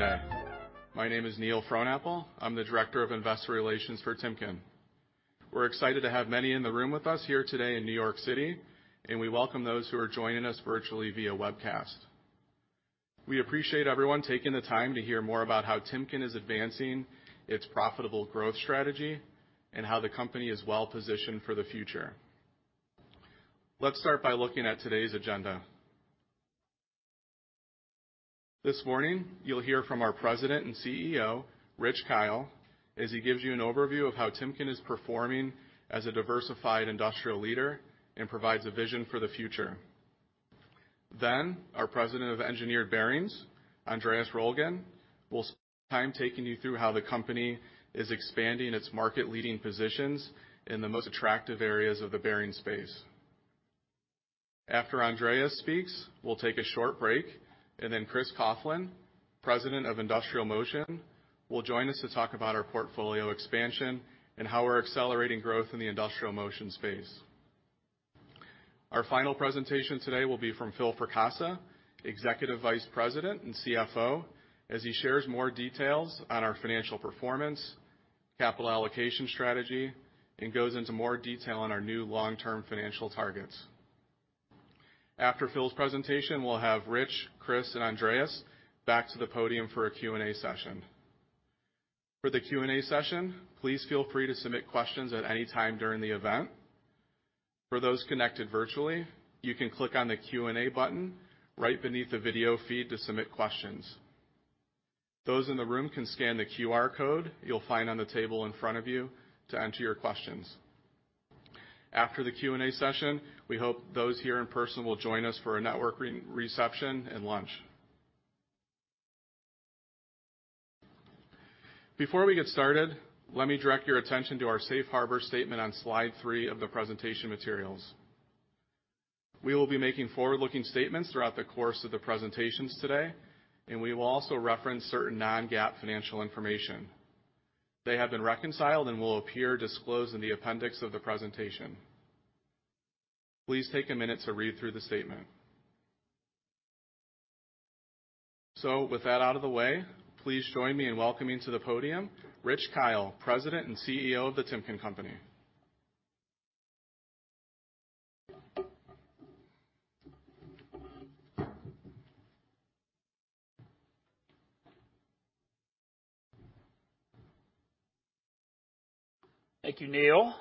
2022 Investor Day. My name is Neil Frohnapple. I'm the Director of Investor Relations for Timken. We're excited to have many in the room with us here today in New York City, and we welcome those who are joining us virtually via webcast. We appreciate everyone taking the time to hear more about how Timken is advancing its profitable growth strategy and how the company is well-positioned for the future. Let's start by looking at today's agenda. This morning, you'll hear from our President and CEO, Rich Kyle, as he gives you an overview of how Timken is performing as a Diversified Industrial Leader and provides a vision for the future. Our President of Engineered Bearings, Andreas Roellgen, will spend time taking you through how the company is expanding its market-leading positions in the most attractive areas of the bearing space. After Andreas speaks, we'll take a short break, and then Chris Coughlin, President of Industrial Motion, will join us to talk about our portfolio expansion and how we're accelerating growth in the Industrial Motion space. Our final presentation today will be from Phil Fracassa, Executive Vice President and CFO, as he shares more details on our financial performance, capital allocation strategy, and goes into more detail on our new long-term financial targets. After Phil's presentation, we'll have Rich, Chris, and Andreas back to the podium for a Q&A session. For the Q&A session, please feel free to submit questions at any time during the event. For those connected virtually, you can click on the Q&A button right beneath the video feed to submit questions. Those in the room can scan the QR code you'll find on the table in front of you to enter your questions. After the Q&A session, we hope those here in person will join us for a networking reception and lunch. Before we get started, let me direct your attention to our safe harbor statement on slide three of the presentation materials. We will be making forward-looking statements throughout the course of the presentations today, and we will also reference certain non-GAAP financial information. They have been reconciled and will appear disclosed in the appendix of the presentation. Please take a minute to read through the statement. With that out of the way, please join me in welcoming to the podium Rich Kyle, President and CEO of The Timken Company. Thank you, Neil.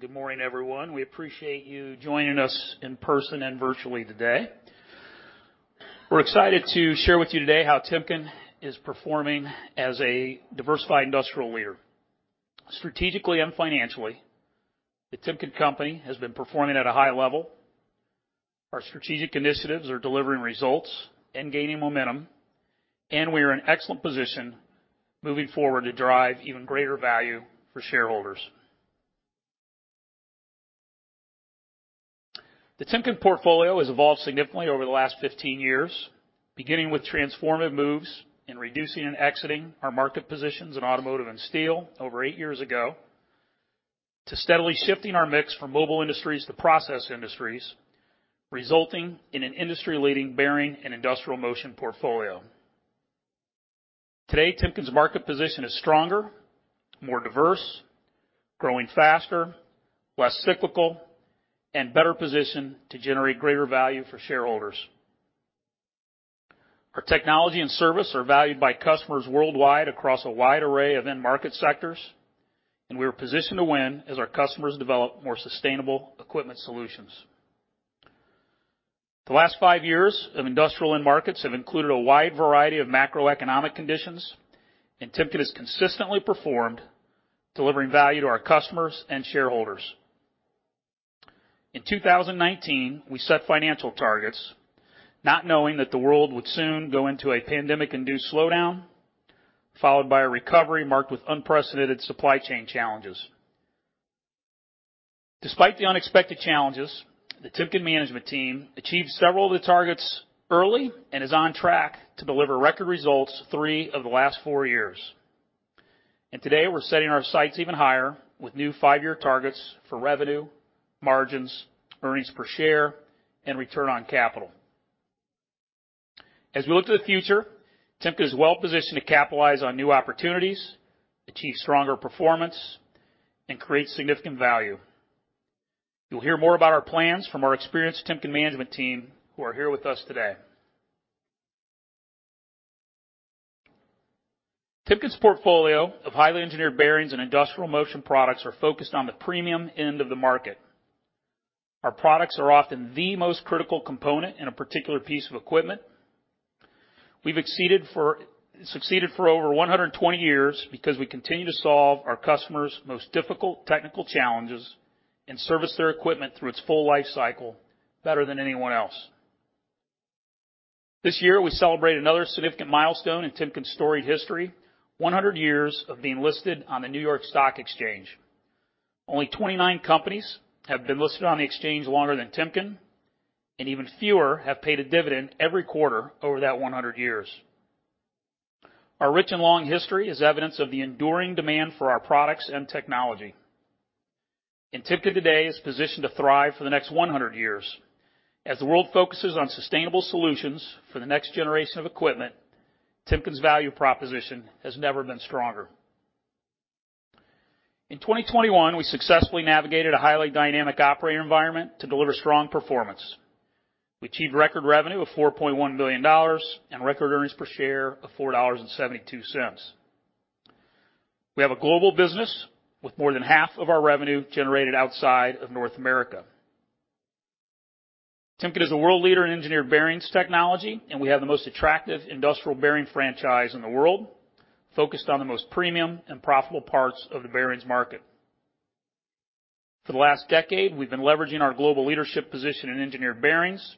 Good morning, everyone. We appreciate you joining us in person and virtually today. We're excited to share with you today how Timken is performing as a Diversified Industrial Leader. Strategically and financially, the Timken Company has been performing at a high level. Our strategic initiatives are delivering results and gaining momentum, and we are in excellent position moving forward to drive even greater value for shareholders. The Timken portfolio has evolved significantly over the last 15 years, beginning with transformative moves in reducing and exiting our market positions in automotive and steel over eight years ago, to steadily shifting our mix from Mobile Industries to Process Industries, resulting in an industry-leading bearing and Industrial Motion portfolio. Today, Timken's market position is stronger, more diverse, growing faster, less cyclical, and better positioned to generate greater value for shareholders. Our technology and service are valued by customers worldwide across a wide array of end market sectors, and we are positioned to win as our customers develop more sustainable equipment solutions. The last five years of industrial end markets have included a wide variety of macroeconomic conditions, and Timken has consistently performed, delivering value to our customers and shareholders. In 2019, we set financial targets not knowing that the world would soon go into a pandemic-induced slowdown, followed by a recovery marked with unprecedented supply chain challenges. Despite the unexpected challenges, the Timken management team achieved several of the targets early and is on track to deliver record results three of the last four years. Today, we're setting our sights even higher with new five-year targets for revenue, margins, earnings per share, and return on capital. As we look to the future, Timken is well positioned to capitalize on new opportunities, achieve stronger performance, and create significant value. You'll hear more about our plans from our experienced Timken management team who are here with us today. Timken's portfolio of highly Engineered Bearings and Industrial Motion products are focused on the premium end of the market. Our products are often the most critical component in a particular piece of equipment. We've succeeded for over 120 years because we continue to solve our customers' most difficult technical challenges and service their equipment through its full life cycle better than anyone else. This year, we celebrate another significant milestone in Timken's storied history, 100 years of being listed on the New York Stock Exchange. Only 29 companies have been listed on the exchange longer than Timken, and even fewer have paid a dividend every quarter over that 100 years. Our rich and long history is evidence of the enduring demand for our products and technology. Timken today is positioned to thrive for the next 100 years. As the world focuses on sustainable solutions for the next generation of equipment, Timken's value proposition has never been stronger. In 2021, we successfully navigated a highly dynamic operating environment to deliver strong performance. We achieved record revenue of $4.1 billion and record earnings per share of $4.72. We have a global business with more than half of our revenue generated outside of North America. Timken is a world leader in Engineered Bearings technology, and we have the most attractive industrial bearing franchise in the world, focused on the most premium and profitable parts of the bearings market. For the last decade, we've been leveraging our global leadership position in Engineered Bearings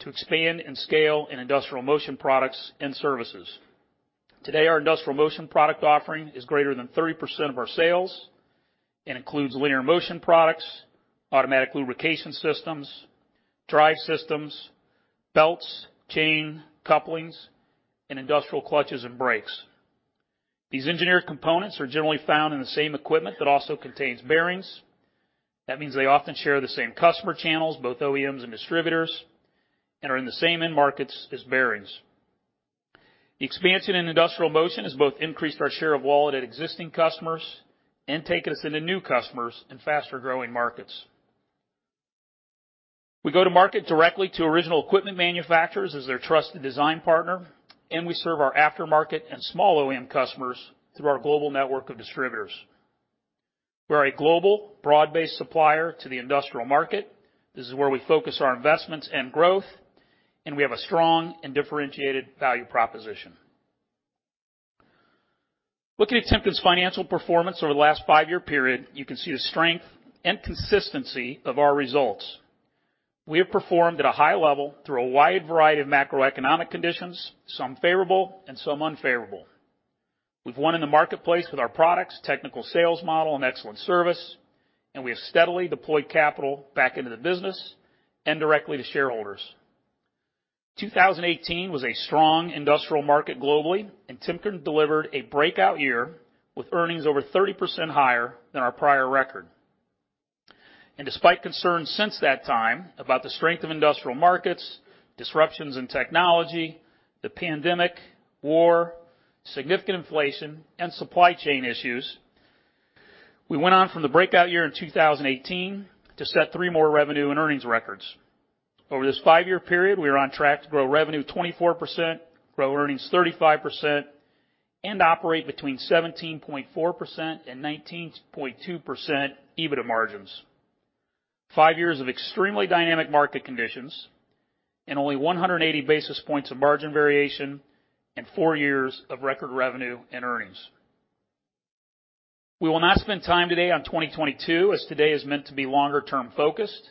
to expand and scale in Industrial Motion products and services. Today, our Industrial Motion product offering is greater than 30% of our sales and includes Linear Motion products, Automatic Lubrication Systems, drive systems, belts, chain, couplings, and industrial clutches and brakes. These engineered components are generally found in the same equipment that also contains bearings. That means they often share the same customer channels, both OEMs and distributors, and are in the same end markets as bearings. The expansion in Industrial Motion has both increased our share of wallet at existing customers and taken us into new customers in faster-growing markets. We go to market directly to original equipment manufacturers as their trusted design partner, and we serve our aftermarket and small OEM customers through our global network of distributors. We're a global, broad-based supplier to the industrial market. This is where we focus our investments and growth, and we have a strong and differentiated value proposition. Looking at Timken's financial performance over the last five-year period, you can see the strength and consistency of our results. We have performed at a high level through a wide variety of macroeconomic conditions, some favorable and some unfavorable. We've won in the marketplace with our products, technical sales model, and excellent service, and we have steadily deployed capital back into the business and directly to shareholders. 2018 was a strong industrial market globally, and Timken delivered a breakout year with earnings over 30% higher than our prior record. Despite concerns since that time about the strength of industrial markets, disruptions in technology, the pandemic, war, significant inflation, and supply chain issues, we went on from the breakout year in 2018 to set three more revenue and earnings records. Over this five-year period, we are on track to grow revenue 24%, grow earnings 35% and operate between 17.4% and 19.2% EBITDA margins. Five years of extremely dynamic market conditions and only 180 basis points of margin variation and four years of record revenue and earnings. We will not spend time today on 2022, as today is meant to be longer-term focused,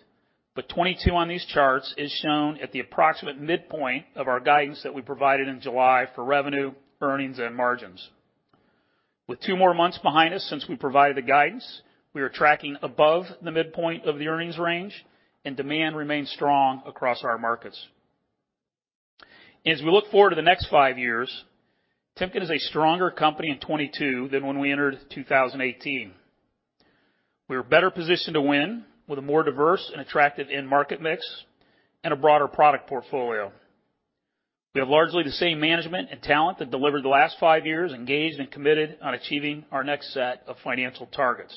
but 2022 on these charts is shown at the approximate midpoint of our guidance that we provided in July for revenue, earnings, and margins. With two more months behind us since we provided the guidance, we are tracking above the midpoint of the earnings range and demand remains strong across our markets. As we look forward to the next five years, Timken is a stronger company in 2022 than when we entered 2018. We are better positioned to win with a more diverse and attractive end market mix and a broader product portfolio. We have largely the same management and talent that delivered the last five years, engaged and committed on achieving our next set of financial targets.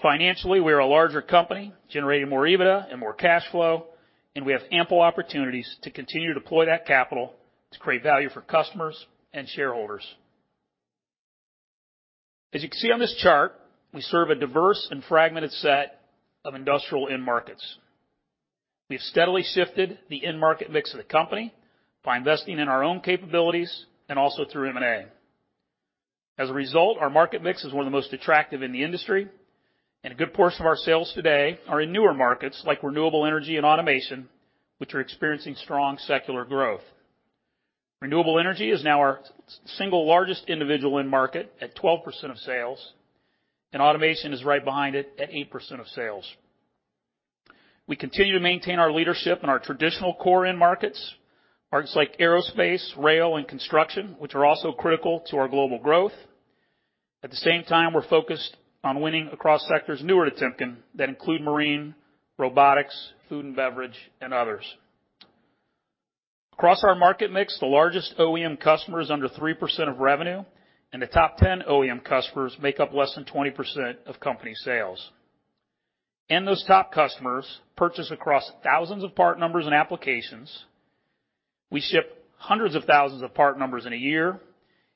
Financially, we are a larger company, generating more EBITDA and more cash flow, and we have ample opportunities to continue to deploy that capital to create value for customers and shareholders. As you can see on this chart, we serve a diverse and fragmented set of industrial end markets. We have steadily shifted the end market mix of the company by investing in our own capabilities and also through M&A. As a result, our market mix is one of the most attractive in the industry, and a good portion of our sales today are in newer markets like Renewable Energy and automation, which are experiencing strong secular growth. Renewable Energy is now our single largest individual end market at 12% of sales, and automation is right behind it at 8% of sales. We continue to maintain our leadership in our traditional core end markets like aerospace, rail, and construction, which are also critical to our global growth. At the same time, we're focused on winning across sectors newer to Timken that include Marine, Robotics, Food & Beverage, and others. Across our market mix, the largest OEM customer is under 3% of revenue, and the top 10 OEM customers make up less than 20% of company sales. Those top customers purchase across thousands of part numbers and applications. We ship hundreds of thousands of part numbers in a year.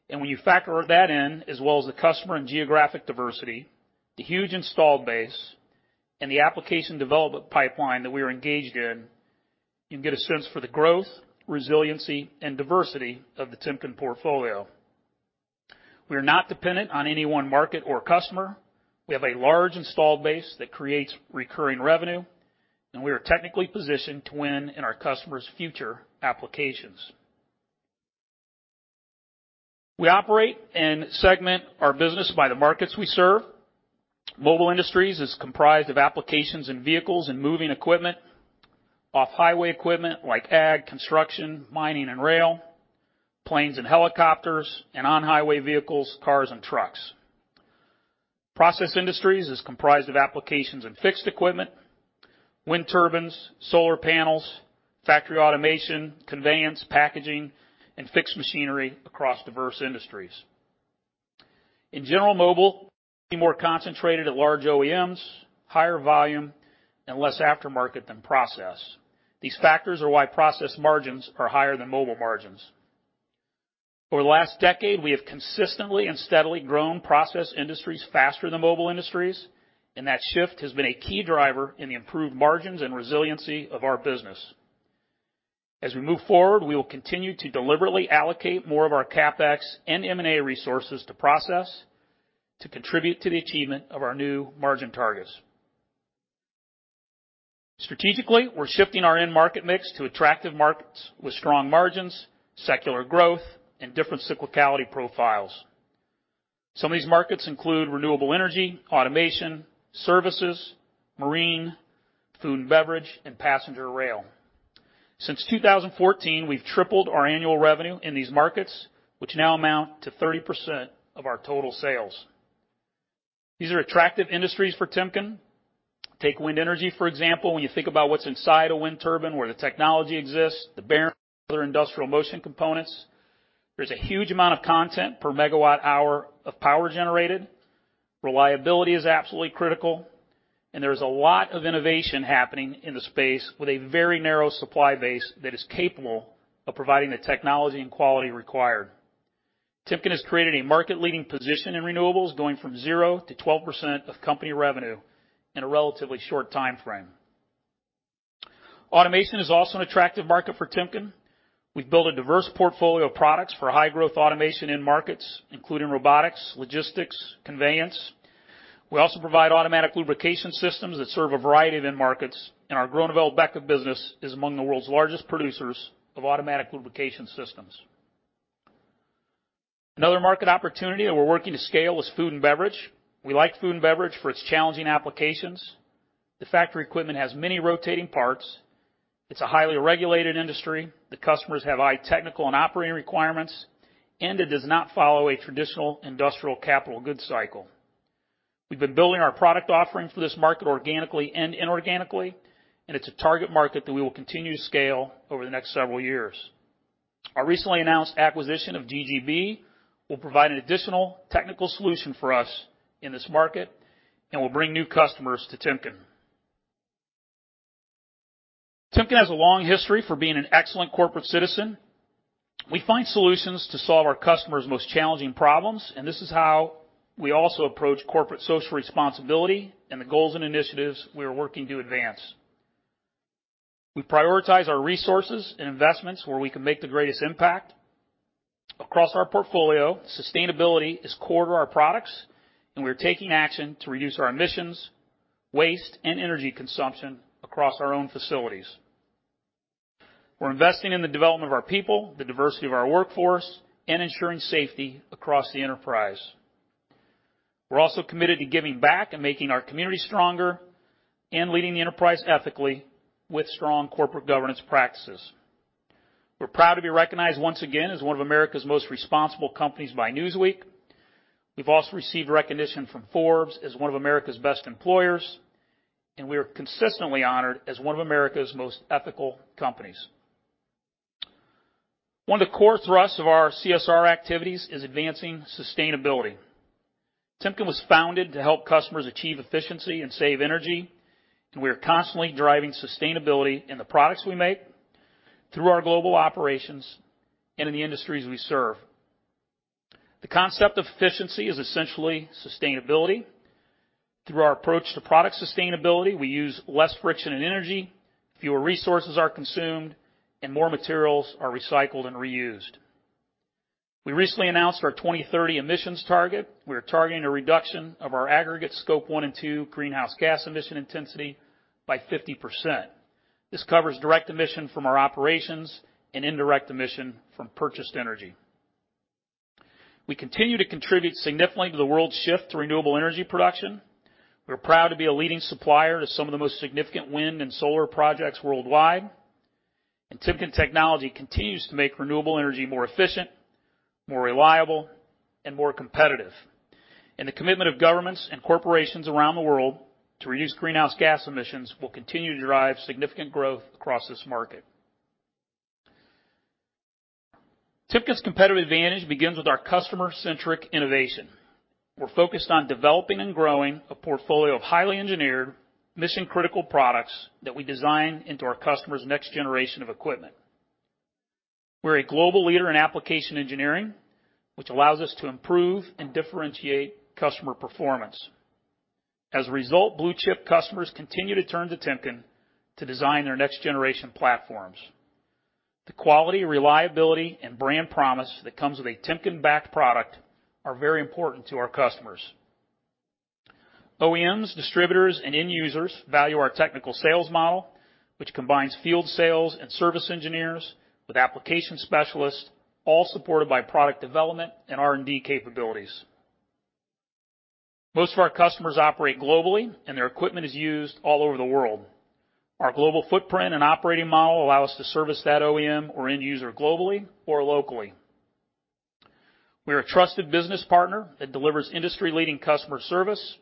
When you factor that in, as well as the customer and geographic diversity, the huge installed base and the application development pipeline that we are engaged in, you can get a sense for the growth, resiliency, and diversity of the Timken portfolio. We are not dependent on any one market or customer. We have a large installed base that creates recurring revenue, and we are technically positioned to win in our customers' future applications. We operate and segment our business by the markets we serve. Mobile Industries is comprised of applications and vehicles and moving equipment, off-highway equipment like ag, construction, mining and rail, planes and helicopters, and on-highway vehicles, cars and trucks. Process Industries is comprised of applications and fixed equipment, wind turbines, solar panels, factory automation, conveyance, packaging, and fixed machinery across diverse industries. In general, Mobile is more concentrated at large OEMs, higher volume and less aftermarket than Process. These factors are why Process margins are higher than Mobile margins. Over the last decade, we have consistently and steadily grown Process Industries faster than Mobile Industries, and that shift has been a key driver in the improved margins and resiliency of our business. As we move forward, we will continue to deliberately allocate more of our CapEx and M&A resources to Process Industries to contribute to the achievement of our new margin targets. Strategically, we're shifting our end market mix to attractive markets with strong margins, secular growth and different cyclicality profiles. Some of these markets include Renewable Energy, automation, services, marine, food and beverage, and passenger rail. Since 2014, we've tripled our annual revenue in these markets, which now amount to 30% of our total sales. These are attractive industries for Timken. Take wind energy, for example. When you think about what's inside a wind turbine, where the technology exists, the bearings and other Industrial Motion components, there's a huge amount of content per megawatt-hour of power generated. Reliability is absolutely critical, and there is a lot of innovation happening in the space with a very narrow supply base that is capable of providing the technology and quality required. Timken has created a market-leading position in renewables, going from 0%-12% of company revenue in a relatively short timeframe. Automation is also an attractive market for Timken. We've built a diverse portfolio of products for high-growth automation in markets including robotics, logistics, conveyance. We also provide Automatic Lubrication Systems that serve a variety of end markets, and our Groeneveld-BEKA business is among the world's largest producers of Automatic Lubrication Systems. Another market opportunity that we're working to scale is food and beverage. We like food and beverage for its Challenging Applications. The factory equipment has many rotating parts. It's a highly regulated industry. The customers have high technical and operating requirements, and it does not follow a traditional industrial capital goods cycle. We've been building our product offering for this market organically and inorganically, and it's a target market that we will continue to scale over the next several years. Our recently announced acquisition of GGB will provide an additional technical solution for us in this market and will bring new customers to Timken. Timken has a long history for being an excellent corporate citizen. We find solutions to solve our customers' most challenging problems, and this is how we also approach corporate social responsibility and the goals and initiatives we are working to advance. We prioritize our resources and investments where we can make the greatest impact. Across our portfolio, sustainability is core to our products, and we are taking action to reduce our emissions, waste, and energy consumption across our own facilities. We're investing in the development of our people, the diversity of our workforce, and ensuring safety across the enterprise. We're also committed to giving back and making our community stronger and leading the enterprise ethically with strong corporate governance practices. We're proud to be recognized once again as one of America's most responsible companies by Newsweek. We've also received recognition from Forbes as one of America's best employers, and we are consistently honored as one of America's most ethical companies. One of the core thrusts of our CSR activities is advancing sustainability. Timken was founded to help customers achieve efficiency and save energy. We are constantly driving sustainability in the products we make through our global operations and in the industries we serve. The concept of efficiency is essentially sustainability. Through our approach to product sustainability, we use less friction and energy, fewer resources are consumed, and more materials are recycled and reused. We recently announced our 2030 emissions target. We are targeting a reduction of our aggregate Scope 1 and Scope 2 greenhouse gas emission intensity by 50%. This covers direct emission from our operations and indirect emission from purchased energy. We continue to contribute significantly to the world's shift to Renewable Energy production. We are proud to be a leading supplier to some of the most significant wind and solar projects worldwide. Timken technology continues to make Renewable Energy more efficient, more reliable and more competitive. The commitment of governments and corporations around the world to reduce greenhouse gas emissions will continue to drive significant growth across this market. Timken's competitive advantage begins with our customer-centric innovation. We're focused on developing and growing a portfolio of highly engineered mission-critical products that we design into our customers' next generation of equipment. We're a global leader in application engineering, which allows us to improve and differentiate customer performance. As a result, blue-chip customers continue to turn to Timken to design their next generation platforms. The quality, reliability, and brand promise that comes with a Timken-backed product are very important to our customers. OEMs, distributors, and end users value our technical sales model, which combines field sales and service engineers with application specialists. All supported by product development and R&D capabilities. Most of our customers operate globally, and their equipment is used all over the world. Our global footprint and operating model allow us to service that OEM or end user globally or locally. We are a trusted business partner that delivers industry-leading customer service,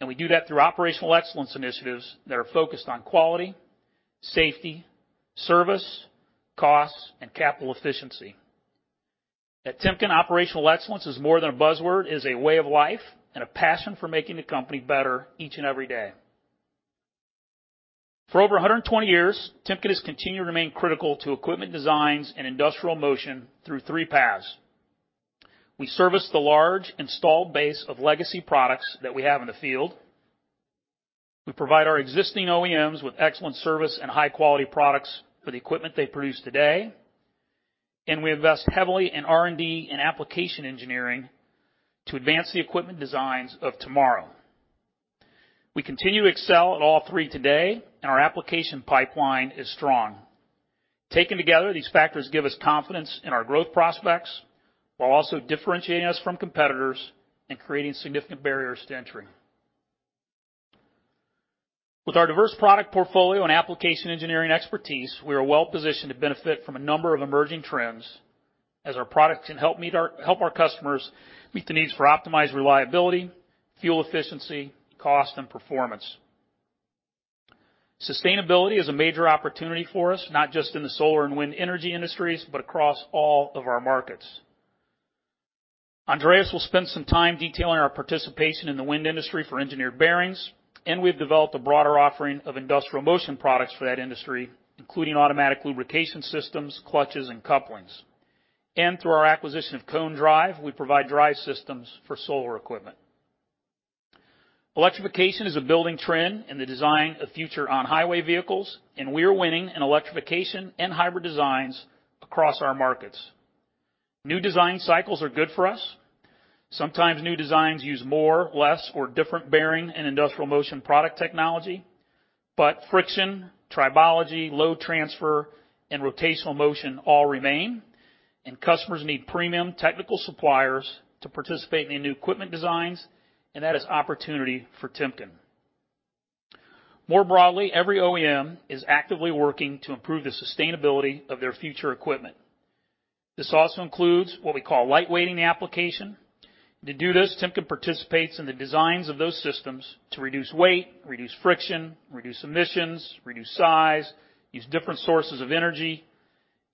and we do that through operational excellence initiatives that are focused on quality, safety, service, cost, and capital efficiency. At Timken, operational excellence is more than a buzzword, it is a way of life and a passion for making the company better each and every day. For over 120 years, Timken has continued to remain critical to equipment designs and Industrial Motion through three paths. We service the large installed base of legacy products that we have in the field. We provide our existing OEMs with excellent service and high-quality products for the equipment they produce today. We invest heavily in R&D and application engineering to advance the equipment designs of tomorrow. We continue to excel at all three today, and our application pipeline is strong. Taken together, these factors give us confidence in our growth prospects while also differentiating us from competitors and creating significant barriers to entry. With our diverse product portfolio and application engineering expertise, we are well-positioned to benefit from a number of emerging trends as our products can help our customers meet the needs for optimized reliability, fuel efficiency, cost, and performance. Sustainability is a major opportunity for us, not just in the solar and wind energy industries, but across all of our markets. Andreas will spend some time detailing our participation in the wind industry for Engineered Bearings, and we've developed a broader offering of Industrial Motion products for that industry, including Automatic Lubrication Systems, clutches, and couplings. Through our acquisition of Cone Drive, we provide drive systems for solar equipment. Electrification is a building trend in the design of future on-highway vehicles, and we are winning in electrification and hybrid designs across our markets. New design cycles are good for us. Sometimes new designs use more, less, or different bearing and Industrial Motion product technology, but friction, tribology, load transfer, and rotational motion all remain, and customers need premium technical suppliers to participate in the new equipment designs, and that is opportunity for Timken. More broadly, every OEM is actively working to improve the sustainability of their future equipment. This also includes what we call lightweighting the application. To do this, Timken participates in the designs of those systems to reduce weight, reduce friction, reduce emissions, reduce size, use different sources of energy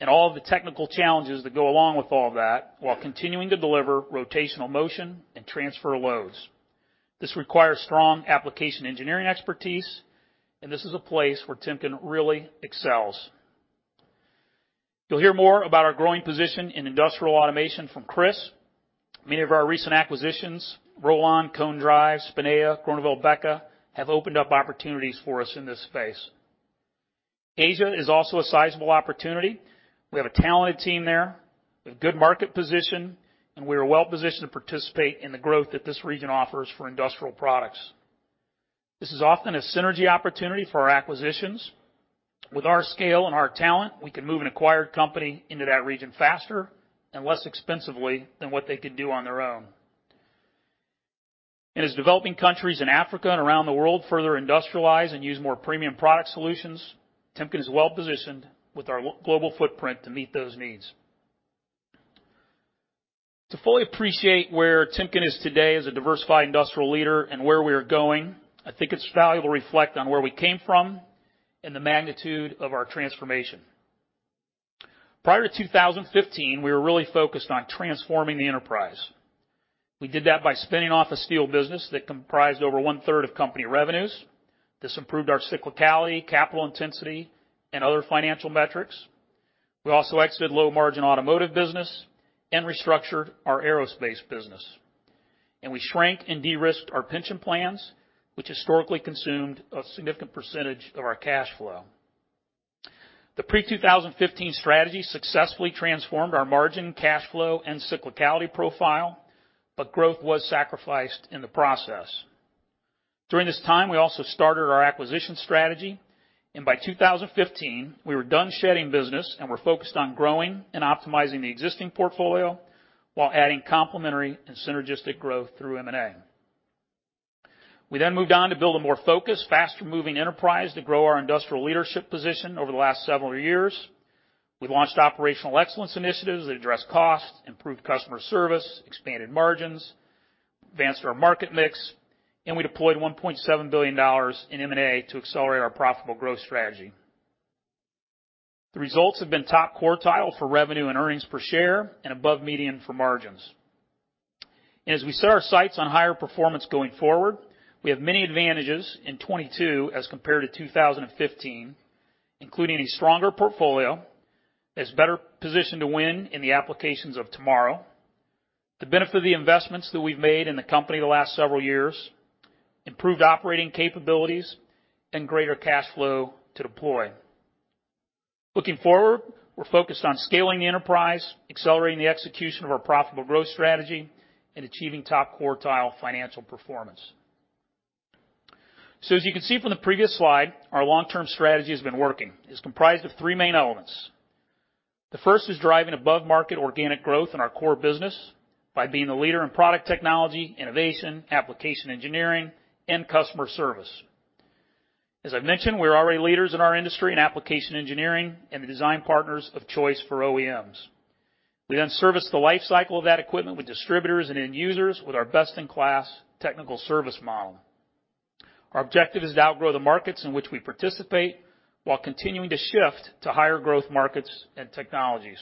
and all the technical challenges that go along with all that while continuing to deliver rotational motion and transfer loads. This requires strong application engineering expertise, and this is a place where Timken really excels. You'll hear more about our growing position in industrial automation from Chris. Many of our recent acquisitions, Rollon, Cone Drive, Spinea, Groeneveld-BEKA, have opened up opportunities for us in this space. Asia is also a sizable opportunity. We have a talented team there with good market position, and we are well-positioned to participate in the growth that this region offers for industrial products. This is often a synergy opportunity for our acquisitions. With our scale and our talent, we can move an acquired company into that region faster and less expensively than what they could do on their own. As developing countries in Africa and around the world further industrialize and use more premium product solutions, Timken is well-positioned with our global footprint to meet those needs. To fully appreciate where Timken is today as a Diversified Industrial Leader and where we are going, I think it's valuable to reflect on where we came from and the magnitude of our transformation. Prior to 2015, we were really focused on transforming the enterprise. We did that by spinning off a steel business that comprised over 1/3 of company revenues. This improved our cyclicality, capital intensity, and other financial metrics. We also exited low-margin automotive business and restructured our aerospace business. We shrank and de-risked our pension plans, which historically consumed a significant percentage of our cash flow. The pre-2015 strategy successfully transformed our margin, cash flow, and cyclicality profile, but growth was sacrificed in the process. During this time, we also started our acquisition strategy, and by 2015, we were done shedding business and were focused on growing and optimizing the existing portfolio while adding complementary and synergistic growth through M&A. We moved on to build a more focused, faster-moving enterprise to grow our industrial leadership position over the last several years. We've launched operational excellence initiatives that address costs, improved customer service, expanded margins, advanced our market mix, and we deployed $1.7 billion in M&A to accelerate our profitable growth strategy. The results have been top quartile for revenue and earnings per share and above median for margins. As we set our sights on higher performance going forward, we have many advantages in 2022 as compared to 2015, including a stronger portfolio that's better positioned to win in the applications of tomorrow, the benefit of the investments that we've made in the company the last several years, improved operating capabilities, and greater cash flow to deploy. Looking forward, we're focused on scaling the enterprise, accelerating the execution of our profitable growth strategy, and achieving top quartile financial performance. As you can see from the previous slide, our long-term strategy has been working. It's comprised of three main elements. The first is driving above-market organic growth in our core business by being the leader in product technology, innovation, application engineering, and customer service. As I mentioned, we're already leaders in our industry in application engineering and the design partners of choice for OEMs. We service the life cycle of that equipment with distributors and end users with our best-in-class technical service model. Our objective is to outgrow the markets in which we participate while continuing to shift to higher growth markets and technologies.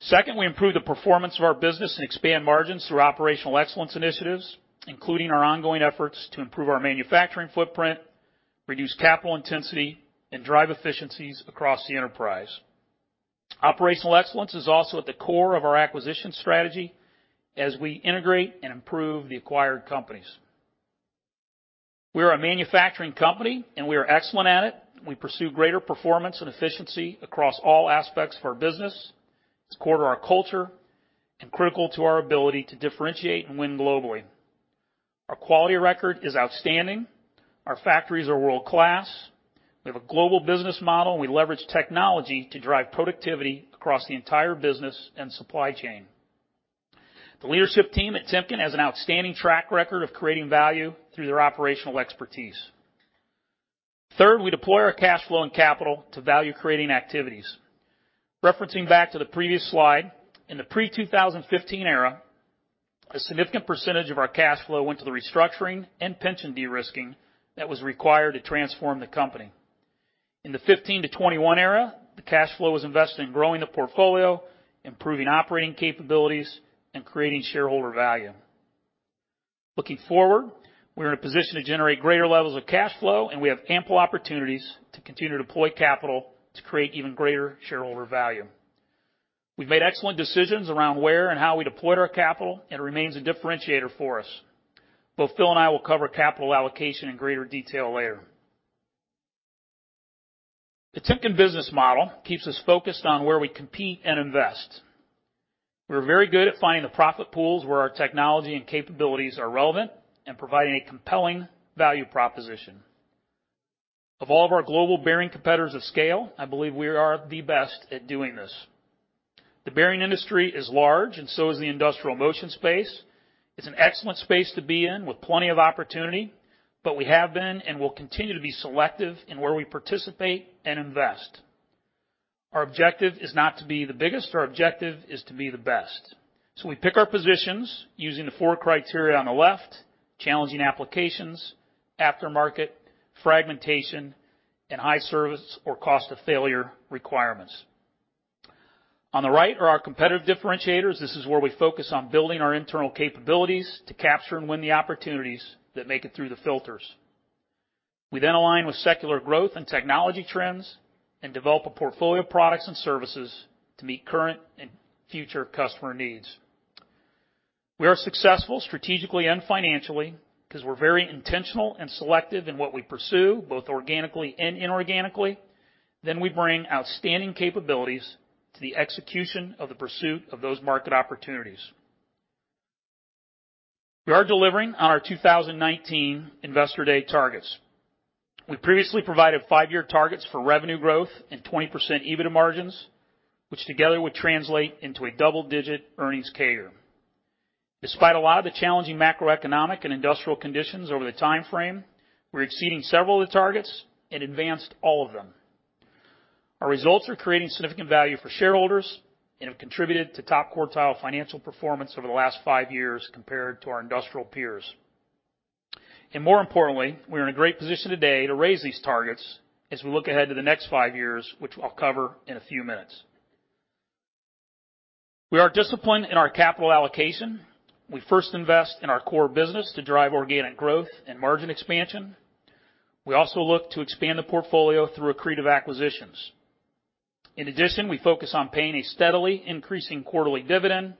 Second, we improve the performance of our business and expand margins through operational excellence initiatives, including our ongoing efforts to improve our manufacturing footprint, reduce capital intensity, and drive efficiencies across the enterprise. Operational excellence is also at the core of our acquisition strategy as we integrate and improve the acquired companies. We are a manufacturing company, and we are excellent at it. We pursue greater performance and efficiency across all aspects of our business. It's core to our culture and critical to our ability to differentiate and win globally. Our quality record is outstanding. Our factories are world-class. We have a global business model. We leverage technology to drive productivity across the entire business and supply chain. The leadership team at Timken has an outstanding track record of creating value through their operational expertise. Third, we deploy our cash flow and capital to value-creating activities. Referencing back to the previous slide, in the pre-2015 era, a significant percentage of our cash flow went to the restructuring and pension de-risking that was required to transform the company. In the 2015-2021 era, the cash flow was invested in growing the portfolio, improving operating capabilities, and creating shareholder value. Looking forward, we're in a position to generate greater levels of cash flow, and we have ample opportunities to continue to deploy capital to create even greater shareholder value. We've made excellent decisions around where and how we deployed our capital, and it remains a differentiator for us. Both Phil and I will cover capital allocation in greater detail later. The Timken Business Model keeps us focused on where we compete and invest. We're very good at finding the profit pools where our technology and capabilities are relevant and providing a compelling value proposition. Of all of our global bearing competitors of scale, I believe we are the best at doing this. The bearing industry is large and so is the Industrial Motion space. It's an excellent space to be in with plenty of opportunity, but we have been and will continue to be selective in where we participate and invest. Our objective is not to be the biggest. Our objective is to be the best. We pick our positions using the four criteria on the left, Challenging Applications, aftermarket, fragmentation, and high service or cost of failure requirements. On the right are our Competitive Differentiators. This is where we focus on building our internal capabilities to capture and win the opportunities that make it through the filters. We align with secular growth and technology trends and develop a portfolio of products and services to meet current and future customer needs. We are successful strategically and financially because we're very intentional and selective in what we pursue, both organically and inorganically. We bring outstanding capabilities to the execution of the pursuit of those market opportunities. We are delivering on our 2019 Investor Day targets. We previously provided five-year targets for revenue growth and 20% EBITDA margins, which together would translate into a double-digit earnings CAGR. Despite a lot of the challenging macroeconomic and industrial conditions over the timeframe, we're exceeding several of the targets and advanced all of them. Our results are creating significant value for shareholders and have contributed to top quartile financial performance over the last five years compared to our industrial peers. More importantly, we're in a great position today to raise these targets as we look ahead to the next five years, which I'll cover in a few minutes. We are disciplined in our capital allocation. We first invest in our core business to drive organic growth and margin expansion. We also look to expand the portfolio through accretive acquisitions. In addition, we focus on paying a steadily increasing quarterly dividend,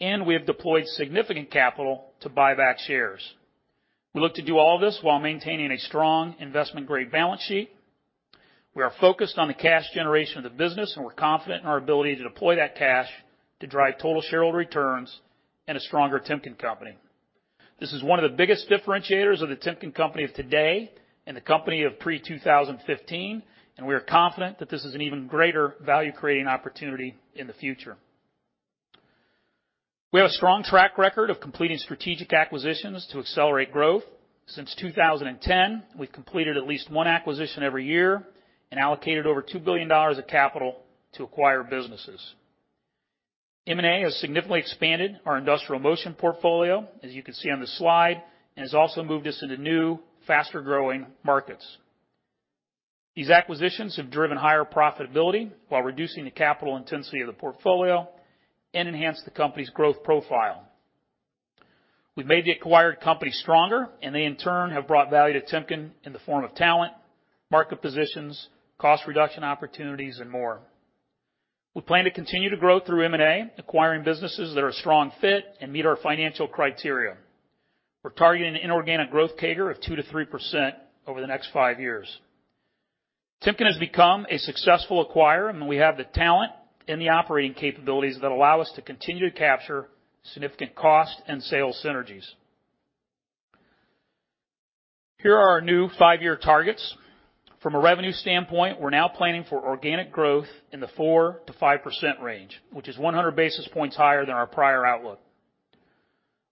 and we have deployed significant capital to buy back shares. We look to do all this while maintaining a strong investment-grade balance sheet. We are focused on the cash generation of the business, and we're confident in our ability to deploy that cash to drive total shareholder returns and a stronger Timken Company. This is one of the biggest differentiators of the Timken Company of today and the company of pre-2015, and we are confident that this is an even greater value-creating opportunity in the future. We have a strong track record of completing strategic acquisitions to accelerate growth. Since 2010, we've completed at least one acquisition every year and allocated over $2 billion of capital to acquire businesses. M&A has significantly expanded our Industrial Motion portfolio, as you can see on the slide, and has also moved us into new, faster-growing markets. These acquisitions have driven higher profitability while reducing the capital intensity of the portfolio and enhanced the company's growth profile. We've made the acquired company stronger, and they in turn have brought value to Timken in the form of talent, market positions, cost reduction opportunities, and more. We plan to continue to grow through M&A, acquiring businesses that are a strong fit and meet our financial criteria. We're targeting an inorganic growth CAGR of 2%-3% over the next 5 years. Timken has become a successful acquirer, and we have the talent and the operating capabilities that allow us to continue to capture significant cost and sales synergies. Here are our new 5-year targets. From a revenue standpoint, we're now planning for organic growth in the 4%-5% range, which is 100 basis points higher than our prior outlook.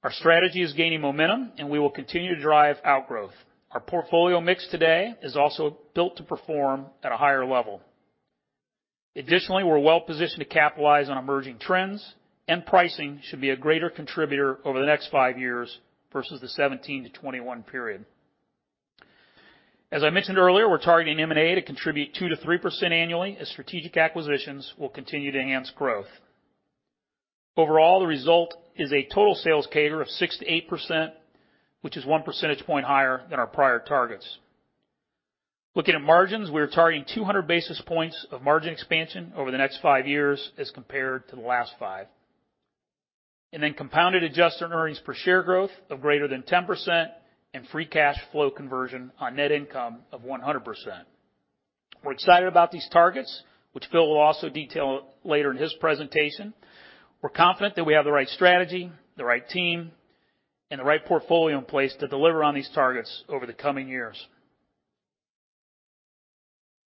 Our strategy is gaining momentum, and we will continue to drive outgrowth. Our portfolio mix today is also built to perform at a higher level. Additionally, we're well-positioned to capitalize on emerging trends, and pricing should be a greater contributor over the next 5 years versus the 17-21 period. As I mentioned earlier, we're targeting M&A to contribute 2%-3% annually as strategic acquisitions will continue to enhance growth. Overall, the result is a total sales CAGR of 6%-8%, which is 1 percentage point higher than our prior targets. Looking at margins, we are targeting 200 basis points of margin expansion over the next five years as compared to the last five. Compounded adjusted earnings per share growth of greater than 10% and free cash flow conversion on net income of 100%. We're excited about these targets, which Phil will also detail later in his presentation. We're confident that we have the right strategy, the right team, and the right portfolio in place to deliver on these targets over the coming years.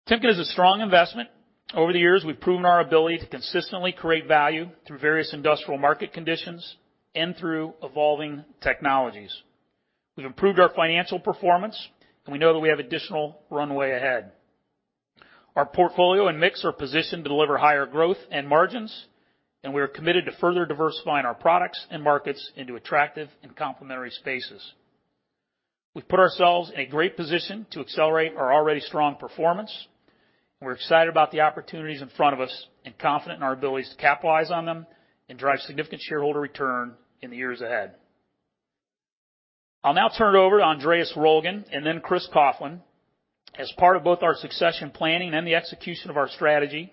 Timken is a strong investment. Over the years, we've proven our ability to consistently create value through various industrial market conditions and through evolving technologies. We've improved our financial performance, and we know that we have additional runway ahead. Our portfolio and mix are positioned to deliver higher growth and margins, and we are committed to further diversifying our products and markets into attractive and complementary spaces. We've put ourselves in a great position to accelerate our already strong performance. We're excited about the opportunities in front of us and confident in our abilities to capitalize on them and drive significant shareholder return in the years ahead. I'll now turn it over to Andreas Roellgen and then Chris Coughlin. As part of both our succession planning and the execution of our strategy,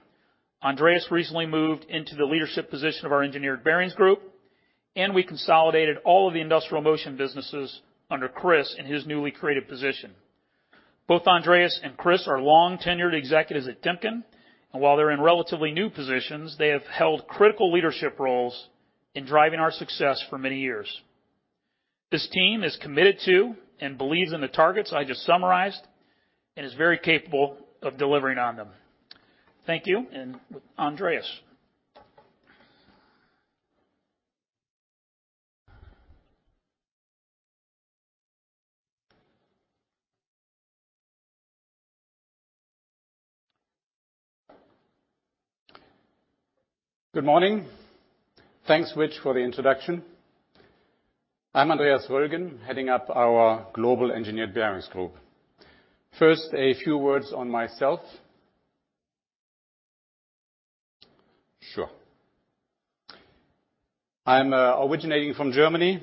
Andreas recently moved into the leadership position of our Engineered Bearings group, and we consolidated all of the Industrial Motion businesses under Chris in his newly created position. Both Andreas and Chris are long-tenured executives at Timken, and while they're in relatively new positions, they have held critical leadership roles in driving our success for many years. This team is committed to and believes in the targets I just summarized and is very capable of delivering on them. Thank you. Andreas? Good morning. Thanks, Rich, for the introduction. I'm Andreas Roellgen, heading up our Global Engineered Bearings Group. First, a few words on myself. Sure. I'm originating from Germany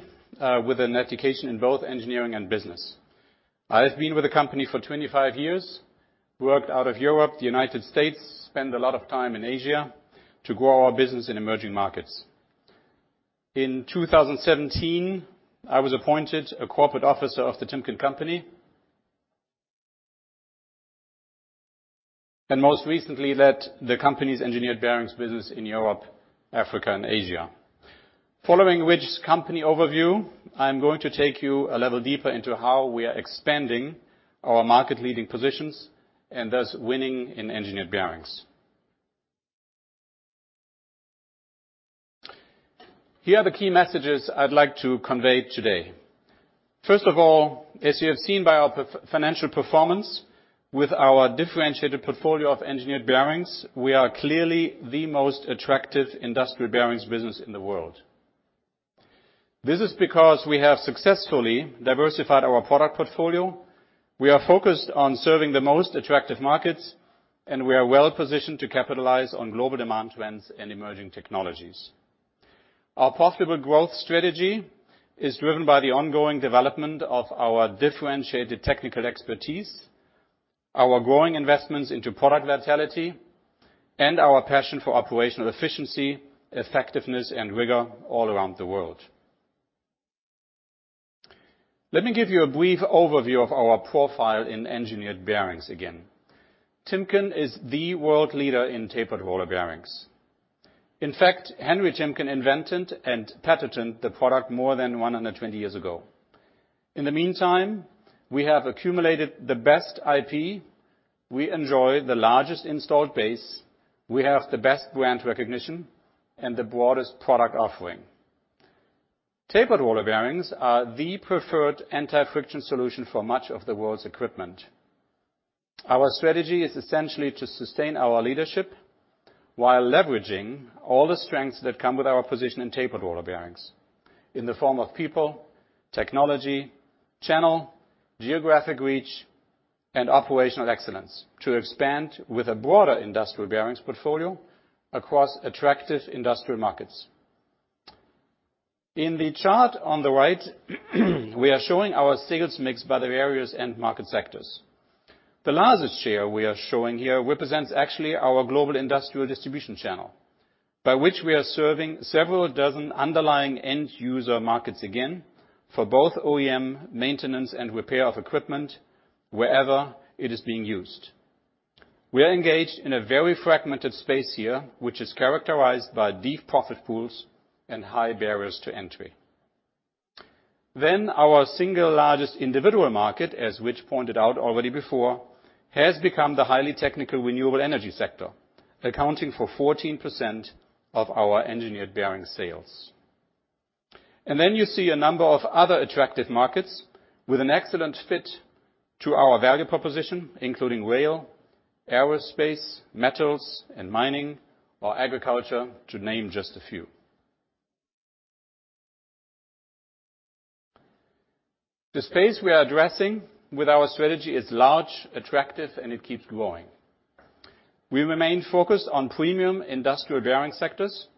with an education in both engineering and business. I've been with the company for 25 years, worked out of Europe, the United States, spent a lot of time in Asia to grow our business in emerging markets. In 2017, I was appointed a corporate officer of the Timken Company. Most recently led the company's Engineered Bearings business in Europe, Africa, and Asia. Following which company overview, I'm going to take you a level deeper into how we are expanding our market leading positions, and thus winning in Engineered Bearings. Here are the key messages I'd like to convey today. First of all, as you have seen by our financial performance with our differentiated portfolio of Engineered Bearings, we are clearly the most attractive industrial bearings business in the world. This is because we have successfully diversified our product portfolio. We are focused on serving the most attractive markets, and we are well-positioned to capitalize on global demand trends and emerging technologies. Our profitable growth strategy is driven by the ongoing development of our differentiated technical expertise, our growing investments into product vitality, and our passion for operational efficiency, effectiveness, and rigor all around the world. Let me give you a brief overview of our profile in Engineered Bearings again. Timken is the world leader in tapered roller bearings. In fact, Henry Timken invented and patented the product more than 120 years ago. In the meantime, we have accumulated the best IP. We enjoy the largest installed base. We have the best brand recognition and the broadest product offering. Tapered roller bearings are the preferred anti-friction solution for much of the world's equipment. Our strategy is essentially to sustain our leadership while leveraging all the strengths that come with our position in tapered roller bearings in the form of people, technology, channel, geographic reach, and operational excellence to expand with a broader industrial bearings portfolio across attractive industrial markets. In the chart on the right, we are showing our sales mix by the areas and market sectors. The largest share we are showing here represents actually our Global Industrial Distribution channel by which we are serving several dozen underlying end user markets again, for both OEM maintenance and repair of equipment wherever it is being used. We are engaged in a very fragmented space here, which is characterized by deep profit pools and high barriers to entry. Our single largest individual market, as Rich pointed out already before, has become the highly technical Renewable Energy sector, accounting for 14% of our Engineered Bearings sales. You see a number of other attractive markets with an excellent fit to our value proposition, including Rail, Aerospace, Metals & Mining or Agriculture, to name just a few. The space we are addressing with our strategy is large, attractive, and it keeps growing. We remain focused on premium industrial bearing sectors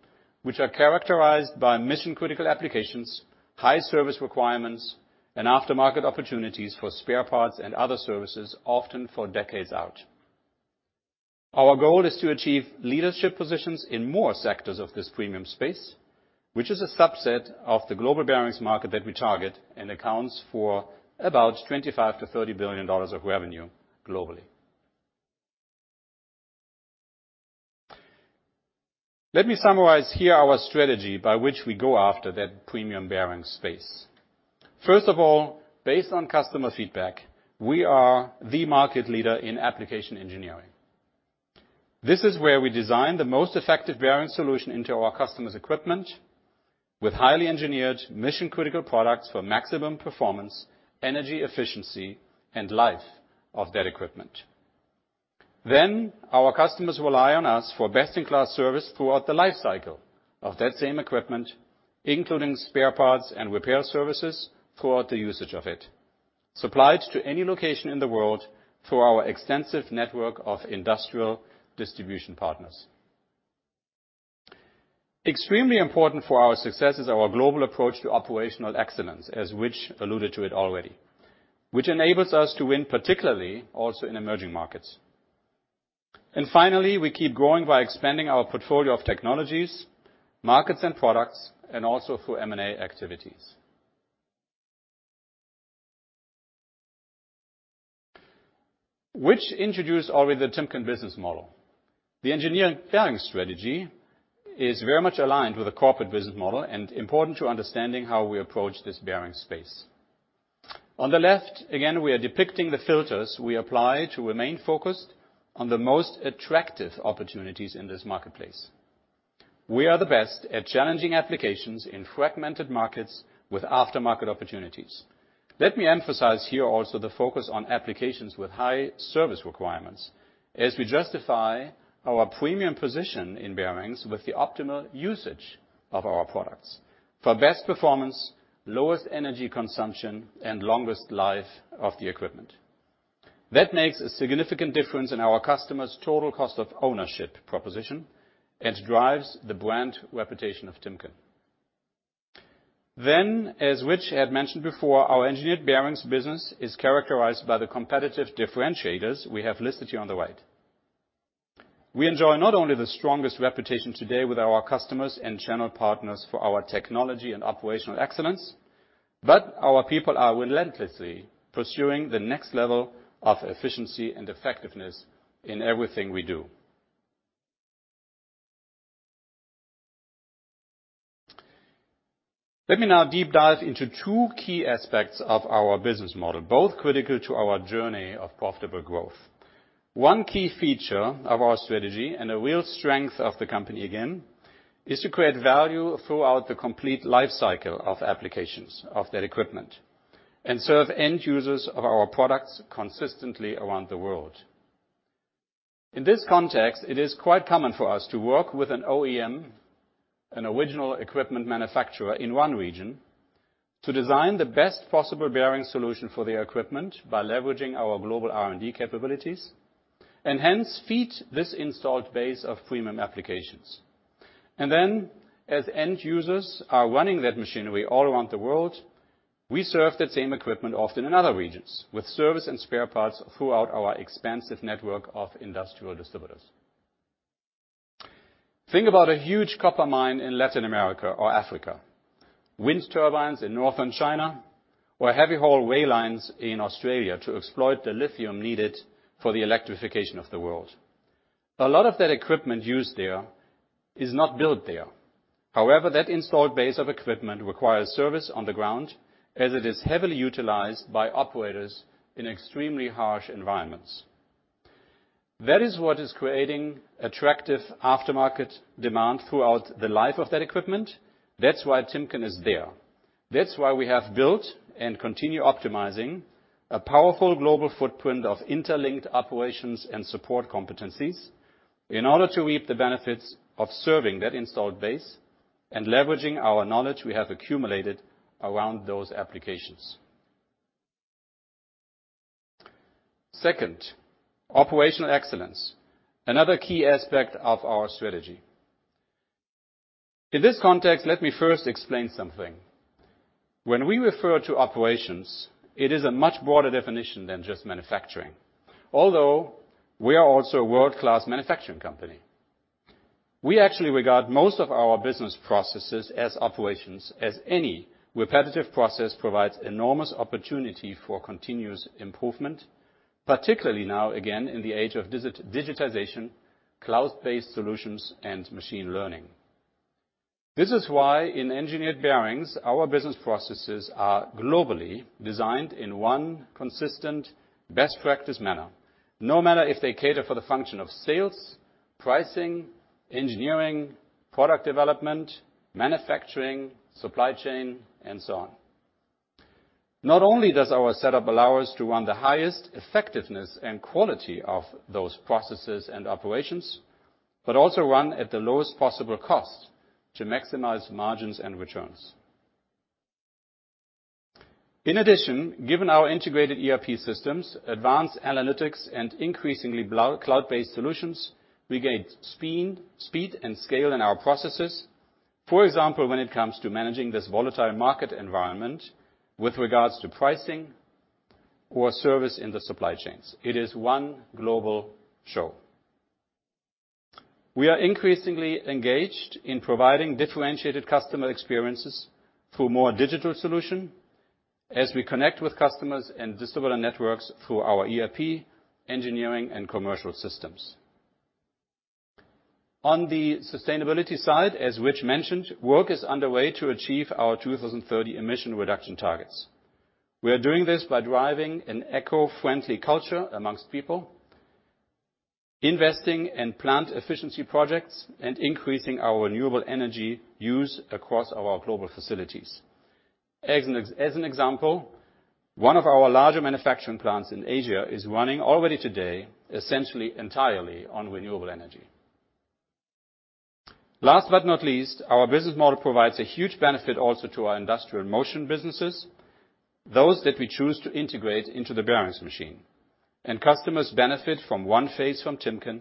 which are characterized by mission-critical applications, High Service Requirements, and aftermarket opportunities for spare parts and other services, often for decades out. Our goal is to achieve leadership positions in more sectors of this premium space, which is a subset of the global bearings market that we target and accounts for about $25 billion-30 billion of revenue globally. Let me summarize here our strategy by which we go after that premium bearing space. First of all, based on customer feedback, we are the market leader in application engineering. This is where we design the most effective bearing solution into our customers' equipment with highly engineered mission-critical products for maximum performance, energy efficiency and life of that equipment. Our customers rely on us for best in class service throughout the life cycle of that same equipment, including spare parts and repair services throughout the usage of it, supplied to any location in the world through our extensive network of Industrial Distribution partners. Extremely important for our success is our global approach to operational excellence, as Rich alluded to it already, which enables us to win, particularly also in emerging markets. Finally, we keep growing by expanding our portfolio of technologies, markets and products, and also through M&A activities. We introduced already The Timken Business Model. The Engineered Bearings strategy is very much aligned with the corporate business model and important to understanding how we approach this bearing space. On the left, again, we are depicting the filters we apply to remain focused on the most Attractive Opportunities in this marketplace. We are the best at Challenging Applications in fragmented markets with aftermarket opportunities Let me emphasize here also the focus on applications with High Service Requirements as we justify our premium position in bearings with the optimal usage of our products for best performance, lowest energy consumption and longest life of the equipment. That makes a significant difference in our customers' total cost of ownership proposition and drives the brand reputation of Timken. As Rich had mentioned before, our Engineered Bearings business is characterized by the Competitive Differentiators we have listed here on the right. We enjoy not only the strongest reputation today with our customers and channel partners for our technology and operational excellence, but our people are relentlessly pursuing the next level of efficiency and effectiveness in everything we do. Let me now deep dive into two key aspects of our business model, both critical to our journey of profitable growth. One key feature of our strategy and a real strength of the company, again, is to create value throughout the complete life cycle of applications of that equipment and serve end users of our products consistently around the world. In this context, it is quite common for us to work with an OEM, an original equipment manufacturer in one region, to design the best possible bearing solution for their equipment by leveraging our global R&D capabilities and hence feed this installed base of premium applications. As end users are running that machinery all around the world, we serve that same equipment, often in other regions, with service and spare parts throughout our expansive network of industrial distributors. Think about a huge copper mine in Latin America or Africa, wind turbines in northern China or heavy-haul rail lines in Australia to exploit the lithium needed for the electrification of the world. A lot of that equipment used there is not built there. However, that installed base of equipment requires service on the ground as it is heavily utilized by operators in extremely harsh environments. That is what is creating attractive aftermarket demand throughout the life of that equipment. That's why Timken is there. That's why we have built and continue optimizing a powerful global footprint of interlinked operations and support competencies in order to reap the benefits of serving that installed base and leveraging our knowledge we have accumulated around those applications. Second, operational excellence. Another key aspect of our strategy. In this context, let me first explain something. When we refer to operations, it is a much broader definition than just manufacturing. Although, we are also a world-class manufacturing company. We actually regard most of our business processes as operations, as any repetitive process provides enormous opportunity for continuous improvement, particularly now again in the age of digitization, cloud-based solutions, and machine learning. This is why in Engineered Bearings, our business processes are globally designed in one consistent best practice manner, no matter if they cater for the function of sales, pricing, engineering, product development, manufacturing, supply chain, and so on. Not only does our setup allow us to run the highest effectiveness and quality of those processes and operations, but also run at the lowest possible cost to maximize margins and returns. In addition, given our integrated ERP systems, advanced analytics, and increasingly cloud-based solutions, we gain speed and scale in our processes. For example, when it comes to managing this volatile market environment with regards to pricing or service in the supply chains, it is one global ERP. We are increasingly engaged in providing differentiated customer experiences through more digital solutions as we connect with customers and distributor networks through our ERP, engineering, and commercial systems. On the sustainability side, as Rich mentioned, work is underway to achieve our 2030 emissions reduction targets. We are doing this by driving an eco-friendly culture among people, investing in plant efficiency projects, and increasing our Renewable Energy use across our global facilities. As an example, one of our larger manufacturing plants in Asia is running already today, essentially entirely on Renewable Energy. Last but not least, our business model provides a huge benefit also to our Industrial Motion businesses, those that we choose to integrate into the bearings mainstream. Customers benefit from one place from Timken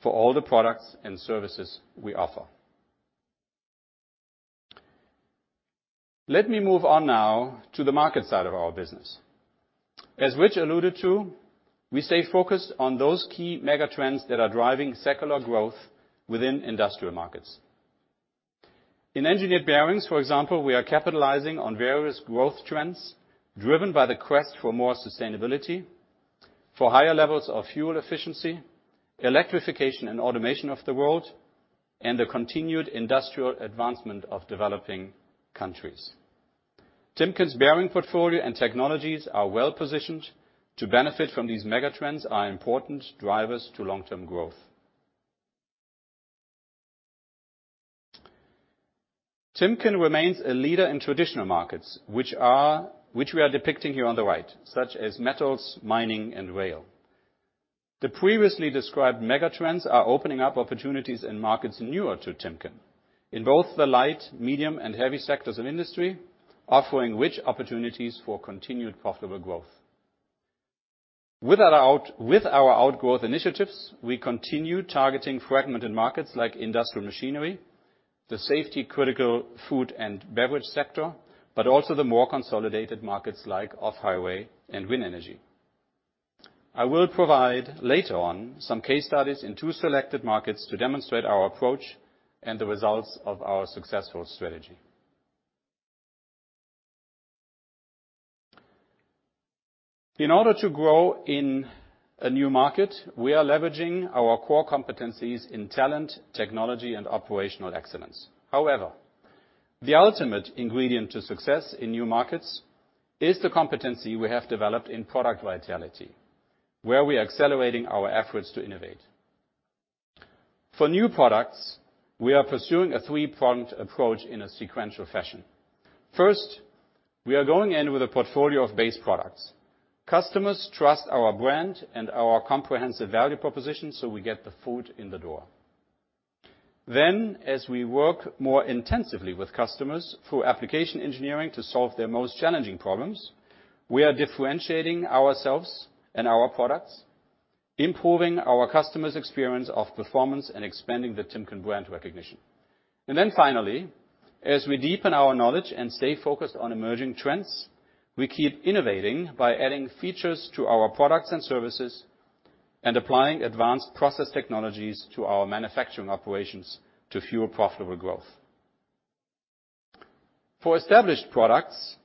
for all the products and services we offer. Let me move on now to the market side of our business. As Rich alluded to, we stay focused on those key mega trends that are driving secular growth within industrial markets. In Engineered Bearings, for example, we are capitalizing on various growth trends driven by the quest for more sustainability, for higher levels of fuel efficiency, electrification and automation of the world, and the continued industrial advancement of developing countries. Timken's bearing portfolio and technologies are well-positioned to benefit from these mega trends, are important drivers to long-term growth. Timken remains a leader in traditional markets, which we are depicting here on the right, such as metals, mining, and rail. The previously described mega trends are opening up opportunities in markets newer to Timken in both the light, medium, and heavy sectors of industry, offering rich opportunities for continued profitable growth. With our outgrowth initiatives, we continue targeting fragmented markets like industrial machinery, the safety critical food and beverage sector, but also the more consolidated markets like off-highway and wind energy. I will provide later on some case studies in two selected markets to demonstrate our approach and the results of our successful strategy. In order to grow in a new market, we are leveraging our core competencies in talent, technology, and operational excellence. However, the ultimate ingredient to success in new markets is the competency we have developed in product vitality, where we are accelerating our efforts to innovate. For new products, we are pursuing a three-pronged approach in a sequential fashion. First, we are going in with a portfolio of base products. Customers trust our brand and our comprehensive value proposition, so we get the foot in the door. As we work more intensively with customers through application engineering to solve their most challenging problems, we are differentiating ourselves and our products, improving our customers' experience of performance, and expanding the Timken brand recognition. As we deepen our knowledge and stay focused on emerging trends, we keep innovating by adding features to our products and services, and applying advanced process technologies to our manufacturing operations to fuel profitable growth. For established products,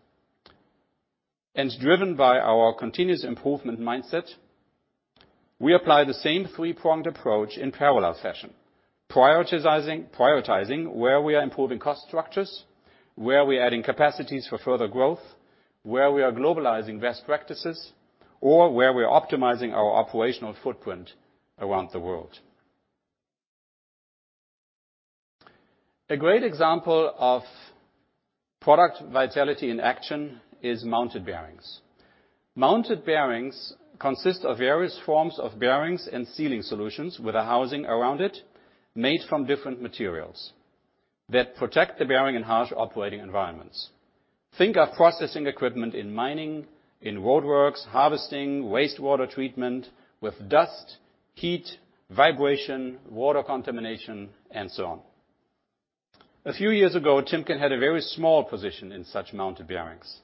driven by our continuous improvement mindset, we apply the same three-pronged approach in parallel fashion. Prioritizing where we are improving cost structures, where we're adding capacities for further growth, where we are globalizing best practices, or where we're optimizing our operational footprint around the world. A great example of product vitality in action is Mounted Bearings. Mounted Bearings consist of various forms of bearings and sealing solutions with a housing around it made from different materials that protect the bearing in harsh operating environments. Think of processing equipment in mining, in roadworks, harvesting, wastewater treatment with dust, heat, vibration, water contamination, and so on. A few years ago, Timken had a very small position in such Mounted Bearings.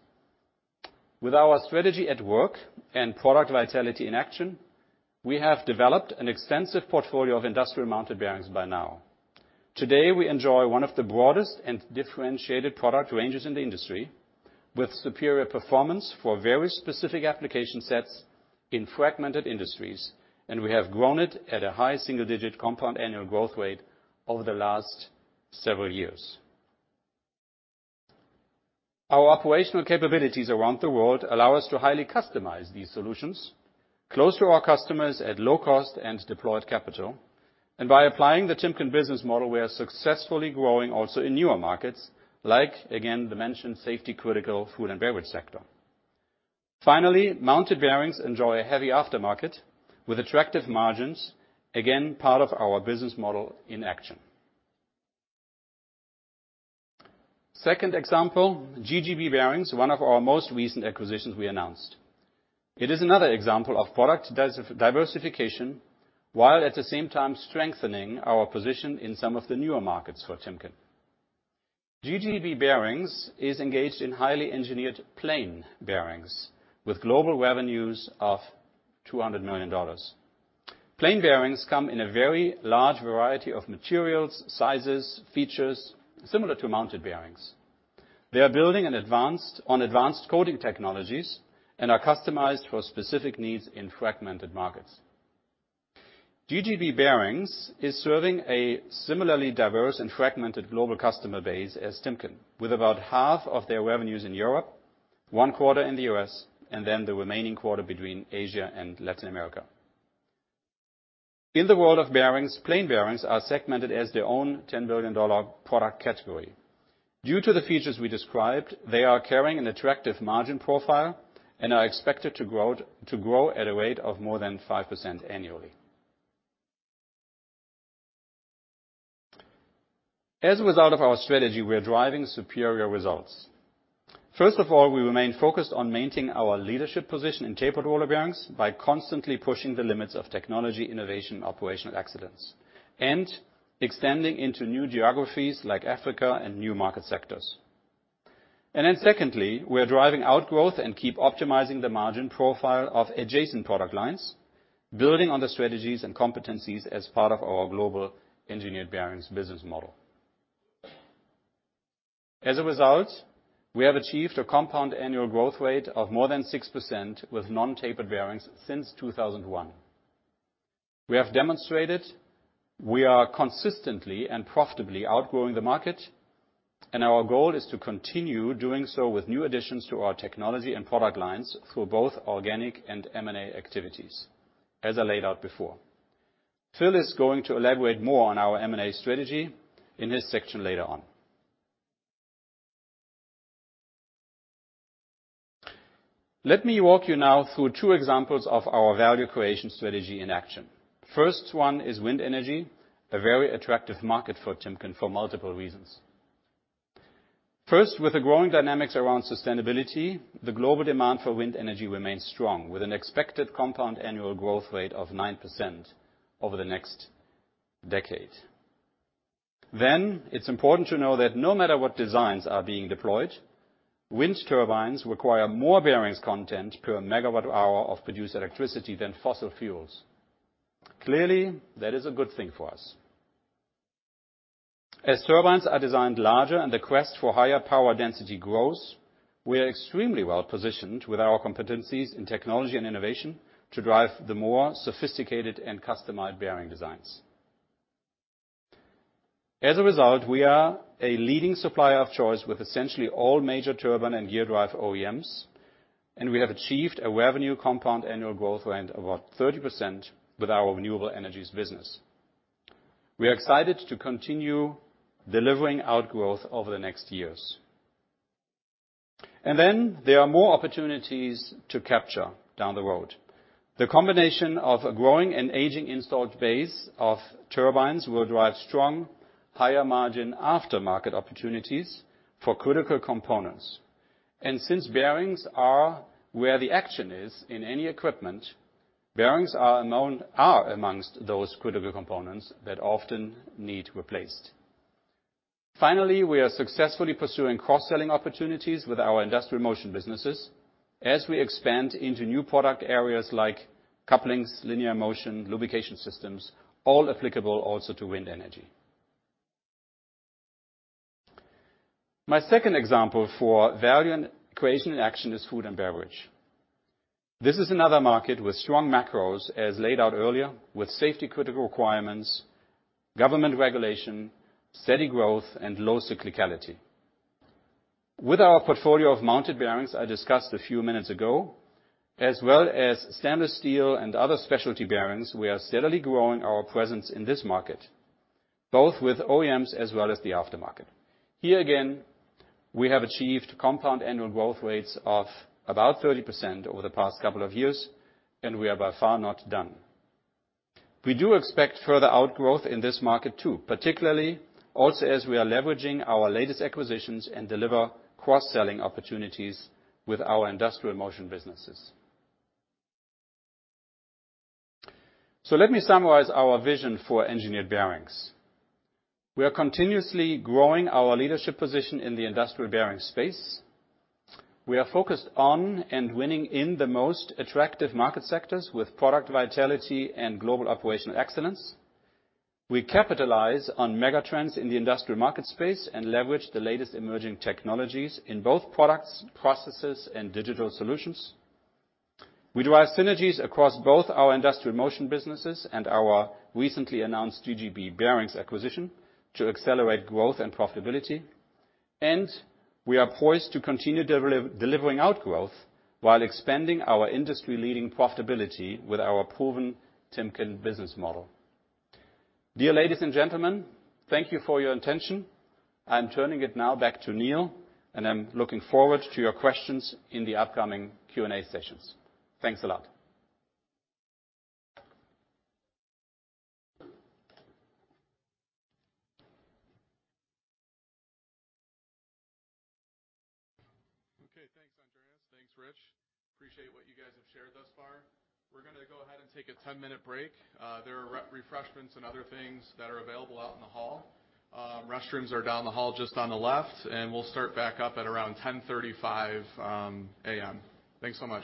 With our strategy at work and product vitality in action, we have developed an extensive Portfolio of Industrial Mounted Bearings by now. Today, we enjoy one of the broadest and differentiated product ranges in the industry, with superior performance for very specific application sets in fragmented industries, and we have grown it at a high single-digit compound annual growth rate over the last several years. Our operational capabilities around the world allow us to highly customize these solutions close to our customers at low cost and deployed capital. By applying The Timken Business Model, we are successfully growing also in newer markets, like again, the mentioned safety critical food and beverage sector. Finally, Mounted Bearings enjoy a heavy aftermarket with attractive margins, again, part of our business model in action. Second example, GGB Bearings, one of our most recent acquisitions we announced. It is another example of product diversification, while at the same time strengthening our position in some of the newer markets for Timken. GGB Bearings is engaged in highly engineered Plain Bearings with global revenues of $200 million. Plain Bearings come in a very large variety of materials, sizes, features, similar to Mounted Bearings. They are building on advanced coating technologies and are customized for specific needs in fragmented markets. GGB Bearings is serving a similarly diverse and fragmented global customer base as Timken, with about half of their revenues in Europe, one quarter in the U.S., and then the remaining quarter between Asia and Latin America. In the world of bearings, Plain Bearings are segmented as their own $10 billion product category. Due to the features we described, they are carrying an attractive margin profile and are expected to grow at a rate of more than 5% annually. As a result of our strategy, we are driving superior results. First of all, we remain focused on maintaining our leadership position in tapered roller bearings by constantly pushing the limits of technology innovation, operational excellence, and extending into new geographies like Africa and new market sectors. Secondly, we are driving our growth and keep optimizing the margin profile of adjacent product lines, building on the strategies and competencies as part of our global Engineered Bearings business model. As a result, we have achieved a compound annual growth rate of more than 6% with non-Tapered Bearings since 2001. We have demonstrated we are consistently and profitably outgrowing the market, and our goal is to continue doing so with new additions to our technology and product lines through both organic and M&A activities, as I laid out before. Phil is going to elaborate more on our M&A strategy in his section later on. Let me walk you now through two examples of our Value Creation strategy in action. First one is wind energy, a very attractive market for Timken for multiple reasons. First, with the growing dynamics around sustainability, the global demand for wind energy remains strong, with an expected compound annual growth rate of 9% over the next decade. It's important to know that no matter what designs are being deployed, wind turbines require more bearings content per megawatt hour of produced electricity than fossil fuels. Clearly, that is a good thing for us. As turbines are designed larger and the quest for higher power density grows, we are extremely well-positioned with our competencies in Technology & Innovation to drive the more sophisticated and customized bearing designs. As a result, we are a leading supplier of choice with essentially all major turbine and gear drive OEMs, and we have achieved a revenue compound annual growth rate of about 30% with our renewable energies business. We are excited to continue delivering outgrowth over the next years. There are more opportunities to capture down the road. The combination of a growing and aging installed base of turbines will drive strong, higher margin aftermarket opportunities for critical components. Since bearings are where the action is in any equipment, bearings are amongst those critical components that often need replaced. Finally, we are successfully pursuing cross-selling opportunities with our Industrial Motion businesses as we expand into new product areas like Couplings, Linear Motion, Lubrication Systems, all applicable also to wind energy. My second example for Value Creation in Action is food and beverage. This is another market with strong macros as laid out earlier, with safety critical requirements, government regulation, steady growth, and low cyclicality. With our portfolio of Mounted Bearings I discussed a few minutes ago, as well as stainless steel and other specialty bearings, we are steadily growing our presence in this market, both with OEMs as well as the aftermarket. Here again, we have achieved compound annual growth rates of about 30% over the past couple of years, and we are by far not done. We do expect further outgrowth in this market too, particularly also as we are leveraging our latest acquisitions and deliver cross-selling opportunities with our Industrial Motion businesses. Let me summarize our vision for Engineered Bearings. We are continuously growing our leadership position in the industrial bearing space. We are focused on and winning in the most attractive market sectors with product vitality and global operational excellence. We capitalize on megatrends in the industrial market space and leverage the latest emerging technologies in both products, processes, and digital solutions. We drive synergies across both our Industrial Motion businesses and our recently announced GGB bearings acquisition to accelerate growth and profitability. We are poised to continue delivering outgrowth while expanding our industry-leading profitability with our proven Timken business model. Dear ladies and gentlemen, thank you for your attention. I'm turning it now back to Neil, and I'm looking forward to your questions in the upcoming Q&A sessions. Thanks a lot. Okay, thanks, Andreas. Thanks, Rich. Appreciate what you guys have shared thus far. We're gonna go ahead and take a 10-minute break. There are refreshments and other things that are available out in the hall. Restrooms are down the hall just on the left, and we'll start back up at around 10:35 A.M. Thanks so much.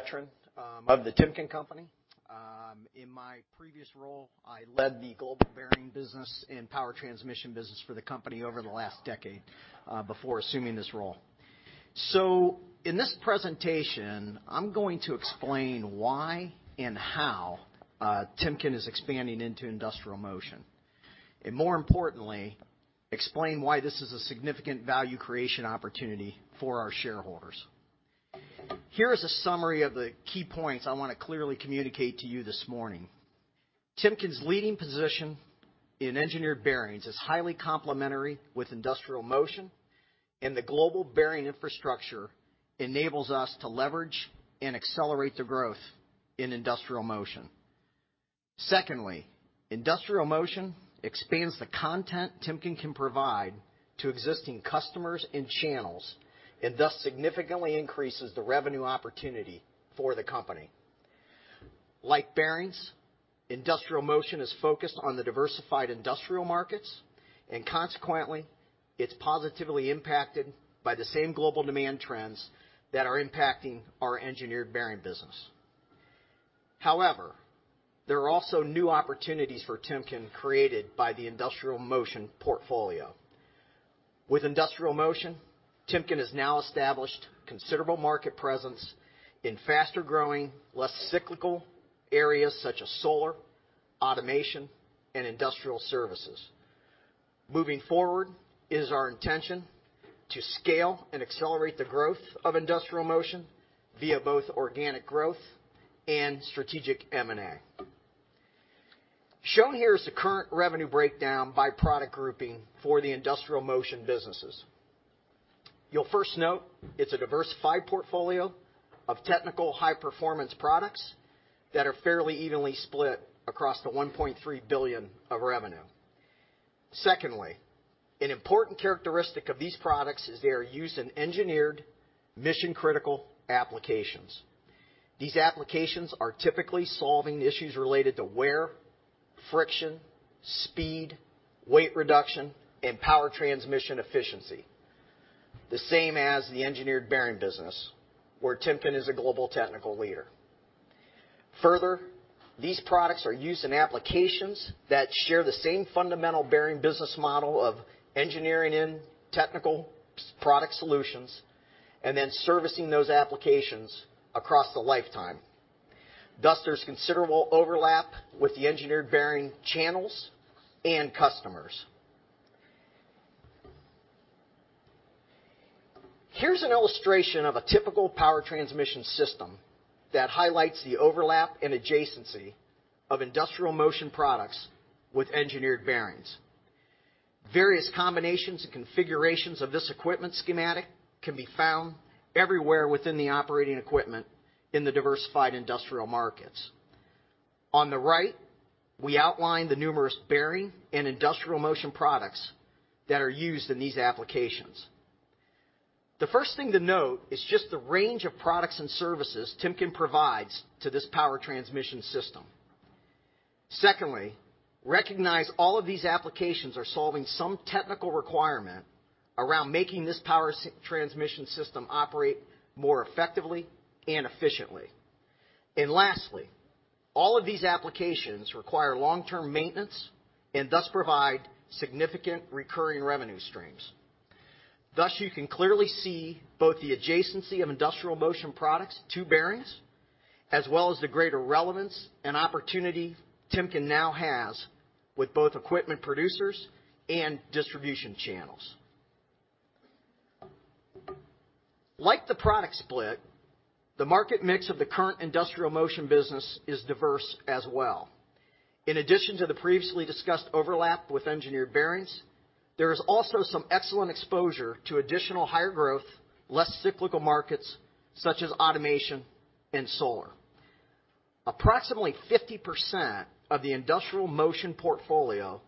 Veteran of the Timken Company. In my previous role, I led the global bearing business and power transmission business for the company over the last decade before assuming this role. In this presentation, I'm going to explain why and how Timken is expanding into Industrial Motion. More importantly, explain why this is a significant Value Creation opportunity for our shareholders. Here is a summary of the key points I wanna clearly communicate to you this morning. Timken's leading position in Engineered Bearings is highly complementary with Industrial Motion, and the global bearing infrastructure enables us to leverage and accelerate the growth in Industrial Motion. Secondly, Industrial Motion expands the content Timken can provide to existing customers and channels, and thus significantly increases the revenue opportunity for the company. Like bearings, Industrial Motion is focused on the diversified industrial markets, and consequently, it's positively impacted by the same global demand trends that are impacting our Engineered Bearings business. However, there are also new opportunities for Timken created by the Industrial Motion portfolio. With Industrial Motion, Timken has now established considerable market presence in faster-growing, less cyclical areas such as Solar, Automation, and Industrial Services. Moving forward, it is our intention to scale and accelerate the growth of Industrial Motion via both organic growth and strategic M&A. Shown here is the current revenue breakdown by product grouping for the Industrial Motion businesses. You'll first note it's a diversified portfolio of technical high-performance products that are fairly evenly split across the $1.3 billion of revenue. Secondly, an important characteristic of these products is they are used in engineered mission-critical applications. These applications are typically solving issues related to wear, friction, speed, weight reduction, and power transmission efficiency. The same as the Engineered Bearings business, where Timken is a global technical leader. Further, these products are used in applications that share the same fundamental bearing business model of engineering in technical product solutions, and then servicing those applications across the lifetime. Thus, there's considerable overlap with the Engineered Bearings channels and customers. Here's an illustration of a typical power transmission system that highlights the overlap and adjacency of Industrial Motion products with Engineered Bearings. Various combinations and configurations of this equipment schematic can be found everywhere within the operating equipment in the diversified industrial markets. On the right, we outline the numerous bearing and Industrial Motion products that are used in these applications. The first thing to note is just the range of products and services Timken provides to this power transmission system. Secondly, recognize all of these applications are solving some technical requirement around making this power transmission system operate more effectively and efficiently. Lastly, all of these applications require long-term maintenance and thus provide significant recurring revenue streams. Thus, you can clearly see both the adjacency of Industrial Motion products to bearings, as well as the greater relevance and opportunity Timken now has with both equipment producers and distribution channels. Like the product split, the market mix of the current Industrial Motion business is diverse as well. In addition to the previously discussed overlap with Engineered Bearings, there is also some excellent exposure to additional higher growth, less cyclical markets such as automation and solar. Approximately 50% of the Industrial Motion portfolio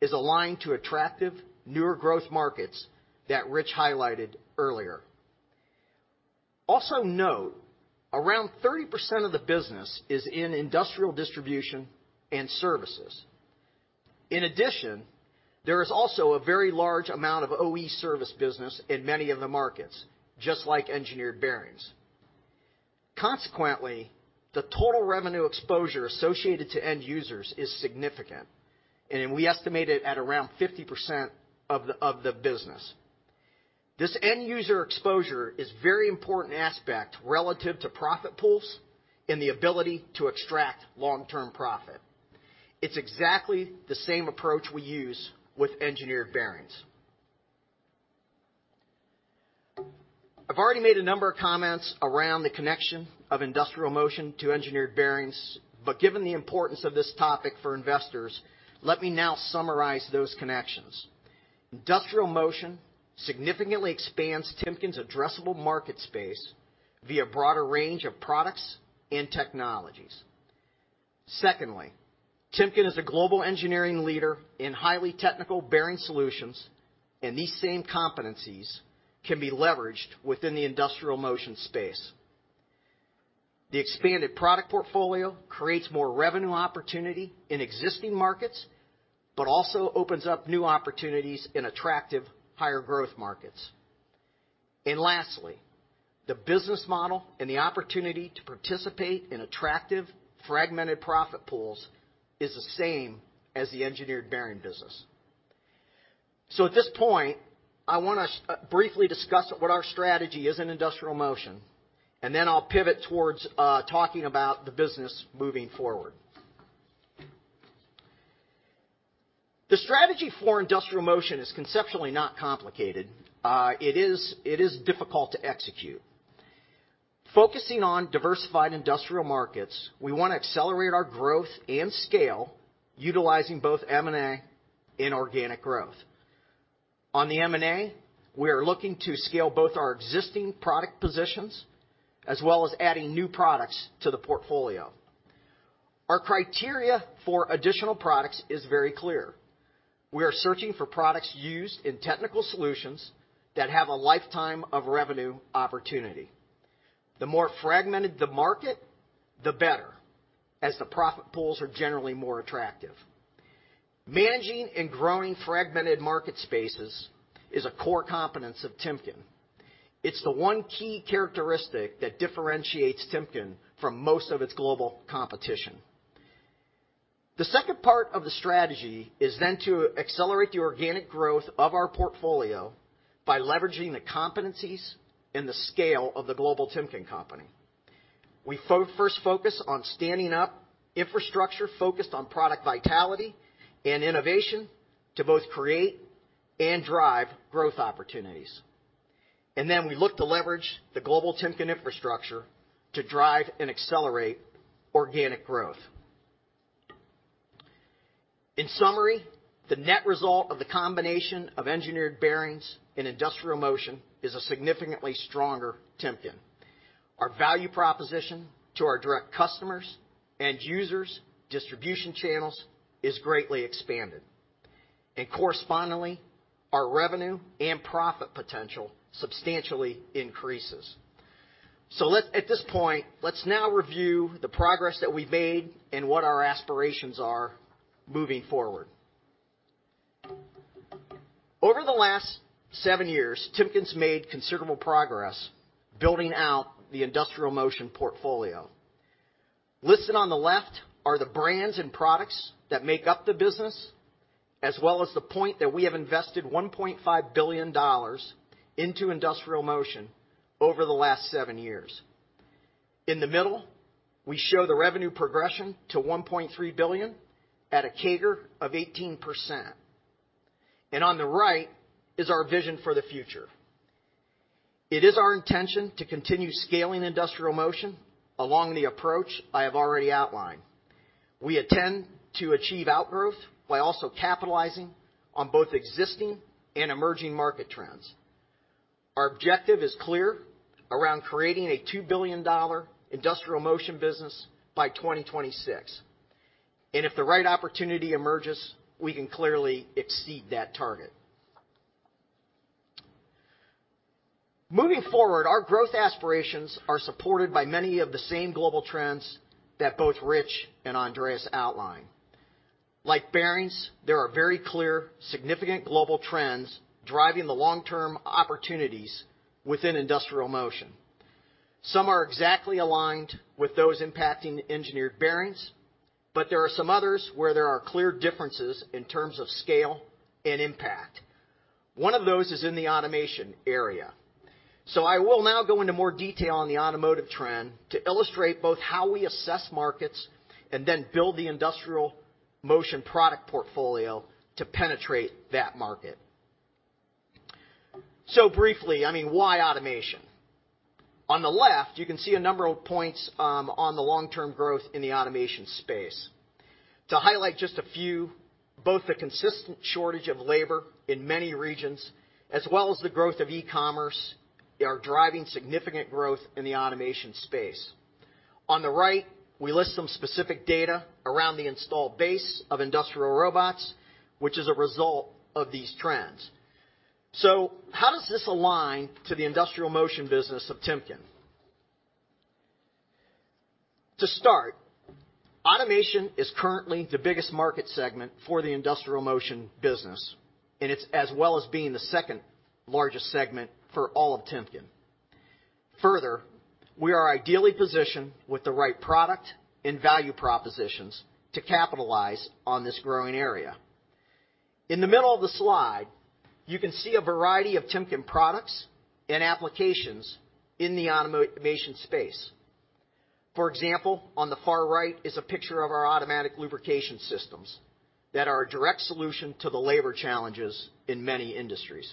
is aligned to attractive newer growth markets that Rich highlighted earlier. Also note, around 30% of the business is in Industrial Distribution and services. In addition, there is also a very large amount of OE service business in many of the markets, just like Engineered Bearings. Consequently, the total revenue exposure associated to end users is significant, and we estimate it at around 50% of the business. This end user exposure is very important aspect relative to profit pools and the ability to extract long-term profit. It's exactly the same approach we use with Engineered Bearings. I've already made a number of comments around the connection of Industrial Motion to Engineered Bearings, but given the importance of this topic for investors, let me now summarize those connections. Industrial Motion significantly expands Timken's addressable market space via a broader range of products and technologies. Secondly, Timken is a global engineering leader in highly technical bearing solutions, and these same competencies can be leveraged within the Industrial Motion space. The expanded product portfolio creates more revenue opportunity in existing markets. Also opens up new opportunities in attractive higher growth markets. Lastly, the business model and the opportunity to participate in attractive fragmented profit pools is the same as the Engineered Bearings business. At this point, I wanna briefly discuss what our strategy is in Industrial Motion, and then I'll pivot towards talking about the business moving forward. The strategy for Industrial Motion is conceptually not complicated. It is difficult to execute. Focusing on diversified industrial markets, we wanna accelerate our growth and scale utilizing both M&A and organic growth. On the M&A, we are looking to scale both our existing product positions as well as adding new products to the portfolio. Our criteria for additional products is very clear. We are searching for products used in technical solutions that have a lifetime of revenue opportunity. The more fragmented the market, the better, as the profit pools are generally more attractive. Managing and growing fragmented market spaces is a core competence of Timken. It's the one key characteristic that differentiates Timken from most of its global competition. The second part of the strategy is then to accelerate the organic growth of our portfolio by leveraging the competencies and the scale of the global Timken Company. We first focus on standing up infrastructure, focused on product vitality and innovation to both create and drive growth opportunities. We look to leverage the global Timken infrastructure to drive and accelerate organic growth. In summary, the net result of the combination of Engineered Bearings and Industrial Motion is a significantly stronger Timken. Our value proposition to our direct customers and users' distribution channels is greatly expanded. Correspondingly, our revenue and profit potential substantially increases. At this point, let's now review the progress that we've made and what our aspirations are moving forward. Over the last seven years, Timken's made considerable progress building out the Industrial Motion portfolio. Listed on the left are the brands and products that make up the business, as well as the point that we have invested $1.5 billion into Industrial Motion over the last seven years. In the middle, we show the revenue progression to $1.3 billion at a CAGR of 18%. On the right is our vision for the future. It is our intention to continue scaling Industrial Motion along the approach I have already outlined. We intend to achieve outgrowth by also capitalizing on both existing and emerging market trends. Our objective is clear around creating a $2 billion Industrial Motion business by 2026. If the right opportunity emerges, we can clearly exceed that target. Moving forward, our growth aspirations are supported by many of the same global trends that both Rich and Andreas outlined. Like bearings, there are very clear, significant global trends driving the long-term opportunities within Industrial Motion. Some are exactly aligned with those impacting Engineered Bearings, but there are some others where there are clear differences in terms of scale and impact. One of those is in the automation area. I will now go into more detail on the automotive trend to illustrate both how we assess markets and then build the Industrial Motion product portfolio to penetrate that market. Briefly, I mean, why automation? On the left, you can see a number of points, on the long-term growth in the automation space. To highlight just a few, both the consistent shortage of labor in many regions as well as the growth of e-commerce are driving significant growth in the automation space. On the right, we list some specific data around the installed base of industrial robots, which is a result of these trends. How does this align to the Industrial Motion business of Timken? To start, automation is currently the biggest market segment for the Industrial Motion business, and it's as well as being the second largest segment for all of Timken. Further, we are ideally positioned with the right product and value propositions to capitalize on this growing area. In the middle of the slide, you can see a variety of Timken products and applications in the automation space. For example, on the far right is a picture of our automatic Lubrication Systems that are a direct solution to the labor challenges in many industries.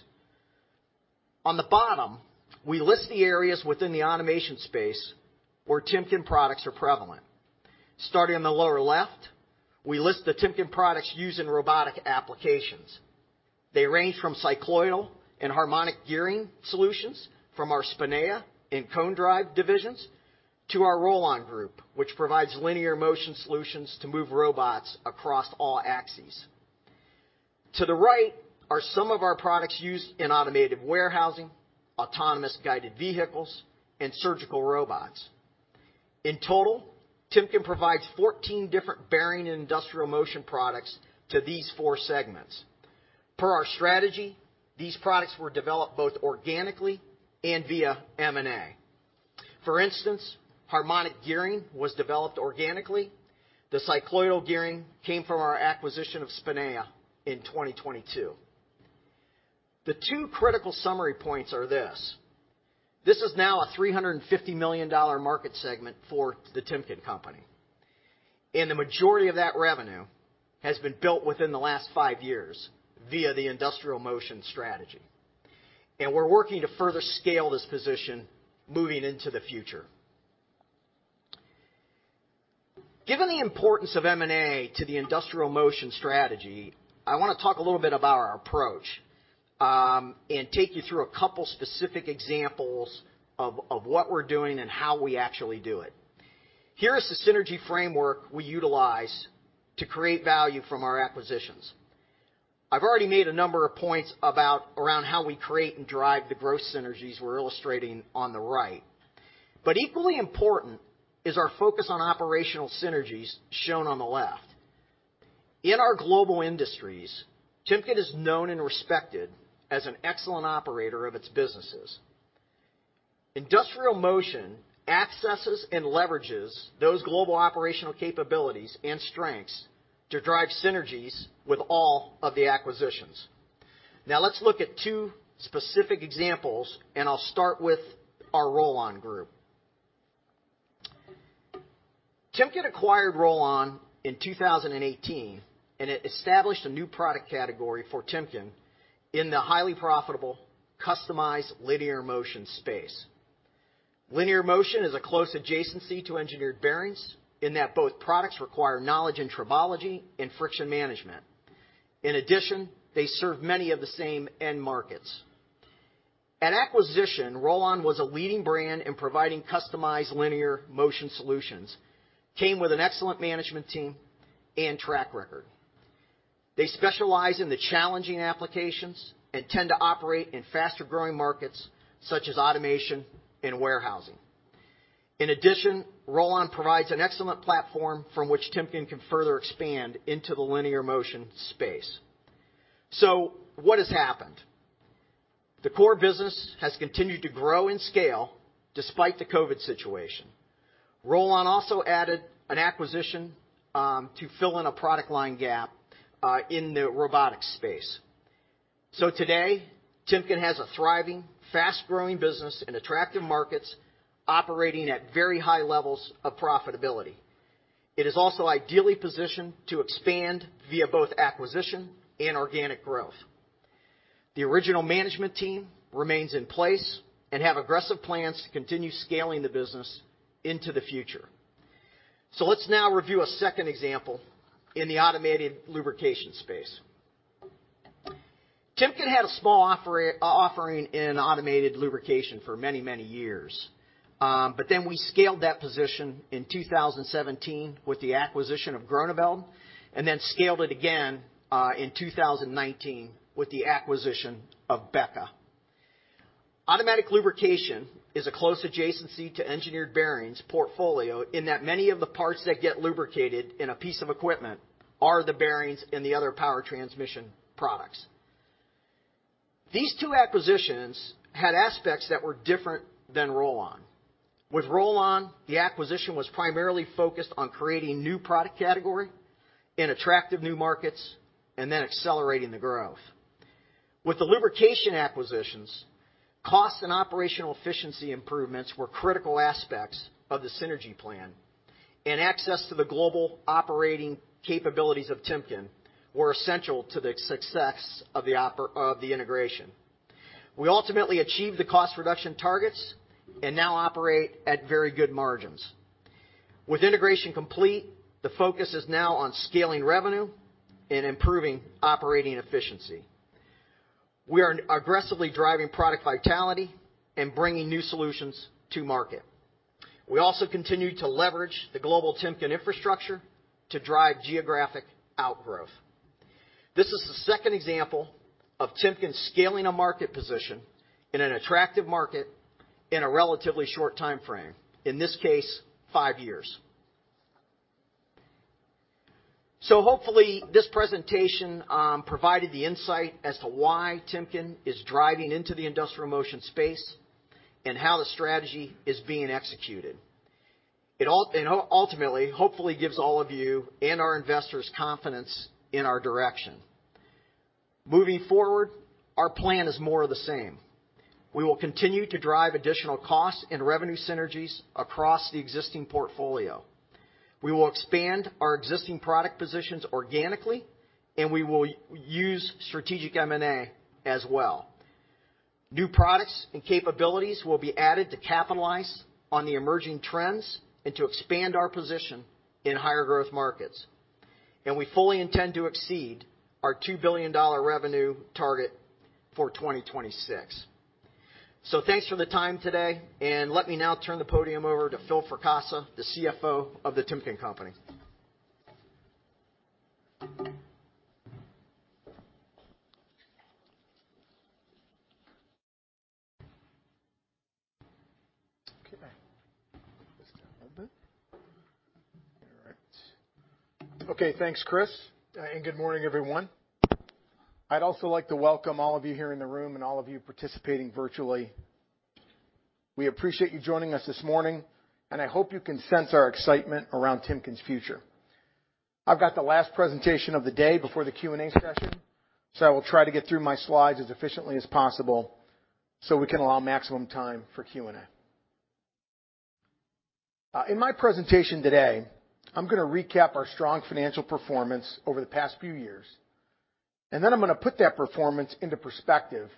On the bottom, we list the areas within the automation space where Timken products are prevalent. Starting on the lower left, we list the Timken products used in robotic applications. They range from cycloidal and harmonic gearing solutions from our Spinea and Cone Drive divisions to our Rollon Group, which provides Linear Motion solutions to move robots across all axes. To the right are some of our products used in automated warehousing, autonomous guided vehicles, and surgical robots. In total, Timken provides 14 different bearing and Industrial Motion products to these four segments. Per our strategy, these products were developed both organically and via M&A. For instance, harmonic gearing was developed organically. The cycloidal gearing came from our acquisition of Spinea in 2022. The two critical summary points are this. This is now a $350 million market segment for the Timken Company, and the majority of that revenue has been built within the last five years via the Industrial Motion strategy. We're working to further scale this position moving into the future. Given the importance of M&A to the Industrial Motion strategy, I wanna talk a little bit about our approach, and take you through a couple specific examples of what we're doing and how we actually do it. Here is the synergy framework we utilize to create value from our acquisitions. I've already made a number of points about how we create and drive the growth synergies we're illustrating on the right, but equally important is our focus on operational synergies shown on the left. In our global industries, Timken is known and respected as an excellent operator of its businesses. Industrial Motion accesses and leverages those global operational capabilities and strengths to drive synergies with all of the acquisitions. Now let's look at two specific examples, and I'll start with our Rollon Group. Timken acquired Rollon in 2018, and it established a new product category for Timken in the highly profitable customized Linear Motion space. Linear Motion is a close adjacency to Engineered Bearings in that both products require knowledge in tribology and friction management. In addition, they serve many of the same end markets. At acquisition, Rollon was a leading brand in providing customized Linear Motion solutions, came with an excellent management team and track record. They specialize in the Challenging Applications and tend to operate in faster-growing markets such as automation and warehousing. In addition, Rollon provides an excellent platform from which Timken can further expand into the Linear Motion space. What has happened? The core business has continued to grow in scale despite the COVID situation. Rollon also added an acquisition to fill in a product line gap in the robotics space. Today, Timken has a thriving, fast-growing business in attractive markets operating at very high levels of profitability. It is also ideally positioned to expand via both acquisition and organic growth. The original management team remains in place and have aggressive plans to continue scaling the business into the future. Let's now review a second example in the automatic lubrication space. Timken had a small offering in automatic lubrication for many, many years, but then we scaled that position in 2017 with the acquisition of Groeneveld and then scaled it again in 2019 with the acquisition of BEKA. Automatic lubrication is a close adjacency to Engineered Bearings portfolio in that many of the parts that get lubricated in a piece of equipment are the bearings and the other power transmission products. These two acquisitions had aspects that were different than Rollon. With Rollon, the acquisition was primarily focused on creating new product category in attractive new markets and then accelerating the growth. With the lubrication acquisitions, cost and operational efficiency improvements were critical aspects of the synergy plan, and access to the global operating capabilities of Timken were essential to the success of the integration. We ultimately achieved the cost reduction targets and now operate at very good margins. With integration complete, the focus is now on scaling revenue and improving operating efficiency. We are aggressively driving product vitality and bringing new solutions to market. We also continue to leverage the global Timken infrastructure to drive geographic outgrowth. This is the second example of Timken scaling a market position in an attractive market in a relatively short time frame, in this case, five years. Hopefully, this presentation provided the insight as to why Timken is driving into the Industrial Motion space and how the strategy is being executed. It ultimately hopefully gives all of you and our investors confidence in our direction. Moving forward, our plan is more of the same. We will continue to drive additional costs and revenue synergies across the existing portfolio. We will expand our existing product positions organically, and we will use strategic M&A as well. New products and capabilities will be added to capitalize on the emerging trends and to expand our position in higher growth markets. We fully intend to exceed our $2 billion revenue target for 2026. Thanks for the time today, and let me now turn the podium over to Phil Fracassa, the CFO of the Timken Company. Thanks, Chris, and good morning, everyone. I'd also like to welcome all of you here in the room and all of you participating virtually. We appreciate you joining us this morning, and I hope you can sense our excitement around Timken's future. I've got the last presentation of the day before the Q&A session, so I will try to get through my slides as efficiently as possible so we can allow maximum time for Q&A. In my presentation today, I'm gonna recap our strong financial performance over the past few years, and then I'm gonna put that performance into perspective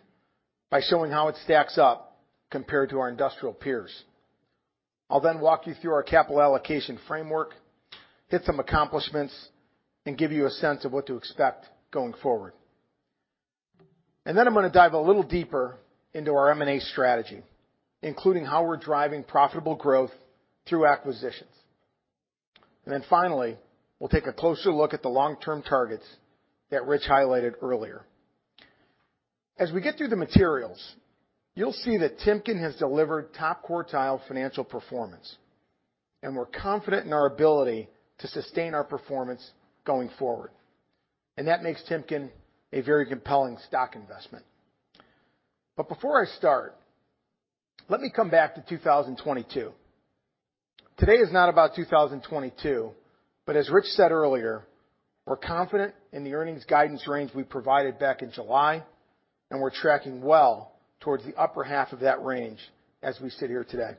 by showing how it stacks up compared to our industrial peers. I'll then walk you through our capital allocation framework, hit some accomplishments, and give you a sense of what to expect going forward. I'm gonna dive a little deeper into our M&A strategy, including how we're driving profitable growth through acquisitions. Finally, we'll take a closer look at the long-term targets that Rich highlighted earlier. As we get through the materials, you'll see that Timken has delivered top-quartile financial performance, and we're confident in our ability to sustain our performance going forward. That makes Timken a very compelling stock investment. Before I start, let me come back to 2022. Today is not about 2022, but as Rich said earlier, we're confident in the earnings guidance range we provided back in July, and we're tracking well towards the upper half of that range as we sit here today.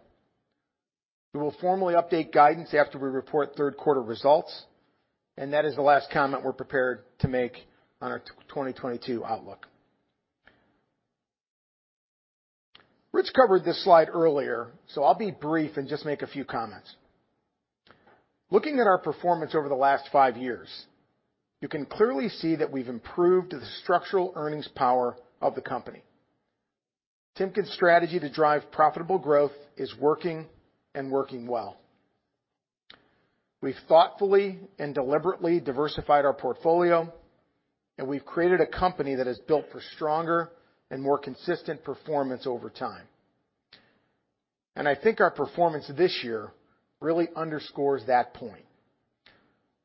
We will formally update guidance after we report third quarter results, and that is the last comment we're prepared to make on our 2022 outlook. Rich covered this slide earlier, so I'll be brief and just make a few comments. Looking at our performance over the last five years, you can clearly see that we've improved the structural earnings power of the company. Timken's strategy to drive profitable growth is working and working well. We've thoughtfully and deliberately diversified our portfolio, and we've created a company that is built for stronger and more consistent performance over time. I think our performance this year really underscores that point.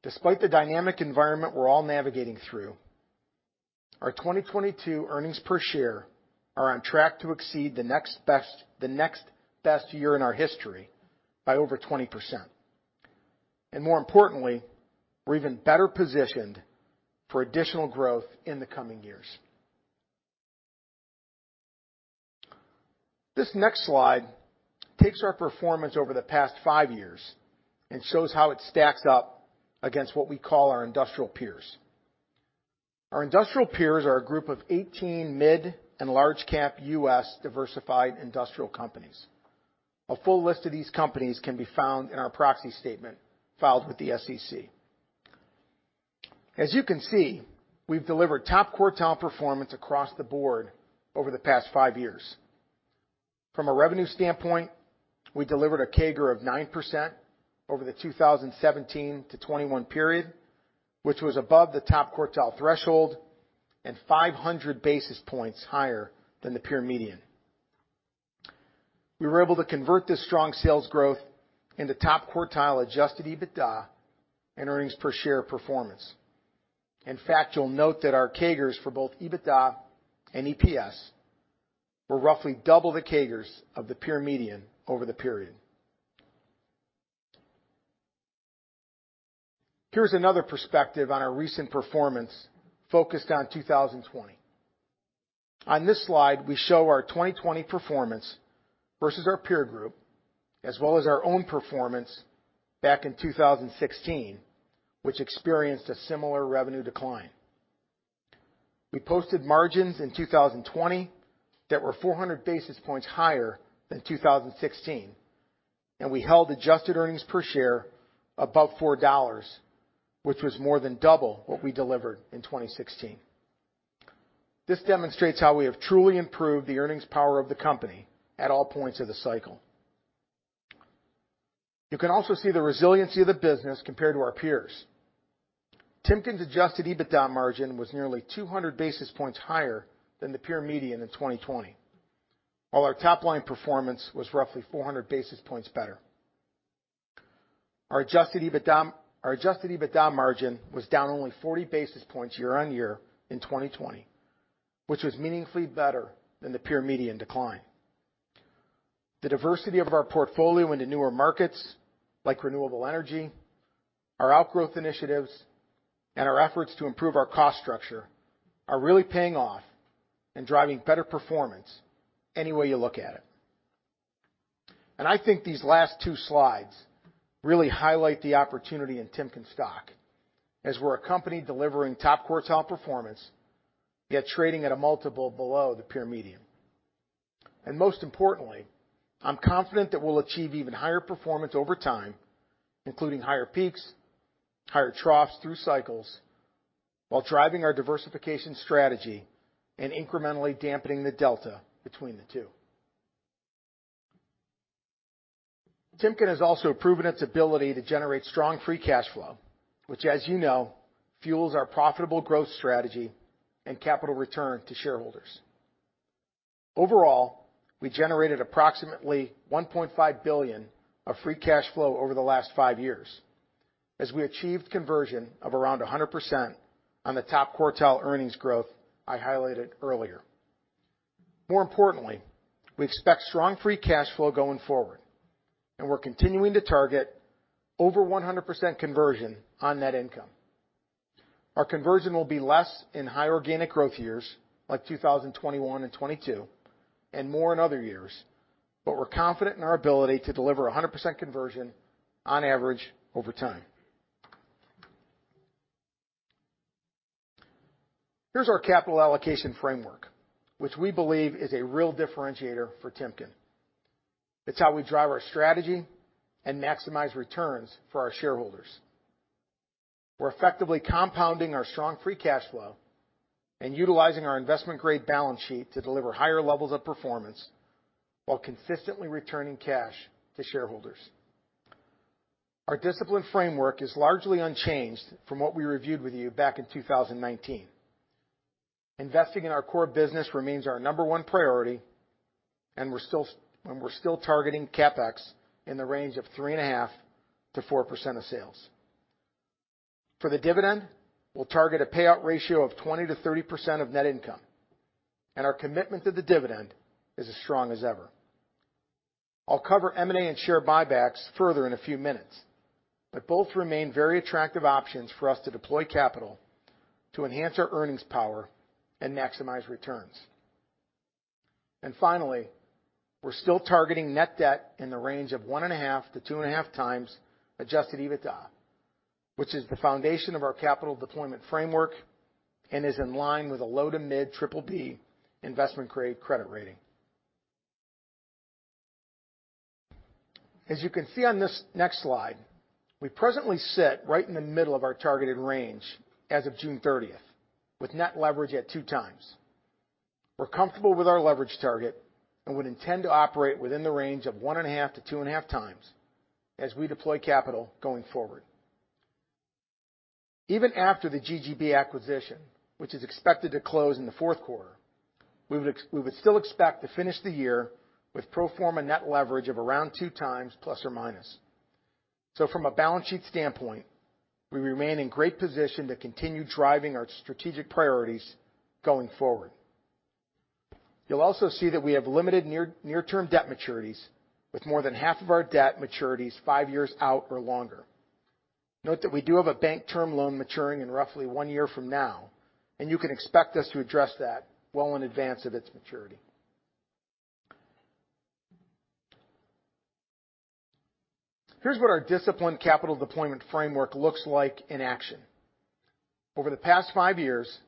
Despite the dynamic environment we're all navigating through, our 2022 earnings per share are on track to exceed the next best year in our history by over 20%. We're even better positioned for additional growth in the coming years. This next slide takes our performance over the past five years and shows how it stacks up against what we call our industrial peers. Our industrial peers are a group of 18 midand large-cap U.S. diversified industrial companies. A full list of these companies can be found in our proxy statement filed with the SEC. As you can see, we've delivered top quartile performance across the board over the past five years. From a revenue standpoint, we delivered a CAGR of 9% over the 2017-2021 period, which was above the top quartile threshold and 500 basis points higher than the peer median. We were able to convert this strong sales growth into top quartile adjusted EBITDA and earnings per share performance. In fact, you'll note that our CAGRs for both EBITDA and EPS were roughly double the CAGRs of the peer median over the period. Here's another perspective on our recent performance focused on 2020. On this slide, we show our 2020 performance versus our peer group, as well as our own performance back in 2016, which experienced a similar revenue decline. We posted margins in 2020 that were 400 basis points higher than 2016, and we held adjusted earnings per share above $4, which was more than double what we delivered in 2016. This demonstrates how we have truly improved the earnings power of the company at all points of the cycle. You can also see the resiliency of the business compared to our peers. Timken's adjusted EBITDA margin was nearly 200 basis points higher than the peer median in 2020, while our top-line performance was roughly 400 basis points better. Our adjusted EBITDA margin was down only 40 basis points year-on-year in 2020, which was meaningfully better than the peer median decline. The diversity of our portfolio into newer markets like Renewable Energy, our outgrowth initiatives, and our efforts to improve our cost structure are really paying off and driving better performance any way you look at it. I think these last two slides really highlight the opportunity in Timken stock as we're a company delivering top quartile performance, yet trading at a multiple below the peer median. Most importantly, I'm confident that we'll achieve even higher performance over time, including higher peaks, higher troughs through cycles, while driving our diversification strategy and incrementally dampening the delta between the two. Timken has also proven its ability to generate strong free cash flow, which as you know, fuels our profitable growth strategy and capital return to shareholders. Overall, we generated approximately $1.5 billion of free cash flow over the last five years as we achieved conversion of around 100% on the top quartile earnings growth I highlighted earlier. More importantly, we expect strong free cash flow going forward, and we're continuing to target over 100% conversion on net income. Our conversion will be less in high organic growth years like 2021 and 2022, and more in other years. We're confident in our ability to deliver 100% conversion on average over time. Here's our capital allocation framework, which we believe is a real differentiator for Timken. It's how we drive our strategy and maximize returns for our shareholders. We're effectively compounding our strong free cash flow and utilizing our investment-grade balance sheet to deliver higher levels of performance while consistently returning cash to shareholders. Our disciplined framework is largely unchanged from what we reviewed with you back in 2019. Investing in our core business remains our number one priority, and we're still targeting CapEx in the range of 3.5%-4% of sales. For the dividend, we'll target a payout ratio of 20%-30% of net income, and our commitment to the dividend is as strong as ever. I'll cover M&A and share buybacks further in a few minutes, but both remain very attractive options for us to deploy capital to enhance our earnings power and maximize returns. Finally, we're still targeting net debt in the range of 1.5x-2.5x adjusted EBITDA, which is the foundation of our capital deployment framework and is in line with a low to mid triple B investment-grade credit rating. As you can see on this next slide, we presently sit right in the middle of our targeted range as of June 30th, with net leverage at 2xs. We're comfortable with our leverage target and would intend to operate within the range of 1.5x-2.5x as we deploy capital going forward. Even after the GGB acquisition, which is expected to close in the fourth quarter, we would still expect to finish the year with pro forma net leverage of around 2x ±. From a balance sheet standpoint, we remain in great position to continue driving our strategic priorities going forward. You'll also see that we have limited near-term debt maturities with more than half of our debt maturities 5 years out or longer. Note that we do have a bank term loan maturing in roughly one year from now, and you can expect us to address that well in advance of its maturity. Here's what our disciplined capital deployment framework looks like in action. Over the past five years,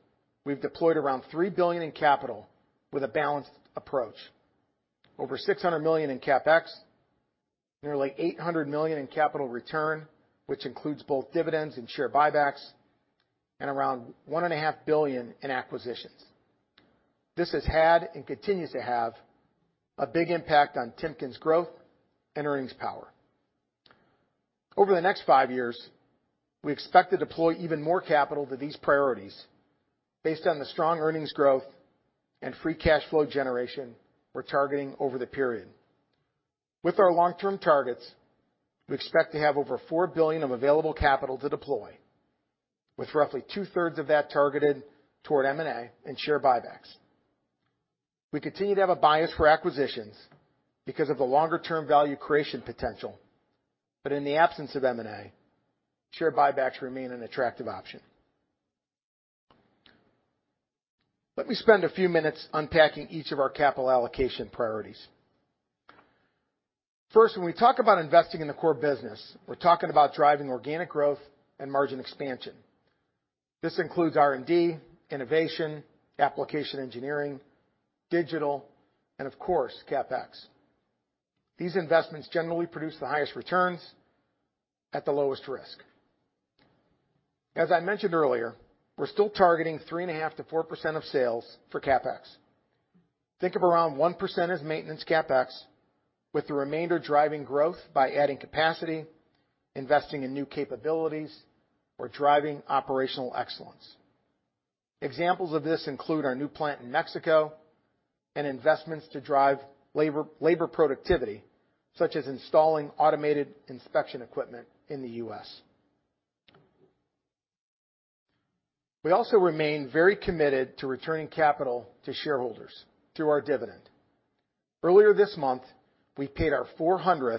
we've deployed around $3 billion in capital with a balanced approach. Over $600 million in CapEx, nearly $800 million in capital return, which includes both dividends and share buybacks, and around $1.5 billion in acquisitions. This has had and continues to have a big impact on Timken's growth and earnings power. Over the next five years, we expect to deploy even more capital to these priorities based on the strong earnings growth and free cash flow generation we're targeting over the period. With our long-term targets, we expect to have over $4 billion of available capital to deploy, with roughly two-thirds of that targeted toward M&A and share buybacks. We continue to have a bias for acquisitions because of the longer-term Value Creation potential, but in the absence of M&A, share buybacks remain an attractive option. Let me spend a few minutes unpacking each of our capital allocation priorities. First, when we talk about investing in the core business, we're talking about driving organic growth and margin expansion. This includes R&D, innovation, application engineering, digital, and of course CapEx. These investments generally produce the highest returns at the lowest risk. As I mentioned earlier, we're still targeting 3.5%-4% of sales for CapEx. Think of around 1% as maintenance CapEx, with the remainder driving growth by adding capacity, investing in new capabilities, or driving operational excellence. Examples of this include our new plant in Mexico and investments to drive labor productivity, such as installing automated inspection equipment in the US. We also remain very committed to returning capital to shareholders through our dividend. Earlier this month, we paid our 400th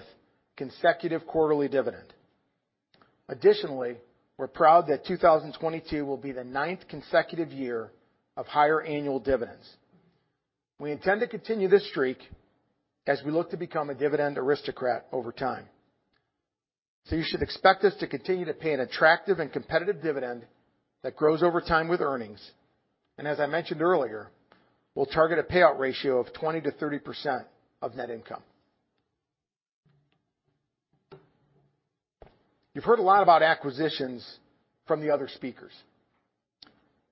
consecutive quarterly dividend. Additionally, we're proud that 2022 will be the 9th consecutive year of higher annual dividends. We intend to continue this streak as we look to become a dividend aristocrat over time. You should expect us to continue to pay an attractive and competitive dividend that grows over time with earnings. As I mentioned earlier, we'll target a payout ratio of 20%-30% of net income. You've heard a lot about acquisitions from the other speakers.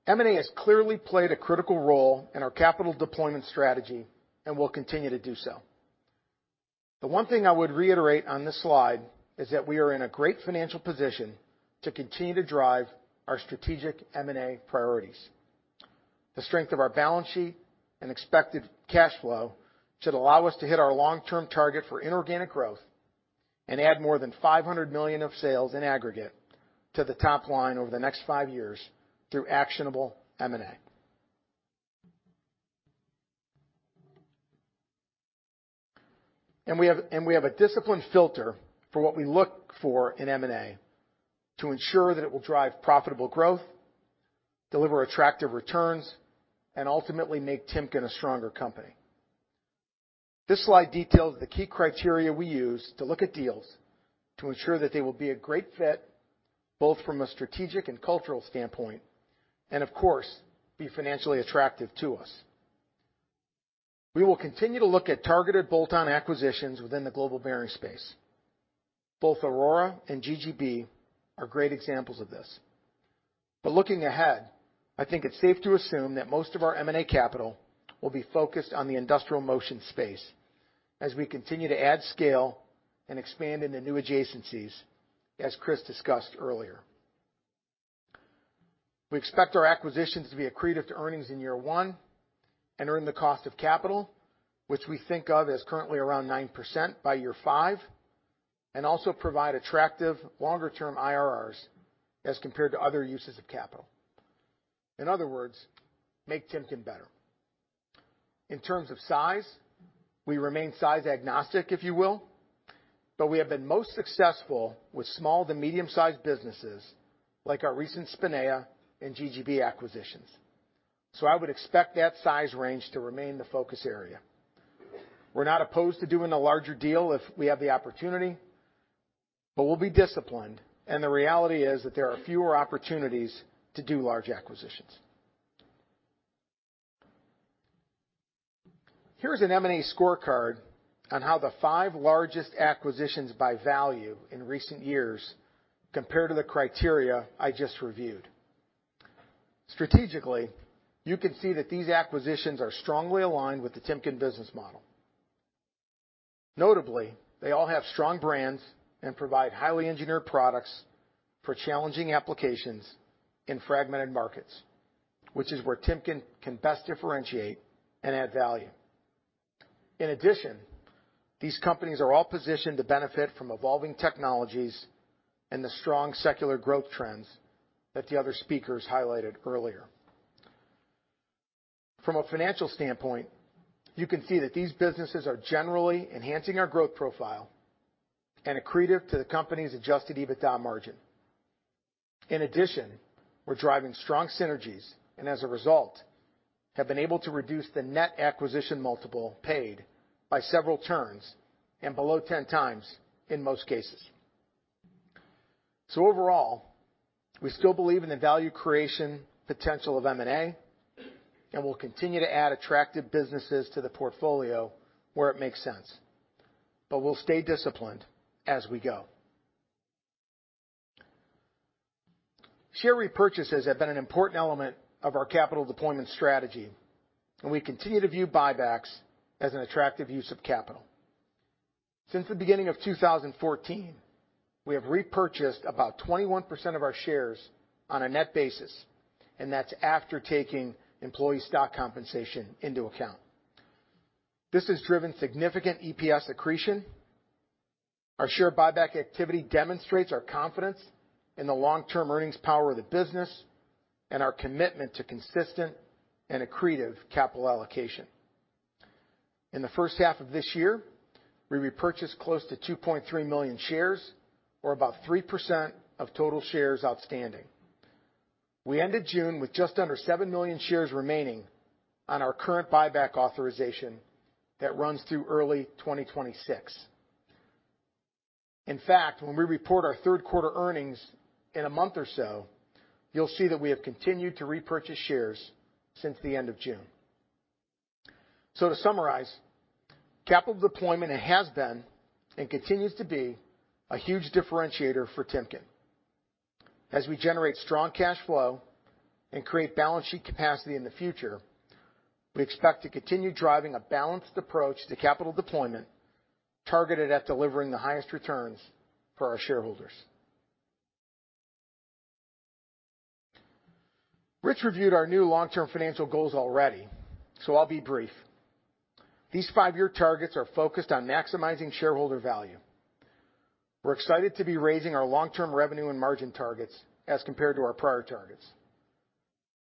M&A has clearly played a critical role in our capital deployment strategy and will continue to do so. The one thing I would reiterate on this slide is that we are in a great financial position to continue to drive our strategic M&A priorities. The strength of our balance sheet and expected cash flow should allow us to hit our long-term target for inorganic growth and add more than $500 million of sales in aggregate to the top line over the next 5 years through actionable M&A. We have a disciplined filter for what we look for in M&A to ensure that it will drive profitable growth, deliver attractive returns, and ultimately make Timken a stronger company. This slide details the key criteria we use to look at deals to ensure that they will be a great fit, both from a strategic and cultural standpoint, and of course, be financially attractive to us. We will continue to look at targeted bolt-on acquisitions within the global bearing space. Both Aurora and GGB are great examples of this, but looking ahead, I think it's safe to assume that most of our M&A capital will be focused on the Industrial Motion space as we continue to add scale and expand into new adjacencies, as Chris discussed earlier. We expect our acquisitions to be accretive to earnings in year one and earn the cost of capital, which we think of as currently around 9% by year five, and also provide attractive longer-term IRRs as compared to other uses of capital. In other words, make Timken better. In terms of size, we remain size agnostic, if you will, but we have been most successful with small to medium-sized businesses like our recent Spinea and GGB acquisitions. I would expect that size range to remain the focus area. We're not opposed to doing a larger deal if we have the opportunity, but we'll be disciplined, and the reality is that there are fewer opportunities to do large acquisitions. Here's an M&A scorecard on how the five largest acquisitions by value in recent years compare to the criteria I just reviewed. Strategically, you can see that these acquisitions are The Timken Business Model. notably, they all have strong brands and provide highly engineered products for Challenging Applications in fragmented markets, which is where Timken can best differentiate and add value. In addition, these companies are all positioned to benefit from evolving technologies and the strong Secular Growth Trends that the other speakers highlighted earlier. From a financial standpoint, you can see that these businesses are generally enhancing our growth profile and accretive to the company's adjusted EBITDA margin. In addition, we're driving strong synergies and as a result, have been able to reduce the net acquisition multiple paid by several turns and below 10x in most cases. Overall, we still believe in the Value Creation potential of M&A, and we'll continue to add attractive businesses to the portfolio where it makes sense, but we'll stay disciplined as we go. Share repurchases have been an important element of our capital deployment strategy, and we continue to view buybacks as an attractive use of capital. Since the beginning of 2014, we have repurchased about 21% of our shares on a net basis, and that's after taking employee stock compensation into account. This has driven significant EPS accretion. Our share buyback activity demonstrates our confidence in the long-term earnings power of the business and our commitment to consistent and accretive capital allocation. In the first half of this year, we repurchased close to 2.3 million shares, or about 3% of total shares outstanding. We ended June with just under 7 million shares remaining on our current buyback authorization that runs through early 2026. In fact, when we report our third quarter earnings in a month or so, you'll see that we have continued to repurchase shares since the end of June. To summarize, capital deployment has been and continues to be a huge differentiator for Timken. As we generate strong cash flow and create balance sheet capacity in the future, we expect to continue driving a balanced approach to capital deployment targeted at delivering the highest returns for our shareholders. Rich reviewed our new long-term financial goals already, so I'll be brief. These five-year targets are focused on maximizing shareholder value. We're excited to be raising our long-term revenue and margin targets as compared to our prior targets.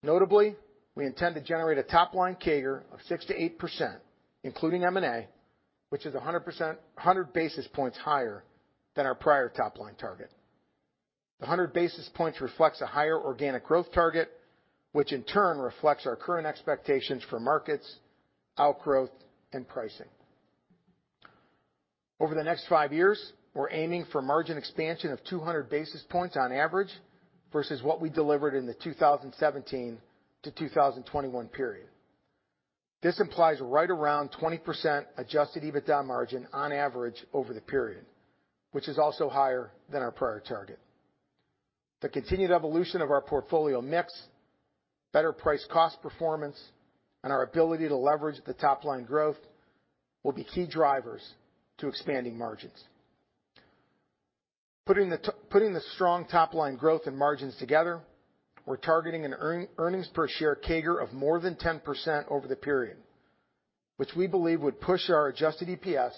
Notably, we intend to generate a top line CAGR of 6%-8%, including M&A, which is 100 basis points higher than our prior top line target. 100 basis points reflects a higher organic growth target, which in turn reflects our current expectations for markets, outgrowth, and pricing. Over the next 5 years, we're aiming for margin expansion of 200 basis points on average versus what we delivered in the 2017-2021 period. This implies right around 20% adjusted EBITDA margin on average over the period, which is also higher than our prior target. The continued evolution of our portfolio mix, better price cost performance, and our ability to leverage the top-line growth will be key drivers to expanding margins. Putting the strong top line growth and margins together, we're targeting an earnings per share CAGR of more than 10% over the period, which we believe would push our adjusted EPS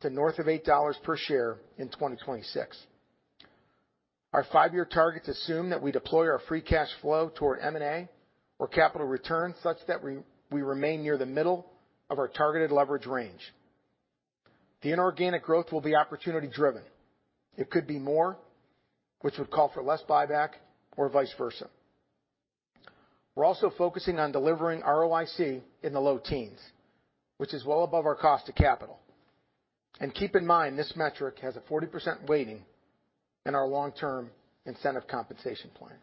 to north of $8 per share in 2026. Our five-year targets assume that we deploy our free cash flow toward M&A or capital returns such that we remain near the middle of our targeted leverage range. The inorganic growth will be opportunity driven. It could be more, which would call for less buyback or vice versa. We're also focusing on delivering ROIC in the low teens, which is well above our cost of capital. Keep in mind, this metric has a 40% weighting in our long-term incentive compensation plan.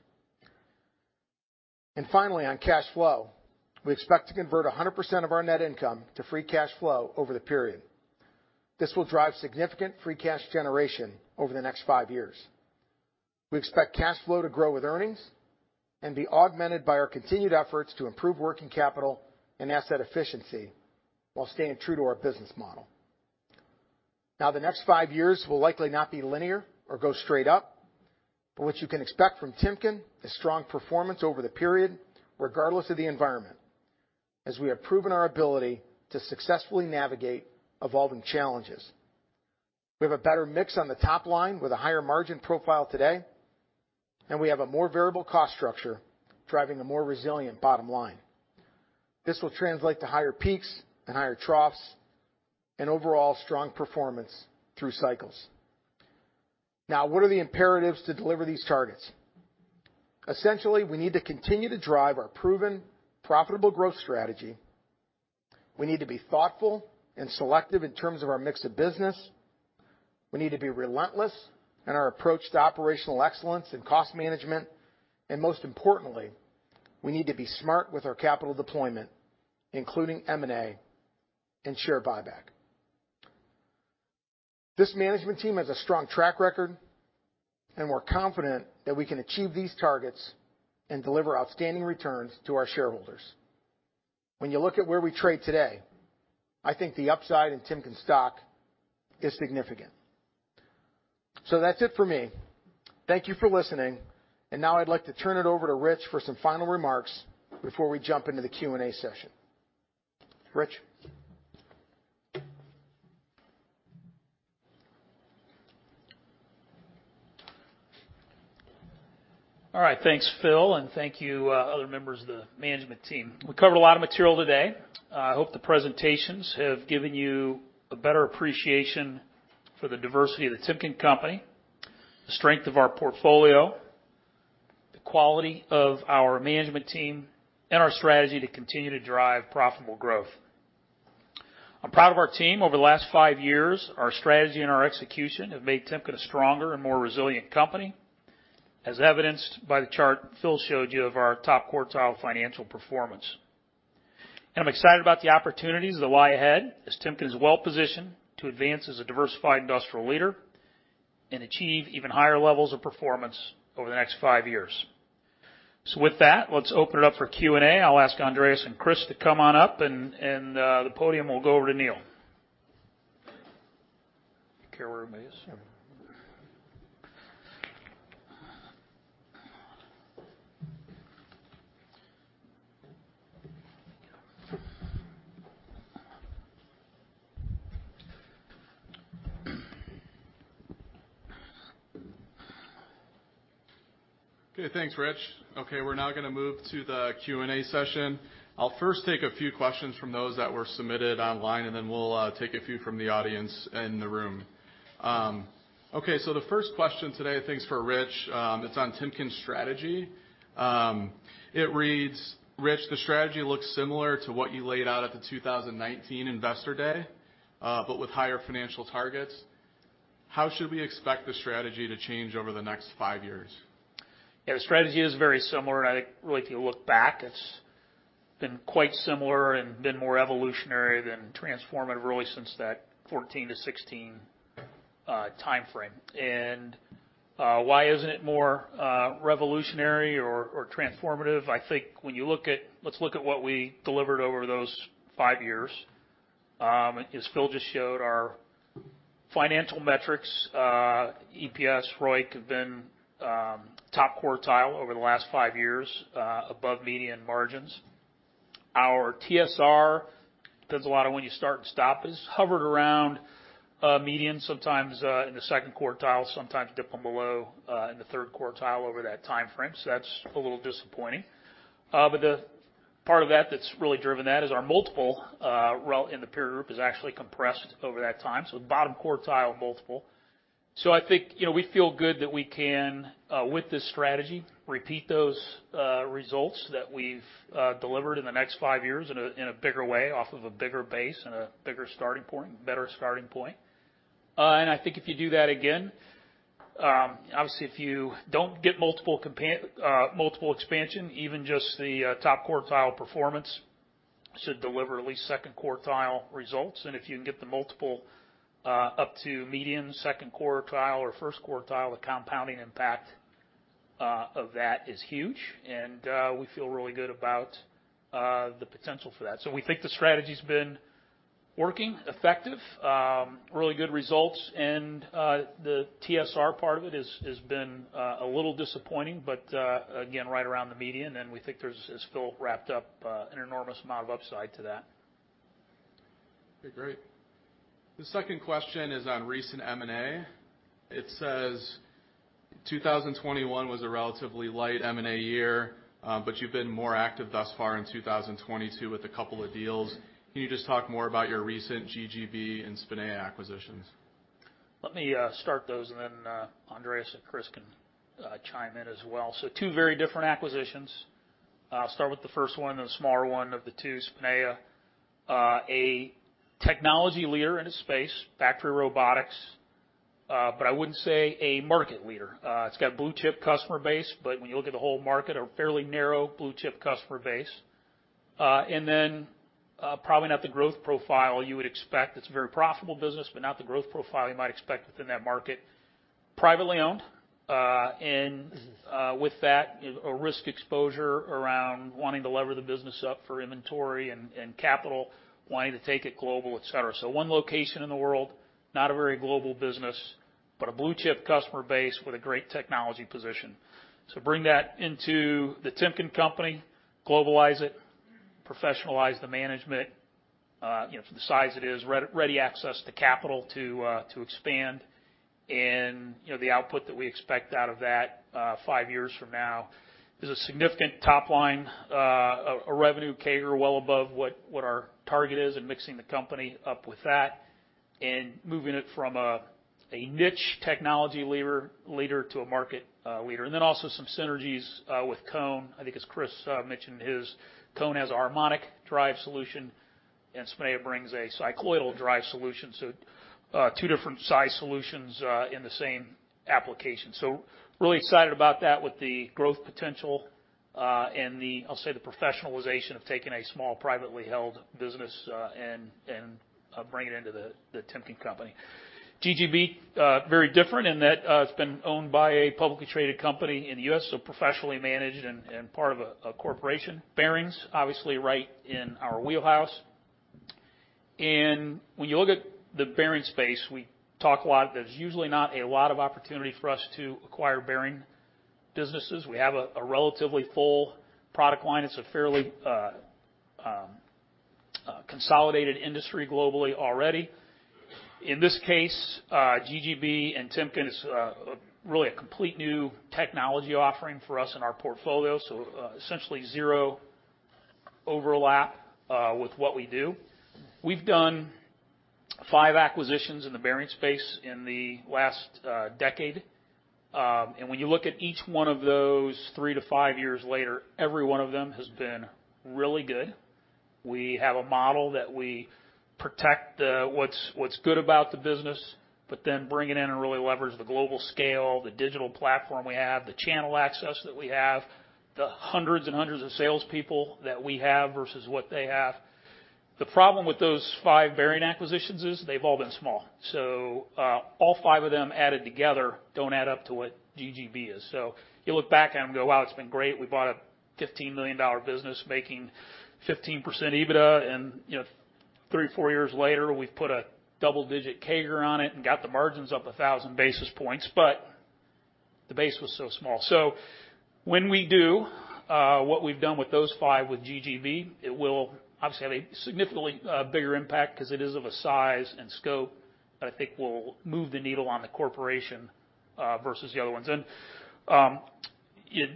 Finally, on cash flow, we expect to convert 100% of our net income to free cash flow over the period. This will drive significant free cash generation over the next five years. We expect cash flow to grow with earnings and be augmented by our continued efforts to improve working capital and asset efficiency while staying true to our business model. Now, the next five years will likely not be linear or go straight up, but what you can expect from Timken is strong performance over the period regardless of the environment, as we have proven our ability to successfully navigate evolving challenges. We have a better mix on the top line with a higher margin profile today, and we have a more variable cost structure driving a more resilient bottom line. This will translate to higher peaks and higher troughs and overall strong performance through cycles. Now, what are the imperatives to deliver these targets? Essentially, we need to continue to drive our proven profitable growth strategy. We need to be thoughtful and selective in terms of our mix of business. We need to be relentless in our approach to operational excellence and cost management. And most importantly, we need to be smart with our capital deployment, including M&A and share buyback. This management team has a strong track record, and we're confident that we can achieve these targets and deliver outstanding returns to our shareholders. When you look at where we trade today, I think the upside in Timken stock is significant. That's it for me. Thank you for listening. Now I'd like to turn it over to Rich for some final remarks before we jump into the Q&A session. Rich? All right. Thanks, Phil, and thank you, other members of the management team. We covered a lot of material today. I hope the presentations have given you a better appreciation for the diversity of the Timken Company, the strength of our portfolio, the quality of our management team, and our strategy to continue to drive profitable growth. I'm proud of our team. Over the last five years, our strategy and our execution have made Timken a stronger and more resilient company, as evidenced by the chart Phil showed you of our top quartile financial performance. I'm excited about the opportunities that lie ahead as Timken is well-positioned to advance as a Diversified Industrial Leader and achieve even higher levels of performance over the next five years. With that, let's open it up for Q&A. I'll ask Andreas and Chris to come on up to the podium and we'll go over to Neil. Sure. Okay. Thanks, Rich. Okay, we're now gonna move to the Q&A session. I'll first take a few questions from those that were submitted online, and then we'll take a few from the audience in the room. Okay, the first question today, I think is for Rich, it's on Timken strategy. It reads, Rich, the strategy looks similar to what you laid out at the 2019 investor day, but with higher financial targets. How should we expect the strategy to change over the next five years? Yeah, the strategy is very similar, and I think really, if you look back, it's been quite similar and been more evolutionary than transformative really since that 14-16 timeframe. Why isn't it more revolutionary or transformative? I think let's look at what we delivered over those five years. As Phil just showed our financial metrics, EPS, ROIC have been top quartile over the last five years, above median margins. Our TSR, depends a lot on when you start and stop, has hovered around median, sometimes in the second quartile, sometimes dipping below in the third quartile over that timeframe. That's a little disappointing. The part of that that's really driven that is our multiple relative to the peer group is actually compressed over that time, so the bottom quartile multiple. So I think, you know, we feel good that we can, with this strategy, repeat those results that we've delivered in the next five years in a bigger way off of a bigger base and a better starting point. I think if you do that again, obviously, if you don't get multiple expansion, even just the top quartile performance should deliver at least second quartile results. If you can get the multiple up to median second quartile or first quartile, the compounding impact of that is huge, and we feel really good about the potential for that. We think the strategy's been working effectively, really good results. The TSR part of it has been a little disappointing, but again, right around the median, and we think there's still wrapped up an enormous amount of upside to that. Okay, great. The second question is on recent M&A. It says, "2021 was a relatively light M&A year, but you've been more active thus far in 2022 with a couple of deals. Can you just talk more about your recent GGB and Spinea acquisitions? Let me start those, and then Andreas and Chris can chime in as well. Two very different acquisitions. I'll start with the first one and the smaller one of the two, Spinea. A technology leader in a space, factory robotics, but I wouldn't say a market leader. It's got blue-chip customer base, but when you look at the whole market, a fairly narrow blue-chip customer base. Probably not the growth profile you would expect. It's a very profitable business, but not the growth profile you might expect within that market. Privately owned, and with that, a risk exposure around wanting to lever the business up for inventory and capital, wanting to take it global, et cetera. One location in the world, not a very global business, but a blue-chip customer base with a great technology position. Bring that into the Timken Company, globalize it, professionalize the management, you know, for the size it is, ready access to capital to expand. You know, the output that we expect out of that, five years from now is a significant top line, a revenue CAGR well above what our target is in mixing the company up with that and moving it from a niche technology leader to a market leader. Some synergies with Cone. I think as Chris mentioned in his, Cone has a harmonic drive solution, and Spinea brings a cycloidal drive solution, so two different size solutions in the same application. Really excited about that with the growth potential, and the, I'll say, the professionalization of taking a small, privately held business, and bringing it into the Timken Company. GGB, very different in that, it's been owned by a publicly traded company in the U.S., so professionally managed and part of a corporation. Bearings, obviously right in our wheelhouse. When you look at the bearing space, we talk a lot, there's usually not a lot of opportunity for us to acquire bearing businesses. We have a relatively full product line. It's a fairly, consolidated industry globally already. In this case, GGB and Timken is, really a complete new technology offering for us in our portfolio, so, essentially zero overlap, with what we do. We've done five acquisitions in the bearing space in the last decade. When you look at each one of those three to five years later, every one of them has been really good. We have a model that we protect, what's good about the business, but then bring it in and really leverage the global scale, the digital platform we have, the channel access that we have, the hundreds and hundreds of salespeople that we have versus what they have. The problem with those five bearing acquisitions is they've all been small. All five of them added together don't add up to what GGB is. You look back at them and go, "Wow, it's been great. We bought a $15 million business making 15% EBITDA, and, you know, three to four years later, we've put a double-digit CAGR on it and got the margins up 1,000 basis points, but the base was so small. When we do what we've done with those five with GGB, it will obviously have a significantly bigger impact 'cause it is of a size and scope that I think will move the needle on the corporation versus the other ones.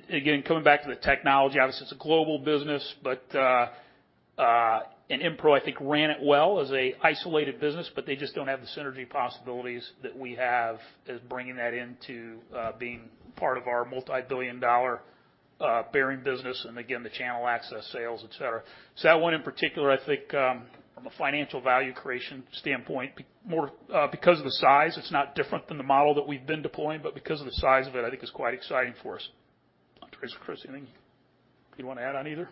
Again, coming back to the technology, obviously, it's a global business, but Enprol, I think, ran it well as an isolated business, but they just don't have the synergy possibilities that we have as bringing that into being part of our multibillion-dollar bearing business, and again, the channel access, sales, et cetera. That one in particular, I think, from a financial Value Creation standpoint, because of the size, it's not different than the model that we've been deploying, but because of the size of it, I think it's quite exciting for us. Andreas or Chris, anything you want to add on either?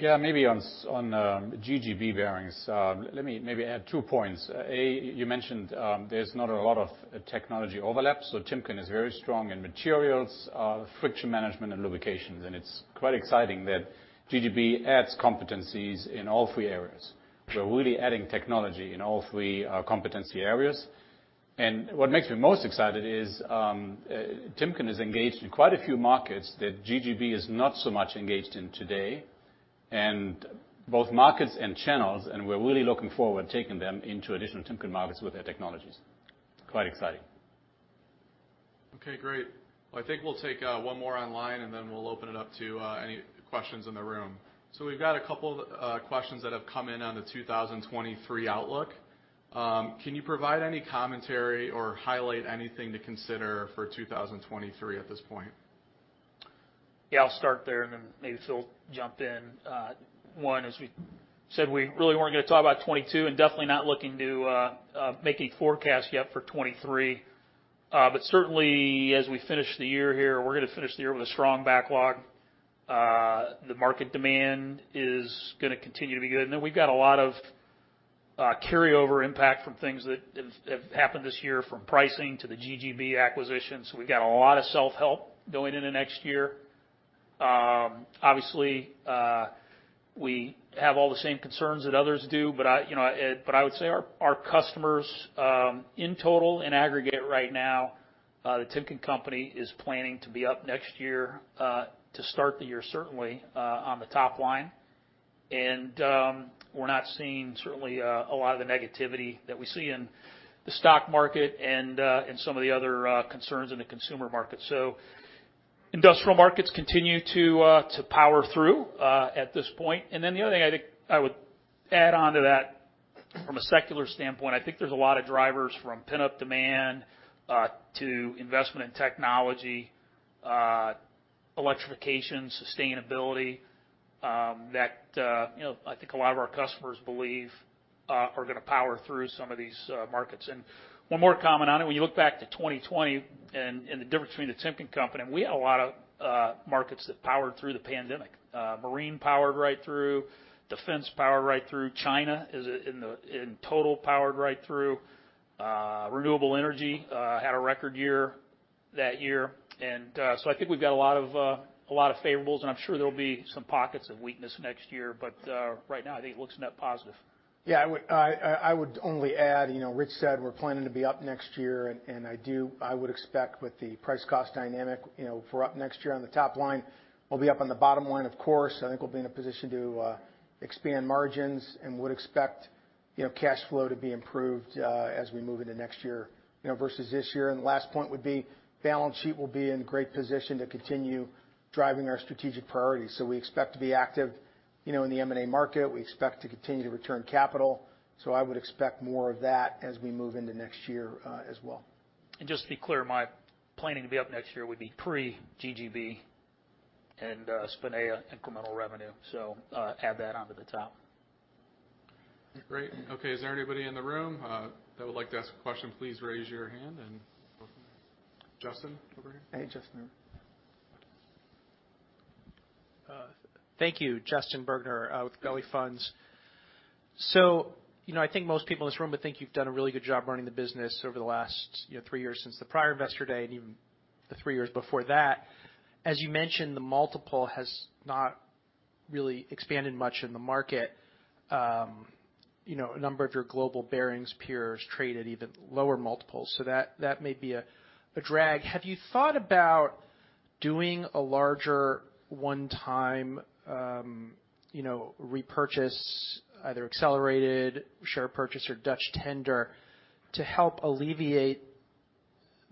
Yeah, maybe on GGB bearings. Let me maybe add two points. A, you mentioned, there's not a lot of technology overlap, so Timken is very strong in materials, friction management, and lubrication, and it's quite exciting that GGB adds competencies in all three areas. We're really adding technology in all three competency areas. What makes me most excited is, Timken is engaged in quite a few markets that GGB is not so much engaged in today, and both markets and channels, and we're really looking forward to taking them into additional Timken markets with their technologies. Quite exciting. Okay, great. I think we'll take one more online, and then we'll open it up to any questions in the room. We've got a couple questions that have come in on the 2023 outlook. Can you provide any commentary or highlight anything to consider for 2023 at this point? Yeah, I'll start there and then maybe Phil will jump in. One, as we said, we really weren't gonna talk about 2022, and definitely not looking to make any forecasts yet for 2023. Certainly, as we finish the year here, we're gonna finish the year with a strong backlog. The market demand is gonna continue to be good. Then we've got a lot of carryover impact from things that have happened this year, from pricing to the GGB acquisition, so we've got a lot of self-help going into next year. Obviously, we have all the same concerns that others do, but I, you know, but I would say our customers, in total, in aggregate right now, The Timken Company is planning to be up next year, to start the year certainly, on the top line. We're not seeing certainly, a lot of the negativity that we see in the stock market and, in some of the other concerns in the consumer market. Industrial markets continue to power through, at this point. The other thing I think I would add on to that from a secular standpoint, I think there's a lot of drivers from pent-up demand to investment in technology, electrification, sustainability, that you know I think a lot of our customers believe are gonna power through some of these markets. One more comment on it. When you look back to 2020 and the difference between the Timken Company, we had a lot of markets that powered right through the pandemic. Marine powered right through. Defense powered right through. China, in total, powered right through. Renewable Energy had a record year that year. I think we've got a lot of favorables, and I'm sure there'll be some pockets of weakness next year. Right now, I think it looks net positive. Yeah. I would only add, you know, Rich said we're planning to be up next year, and I would expect with the price cost dynamic, you know, for up next year on the top line. We'll be up on the bottom line, of course. I think we'll be in a position to expand margins and would expect, you know, cash flow to be improved as we move into next year, you know, versus this year. The last point would be balance sheet will be in great position to continue driving our strategic priorities. We expect to be active, you know, in the M&A market. We expect to continue to return capital. I would expect more of that as we move into next year as well. Just to be clear, my planning to be up next year would be pre-GGB and Spinea incremental revenue, so add that onto the top. Great. Okay. Is there anybody in the room that would like to ask a question, please raise your hand and welcome. Justin, over here. Hey, Justin. Thank you. Justin Bergner with Gabelli Funds. You know, I think most people in this room would think you've done a really good job running the business over the last, you know, three years since the prior Investor Day, and even the three years before that. As you mentioned, the multiple has not really expanded much in the market. You know, a number of your global bearings peers trade at even lower multiples, so that may be a drag. Have you thought about doing a larger one-time, you know, repurchase, either accelerated share purchase or Dutch tender to help alleviate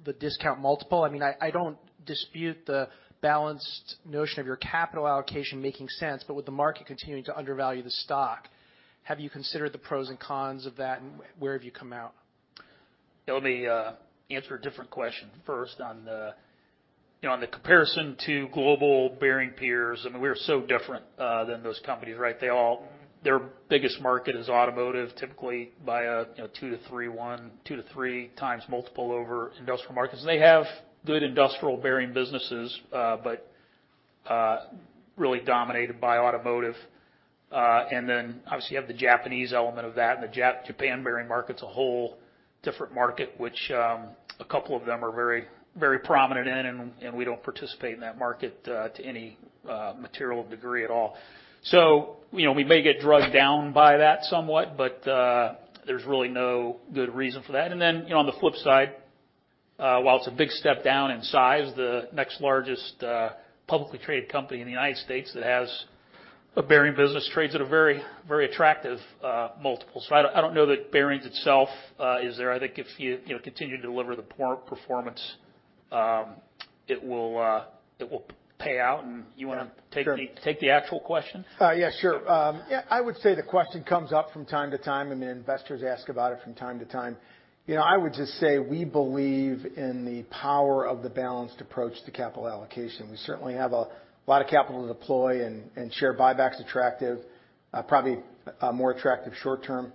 the discount multiple? I mean, I don't dispute the balanced notion of your capital allocation making sense, but with the market continuing to undervalue the stock, have you considered the pros and cons of that, and where have you come out? Let me answer a different question first on the comparison to global bearing peers. I mean, we are so different than those companies, right? Their biggest market is automotive, typically by 2x to 3x times multiple over industrial markets. They have good industrial bearing businesses, but really dominated by automotive. Then, obviously, you have the Japanese element of that, and the Japan bearing market's a whole different market, which a couple of them are very, very prominent in, and we don't participate in that market to any material degree at all. You know, we may get dragged down by that somewhat, but there's really no good reason for that. You know, on the flip side, while it's a big step down in size, the next largest publicly traded company in the United States that has a bearing business trades at a very, very attractive multiple. I don't know that bearings itself is there. I think if you know, continue to deliver the peer performance, it will pay out. You wanna take the- Sure. Take the actual question? Yeah, sure. I would say the question comes up from time to time, and investors ask about it from time to time. You know, I would just say we believe in the power of the balanced approach to capital allocation. We certainly have a lot of capital to deploy, and share buyback's attractive, probably a more attractive short term.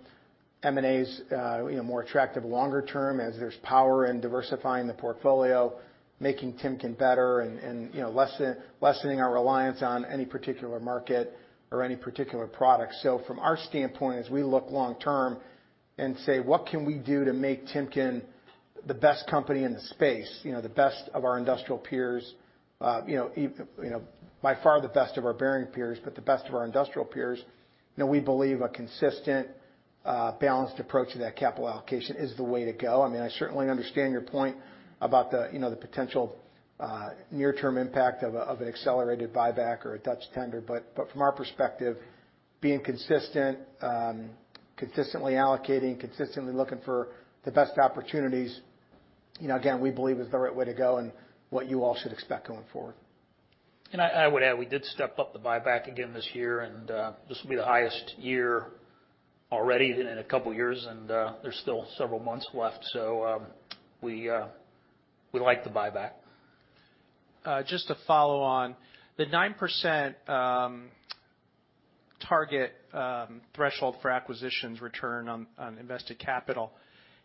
M&A's, you know, more attractive longer term as there's power in diversifying the portfolio, making Timken better and, you know, lessening our reliance on any particular market or any particular product. From our standpoint, as we look long term and say, what can we do to make Timken the best company in the space? You know, the best of our industrial peers, you know, you know, by far the best of our bearing peers, but the best of our industrial peers. You know, we believe a consistent, balanced approach to that capital allocation is the way to go. I mean, I certainly understand your point about the, you know, the potential, near-term impact of an accelerated buyback or a Dutch tender. From our perspective, being consistent, consistently allocating, consistently looking for the best opportunities, you know, again, we believe is the right way to go and what you all should expect going forward? I would add, we did step up the buyback again this year, and this will be the highest year already in a couple years, and there's still several months left. We like the buyback. Just to follow on. The 9% target threshold for acquisitions return on invested capital,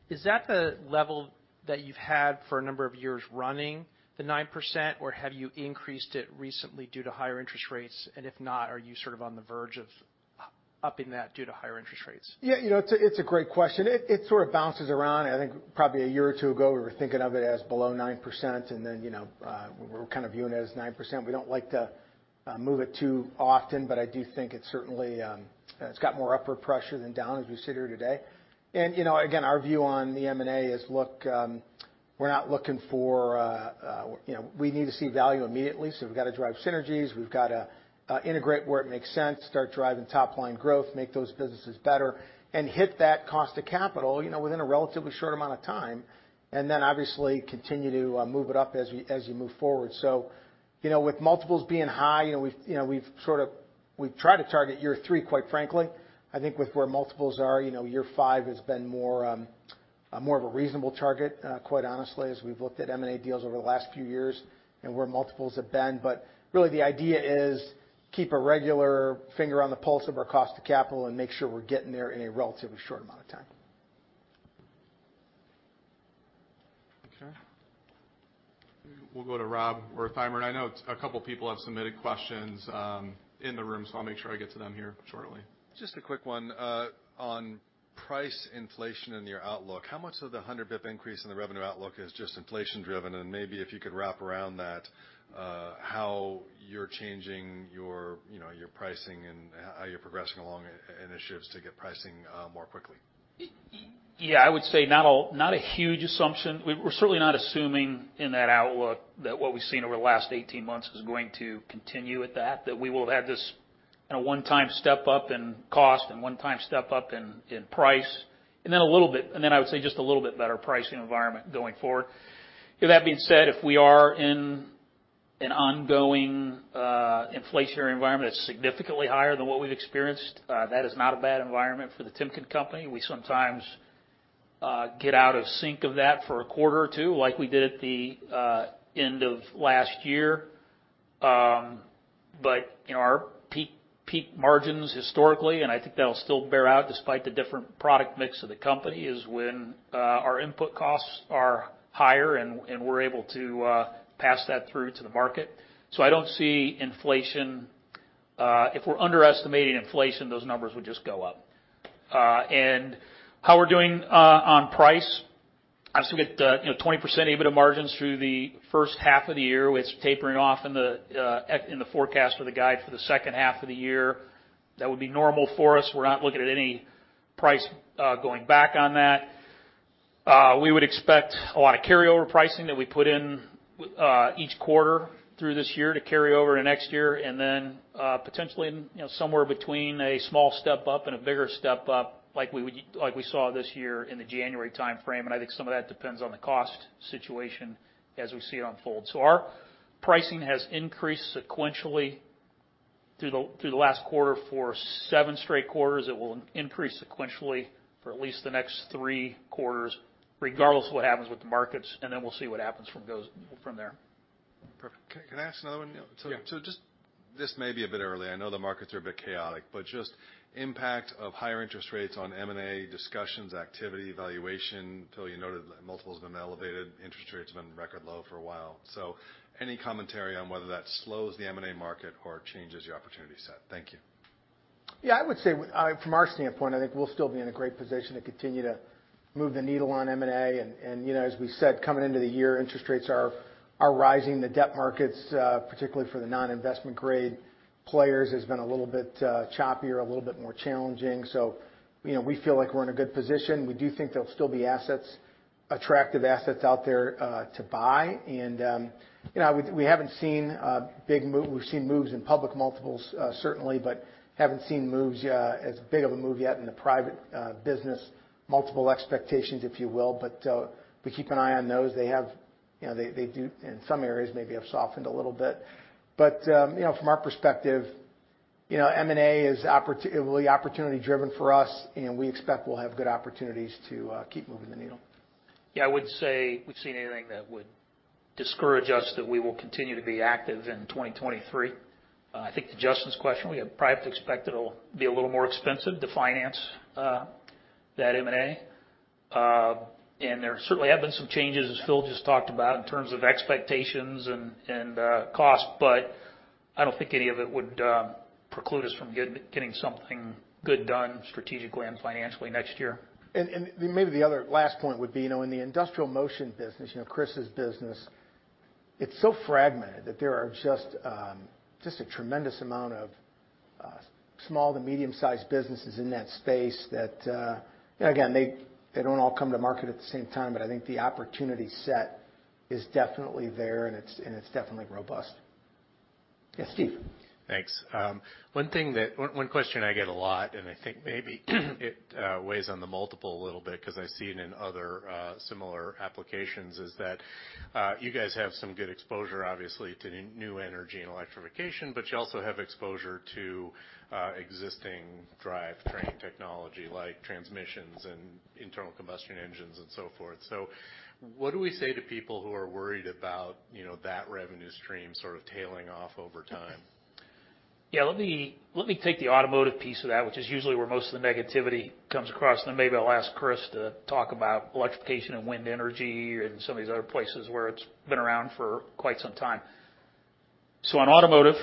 is that the level that you've had for a number of years running, the 9%? Or have you increased it recently due to higher interest rates? If not, are you sort of on the verge of upping that due to higher interest rates? Yeah. You know, it's a great question. It sort of bounces around. I think probably a year or two ago, we were thinking of it as below 9%, and then, you know, we're kind of viewing it as 9%. We don't like to move it too often, but I do think it's certainly got more upward pressure than down as we sit here today. You know, again, our view on the M&A is, look, we're not looking for, you know, we need to see value immediately, so we've gotta drive synergies, we've gotta integrate where it makes sense, start driving top-line growth, make those businesses better, and hit that cost of capital, you know, within a relatively short amount of time. Obviously, continue to move it up as you move forward. You know, with multiples being high, you know, we've tried to target year 3, quite frankly. I think with where multiples are, you know, year 5 has been more of a reasonable target, quite honestly, as we've looked at M&A deals over the last few years and where multiples have been. Really the idea is keep a regular finger on the pulse of our cost of capital and make sure we're getting there in a relatively short amount of time. Okay. We'll go to Rob Wertheimer. I know a couple people have submitted questions in the room, so I'll make sure I get to them here shortly. Just a quick one. On price inflation in your outlook, how much of the 100 basis points increase in the revenue outlook is just inflation driven? Maybe if you could wrap around that, how you're changing your, you know, your pricing and how you're progressing along initiatives to get pricing more quickly. Yeah, I would say not a huge assumption. We're certainly not assuming in that outlook that what we've seen over the last 18 months is going to continue, that we will have this in a one-time step up in cost and one-time step up in price. Then I would say just a little bit better pricing environment going forward. With that being said, if we are in an ongoing inflationary environment that's significantly higher than what we've experienced, that is not a bad environment for the Timken Company. We sometimes get out of sync with that for a quarter or two, like we did at the end of last year. You know, our peak margins historically, and I think that'll still bear out despite the different product mix of the company, is when our input costs are higher and we're able to pass that through to the market. I don't see inflation. If we're underestimating inflation, those numbers would just go up. How we're doing on price, obviously we get, you know, 20% EBITDA margins through the first half of the year. It's tapering off in the forecast or the guide for the second half of the year. That would be normal for us. We're not looking at any price going back on that. We would expect a lot of carryover pricing that we put in each quarter through this year to carry over to next year. Potentially, you know, somewhere between a small step up and a bigger step up like we saw this year in the January timeframe. I think some of that depends on the cost situation as we see it unfold. Our pricing has increased sequentially through the last quarter. For 7 straight quarters, it will increase sequentially for at least the next 3 quarters, regardless of what happens with the markets, and then we'll see what happens from there. Perfect. Can I ask another one? Yeah. This may be a bit early. I know the markets are a bit chaotic. Just impact of higher interest rates on M&A discussions, activity, valuation. Phil, you noted multiples have been elevated, interest rates have been record low for a while. Any commentary on whether that slows the M&A market or changes your opportunity set? Thank you. Yeah. I would say, I mean, from our standpoint, I think we'll still be in a great position to continue to move the needle on M&A. You know, as we said, coming into the year, interest rates are rising. The debt markets, particularly for the non-investment grade players, has been a little bit choppier, a little bit more challenging. You know, we feel like we're in a good position. We do think there'll still be assets, attractive assets out there to buy. You know, we haven't seen a big move. We've seen moves in public multiples, certainly, but haven't seen moves as big of a move yet in the private business multiple expectations, if you will. We keep an eye on those. They have, you know, they do in some areas maybe have softened a little bit. From our perspective, you know, M&A is opportunity driven for us, and we expect we'll have good opportunities to keep moving the needle. Yeah. I wouldn't say we've seen anything that would discourage us that we will continue to be active in 2023. I think to Justin's question, we have privately expected it'll be a little more expensive to finance that M&A. And there certainly have been some changes, as Phil just talked about, in terms of expectations and cost, but I don't think any of it would preclude us from getting something good done strategically and financially next year. Maybe the other last point would be, you know, in the Industrial Motion business, you know, Chris's business. It's so fragmented that there are just a tremendous amount of small to medium sized businesses in that space that, you know, again, they don't all come to market at the same time. I think the opportunity set is definitely there, and it's definitely robust. Yes, Steve. Thanks. One question I get a lot, and I think maybe it weighs on the multiple a little bit 'cause I see it in other similar applications, is that you guys have some good exposure obviously to new energy and electrification, but you also have exposure to existing drivetrain technology, like transmissions and internal combustion engines and so forth. What do we say to people who are worried about, you know, that revenue stream sort of tailing off over time? Yeah. Let me take the automotive piece of that, which is usually where most of the negativity comes across, then maybe I'll ask Chris to talk about electrification and wind energy and some of these other places where it's been around for quite some time. In automotive,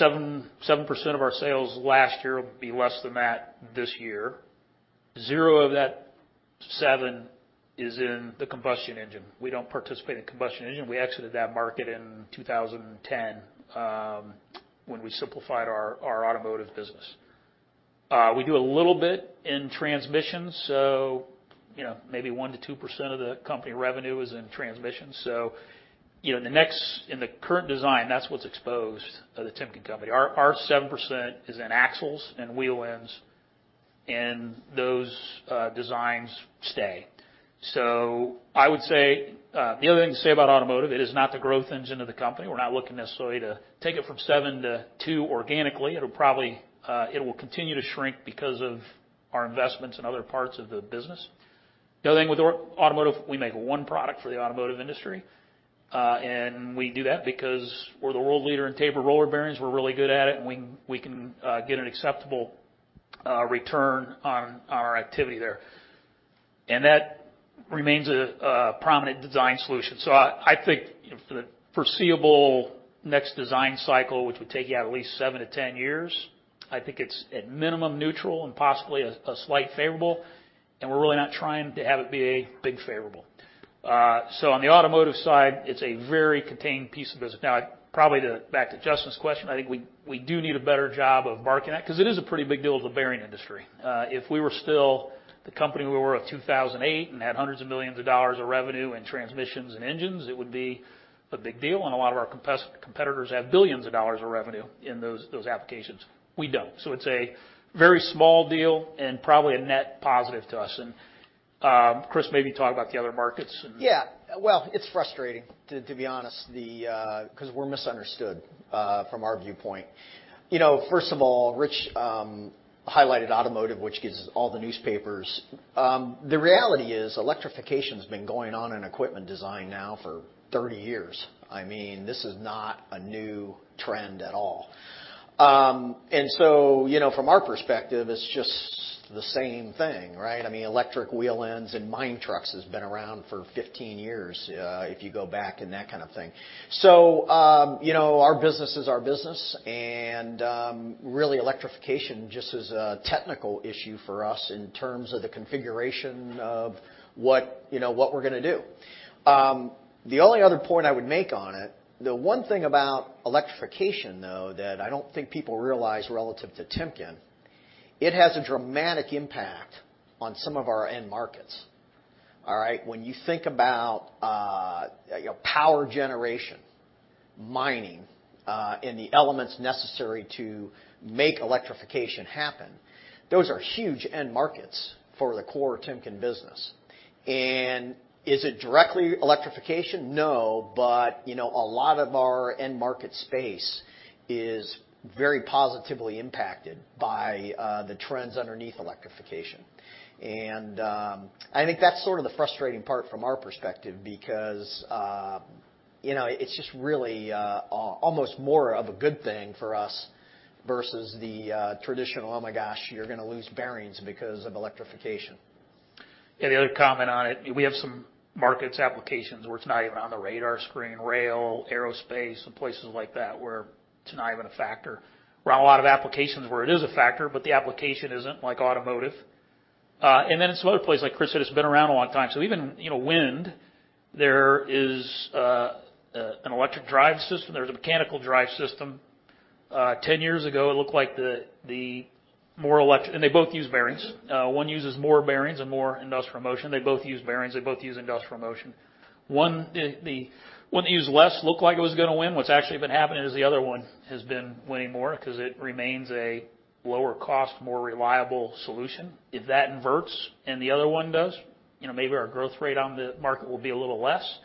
7% of our sales last year will be less than that this year. 0% of that 7% is in the combustion engine. We don't participate in combustion engine. We exited that market in 2010, when we simplified our automotive business. We do a little bit in transmissions, so you know, maybe 1%-2% of the company revenue is in transmissions. You know, in the current design, that's what's exposed of the Timken Company. Our 7% is in axles and wheel ends, and those designs stay. I would say the other thing to say about automotive, it is not the growth engine of the company. We're not looking necessarily to take it from 7% to 2% organically. It'll probably continue to shrink because of our investments in other parts of the business. The other thing with automotive, we make one product for the automotive industry, and we do that because we're the world leader in tapered roller bearings. We're really good at it, and we can get an acceptable return on our activity there. That remains a prominent design solution. I think, you know, for the foreseeable next design cycle, which would take you out at least seven-10 years, I think it's at minimum neutral and possibly a slight favorable, and we're really not trying to have it be a big favorable. On the automotive side, it's a very contained piece of business. Now, probably back to Justin's question, I think we do need a better job of marketing that 'cause it is a pretty big deal to the bearing industry. If we were still the company we were of 2008 and had hundreds of millions of dollars of revenue in transmissions and engines, it would be a big deal, and a lot of our competitors have billions of dollars of revenue in those applications. We don't. It's a very small deal and probably a net positive to us. Chris, maybe talk about the other markets and- Yeah. Well, it's frustrating to be honest, 'cause we're misunderstood from our viewpoint. You know, first of all, Rich highlighted automotive, which gets all the newspapers. The reality is electrification's been going on in equipment design now for 30 years. I mean, this is not a new trend at all. You know, from our perspective, it's just the same thing, right? I mean, electric wheel ends in mine trucks has been around for 15 years, if you go back and that kind of thing. You know, our business is our business, and really electrification just is a technical issue for us in terms of the configuration of what you know what we're gonna do. The only other point I would make on it, the one thing about electrification, though, that I don't think people realize relative to Timken, it has a dramatic impact on some of our end markets. All right? When you think about, you know, power generation, mining, and the elements necessary to make electrification happen, those are huge end markets for the core Timken business. Is it directly electrification? No. But, you know, a lot of our end market space is very positively impacted by the trends underneath electrification. I think that's sort of the frustrating part from our perspective because, you know, it's just really almost more of a good thing for us versus the traditional, oh my gosh, you're gonna lose bearings because of electrification. Yeah. The other comment on it, we have some markets applications where it's not even on the radar screen, rail, aerospace, and places like that, where it's not even a factor. We have a lot of applications where it is a factor, but the application isn't, like automotive. Then some other places, like Chris said, it's been around a long time. Even, you know, wind, there is an electric drive system. There's a mechanical drive system. 10 years ago, it looked like the more electric. They both use bearings. One uses more bearings and more Industrial Motion. They both use bearings. They both use Industrial Motion. The one that used less looked like it was gonna win. What's actually been happening is the other one has been winning more 'cause it remains a lower cost, more reliable solution. If that inverts and the other one does, you know, maybe our growth rate on the market will be a little less.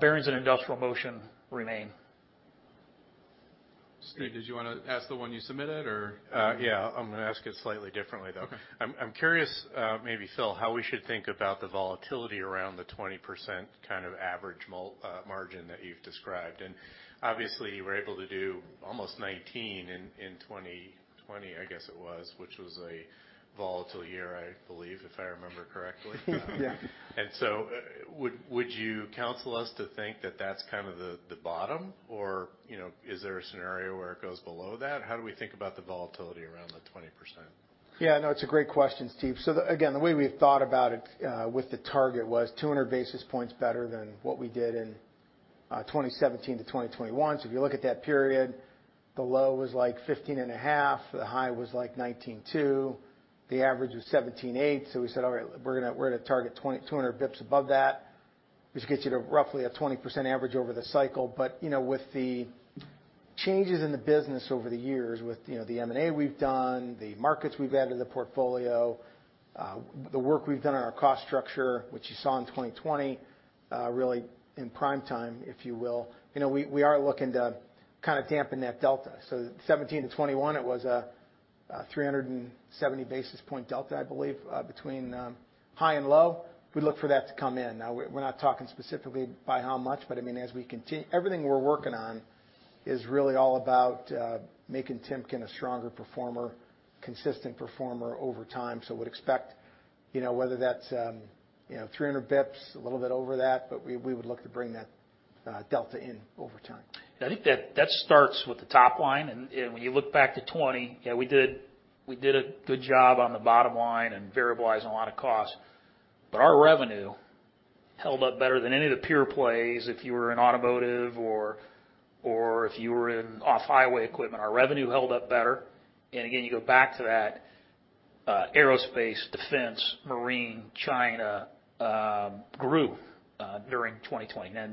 Bearings and Industrial Motion remain. Steve, did you wanna ask the one you submitted? Yeah. I'm gonna ask it slightly differently, though. Okay. I'm curious, maybe, Phil, how we should think about the volatility around the 20% kind of average margin that you've described. Obviously, you were able to do almost 19 in 2020, I guess it was, which was a volatile year, I believe, if I remember correctly. Yeah. Would you counsel us to think that that's kind of the bottom or, you know, is there a scenario where it goes below that? How do we think about the volatility around the 20%? Yeah. No, it's a great question, Steve. Again, the way we thought about it with the target was 200 basis points better than what we did in 2017 to 2021. If you look at that period The low was like 15.5%, the high was like 19.2%, the average was 17.8%. We said, all right, we're gonna target 200 bps above that, which gets you to roughly a 20% average over the cycle. You know, with the changes in the business over the years, with, you know, the M&A we've done, the markets we've added to the portfolio, the work we've done on our cost structure, which you saw in 2020, really in prime time, if you will, you know, we are looking to kind of dampen that delta. 17 to 21, it was a three hundred and seventy basis point delta, I believe, between high and low. We look for that to come in. Now, we're not talking specifically by how much, but I mean, everything we're working on is really all about making Timken a stronger performer, consistent performer over time. Would expect, you know, whether that's, you know, 300 basis points, a little bit over that, but we would look to bring that delta in over time. I think that starts with the top line. When you look back to 2020, yeah, we did a good job on the bottom line and variablizing a lot of costs. Our revenue held up better than any of the peer plays if you were in automotive or if you were in off-highway equipment. Our revenue held up better. Again, you go back to that, aerospace, defense, marine, China grew during 2020. You know,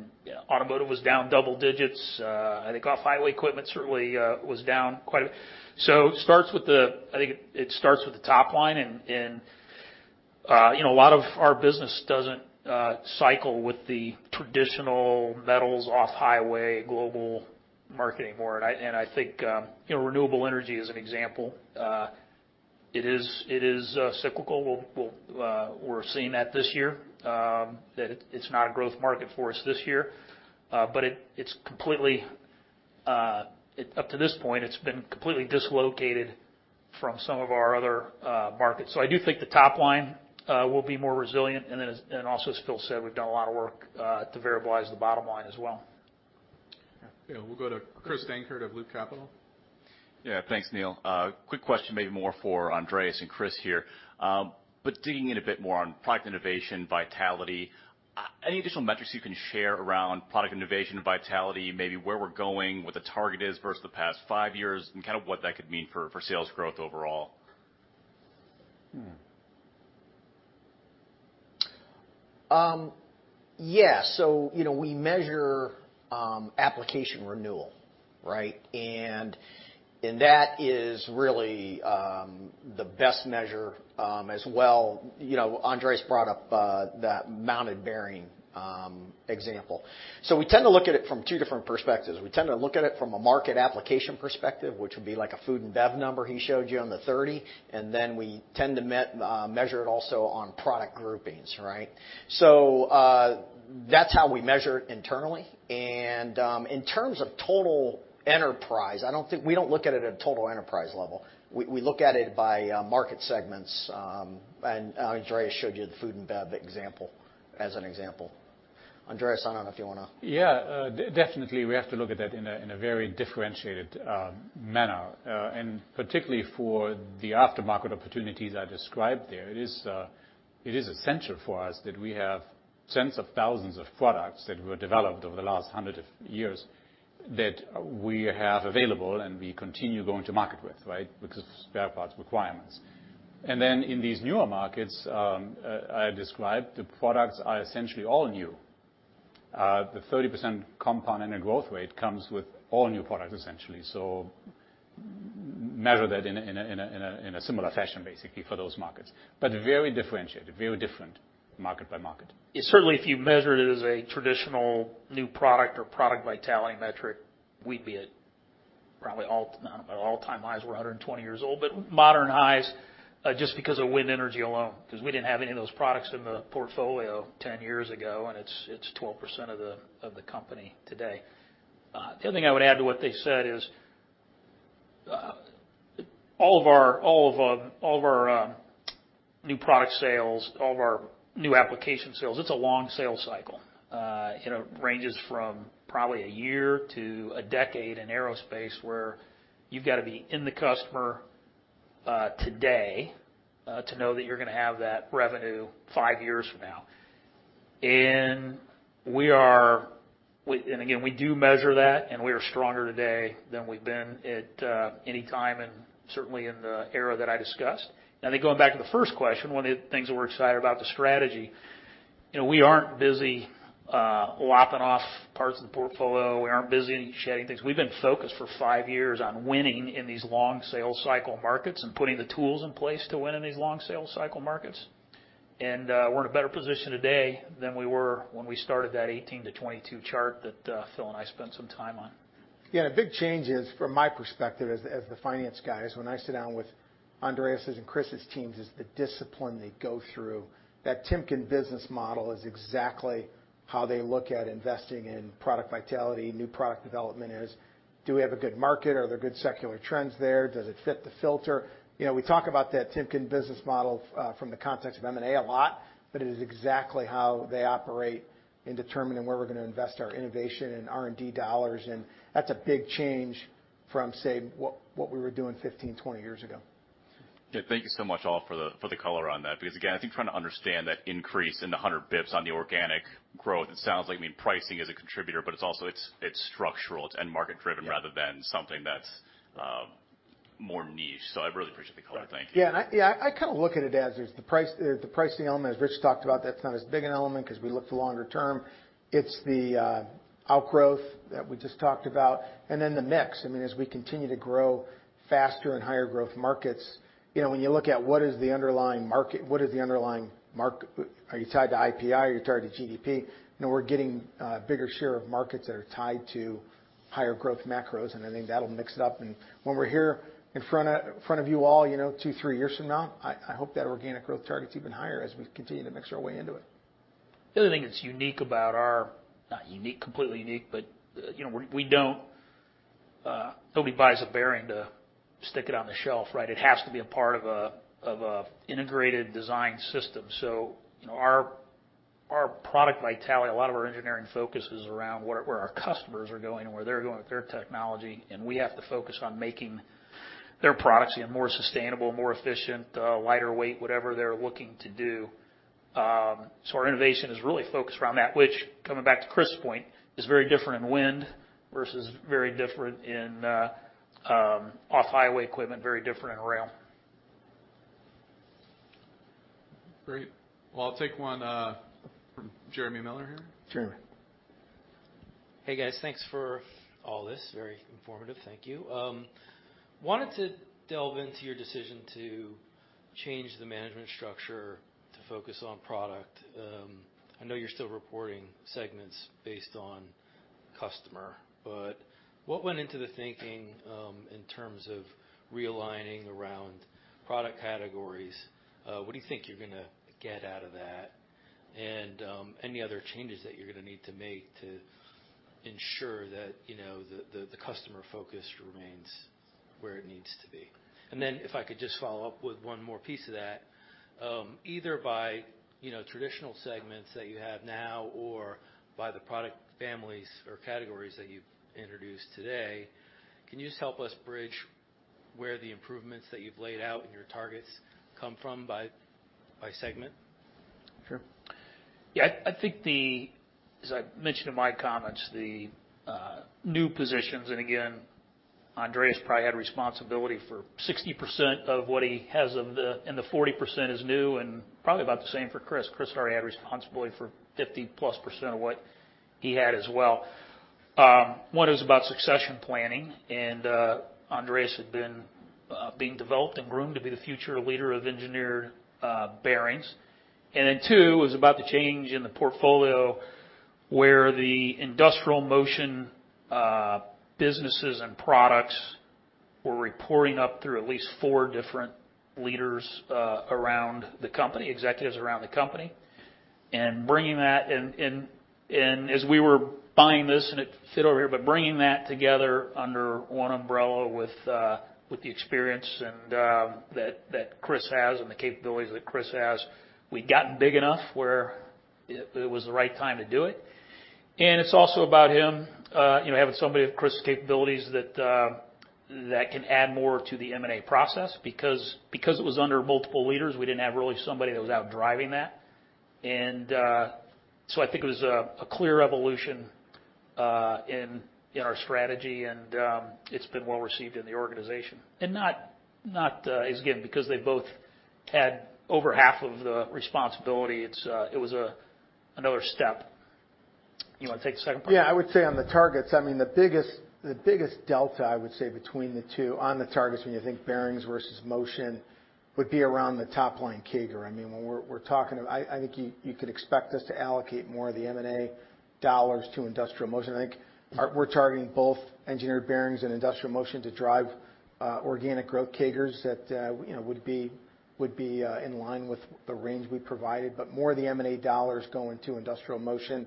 automotive was down double digits. I think off-highway equipment certainly was down quite a bit. It starts with the top line. I think it starts with the top line. You know, a lot of our business doesn't cycle with the traditional cyclical off-highway global manufacturing base. I think you know, Renewable Energy is an example. It is cyclical. We're seeing that this year that it's not a growth market for us this year. Up to this point, it's been completely dislocated from some of our other markets. I do think the top line will be more resilient. Also as Phil said, we've done a lot of work to variablize the bottom line as well. Yeah. We'll go to Chris Dankert of Loop Capital. Yeah. Thanks, Neil. Quick question, maybe more for Andreas and Chris here. Digging in a bit more on product innovation, vitality, any additional metrics you can share around product innovation and vitality, maybe where we're going, what the target is versus the past five years, and kind of what that could mean for sales growth overall? Yeah. You know, we measure application renewal, right? That is really the best measure as well. You know, Andreas brought up that mounted bearing example. We tend to look at it from two different perspectives. We tend to look at it from a market application perspective, which would be like a food and bev number he showed you on the 30%, and then we tend to measure it also on product groupings, right? That's how we measure it internally. In terms of total enterprise, we don't look at it at a total enterprise level. We look at it by market segments. Andreas showed you the food and bev example as an example. Andreas, I don't know if you wanna. Yeah. Definitely we have to look at that in a very differentiated manner. Particularly for the aftermarket opportunities I described there, it is essential for us that we have tens of thousands of products that were developed over the last hundred years that we have available and we continue going to market with, right? Because spare parts requirements. Then in these newer markets I described, the products are essentially all new. The 30% compound annual growth rate comes with all new products, essentially. Measure that in a similar fashion, basically, for those markets. Very differentiated, very different market by market. Yeah, certainly, if you measured it as a traditional new product or product vitality metric, we'd be at probably all-time highs. We're 120 years old, but modern highs, just because of wind energy alone, 'cause we didn't have any of those products in the portfolio 10 years ago, and it's 12% of the company today. The other thing I would add to what they said is all of our new product sales, all of our new application sales, it's a long sales cycle. You know, ranges from probably a year to a decade in aerospace, where you've gotta be in the customer today to know that you're gonna have that revenue five years from now. Again, we do measure that, and we are stronger today than we've been at any time and certainly in the era that I discussed. I think going back to the first question, one of the things that we're excited about the strategy, you know, we aren't busy lopping off parts of the portfolio. We aren't busy shedding things. We've been focused for five years on winning in these long sales cycle markets and putting the tools in place to win in these long sales cycle markets. We're in a better position today than we were when we started that 18-22 chart that Phil and I spent some time on. Yeah. The big change is, from my perspective as the finance guy, is when I sit down with Andreas Roellgen's and Chris Coughlin's teams is the discipline they go through. That Timken business model is exactly how they look at investing in product vitality, new product development is, do we have a good market? Are there good secular trends there? Does it fit the filter? You know, we talk about that Timken business model, from the context of M&A a lot, but it is exactly how they operate in determining where we're gonna invest our innovation and R&D dollars. That's a big change from, say, what we were doing 15, 20 years ago. Yeah. Thank you so much all for the color on that because again, I think trying to understand that increase in the 100 basis points on the organic growth, it sounds like, I mean, pricing is a contributor, but it's also structural, it's end market driven rather than something that's more niche. I really appreciate the color. Thank you. Yeah. I kind of look at it as there's the pricing element, as Rich talked about, that's not as big an element 'cause we look for longer term. It's the outgrowth that we just talked about, and then the mix. I mean, as we continue to grow faster in higher growth markets, you know, when you look at what is the underlying market, are you tied to IPI? Are you tied to GDP? You know, we're getting a bigger share of markets that are tied to higher growth macros, and I think that'll mix it up. When we're here in front of you all, you know, two, three years from now, I hope that organic growth target's even higher as we continue to mix our way into it. The other thing that's unique about our not unique, completely unique, but, you know, we don't nobody buys a bearing to stick it on the shelf, right? It has to be a part of a integrated design system. You know, our product vitality, a lot of our engineering focus is around where our customers are going and where they're going with their technology, and we have to focus on making their products, you know, more sustainable, more efficient, lighter weight, whatever they're looking to do. Our innovation is really focused around that, which, coming back to Chris' point, is very different in wind versus very different in off-highway equipment, very different in rail. Great. Well, I'll take one from Jeremy Miller here. Jeremy. Hey, guys. Thanks for all this. Very informative. Thank you. Wanted to delve into your decision to change the management structure to focus on product. I know you're still reporting segments based on customer, but what went into the thinking, in terms of realigning around product categories? What do you think you're gonna get out of that? Any other changes that you're gonna need to make to ensure that, you know, the customer focus remains where it needs to be. Then if I could just follow up with one more piece of that, either by, you know, traditional segments that you have now or by the product families or categories that you've introduced today, can you just help us bridge where the improvements that you've laid out in your targets come from by segment? Sure. Yeah. I think, as I mentioned in my comments, the new positions, and again, Andreas probably had responsibility for 60% of what he has of the, and the 40% is new and probably about the same for Chris. Chris already had responsibility for 50-plus% of what he had as well. One is about succession planning, and Andreas had been being developed and groomed to be the future leader of Engineered Bearings. Two is about the change in the portfolio where the Industrial Motion businesses and products were reporting up through at least four different leaders around the company, executives around the company. Bringing that in as we were buying this, and it fit over here, but bringing that together under one umbrella with the experience and that Chris has and the capabilities that Chris has, we'd gotten big enough where it was the right time to do it. It's also about him, you know, having somebody of Chris' capabilities that can add more to the M&A process. Because it was under multiple leaders, we didn't have really somebody that was out driving that. So I think it was a clear evolution in our strategy, and it's been well received in the organization. It's again, because they both had over half of the responsibility. It was another step. You wanna take the second part? Yeah. I would say on the targets, I mean, the biggest delta I would say between the two on the targets when you think Engineered Bearings versus Industrial Motion would be around the top-line CAGR. I mean, when we're talking, I think you could expect us to allocate more of the M&A dollars to Industrial Motion. I think we're targeting both Engineered Bearings and Industrial Motion to drive organic growth CAGRs that, you know, would be in line with the range we provided, but more of the M&A dollars going to Industrial Motion.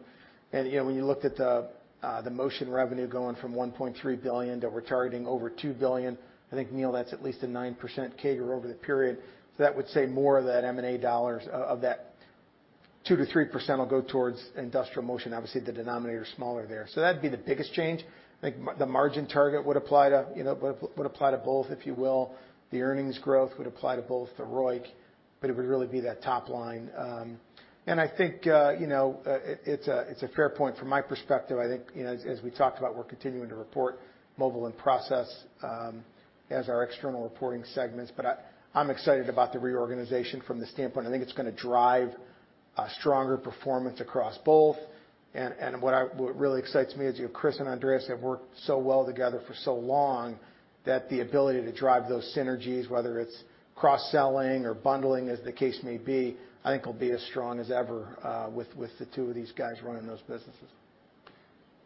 You know, when you looked at the Industrial Motion revenue going from $1.3 billion to we're targeting over $2 billion, I think, Neil, that's at least a 9% CAGR over the period. That would say more of that M&A dollars of that 2%-3% will go towards Industrial Motion. Obviously, the denominator is smaller there. That'd be the biggest change. I think the margin target would apply to, you know, would apply to both, if you will. The earnings growth would apply to both, the ROIC, but it would really be that top line. I think, you know, it's a fair point from my perspective. I think, you know, as we talked about, we're continuing to report Mobile and Process as our external reporting segments. I'm excited about the reorganization from the standpoint. I think it's gonna drive a stronger performance across both. What really excites me is, you know, Chris and Andreas have worked so well together for so long that the ability to drive those synergies, whether it's cross-selling or bundling, as the case may be, I think will be as strong as ever, with the two of these guys running those businesses.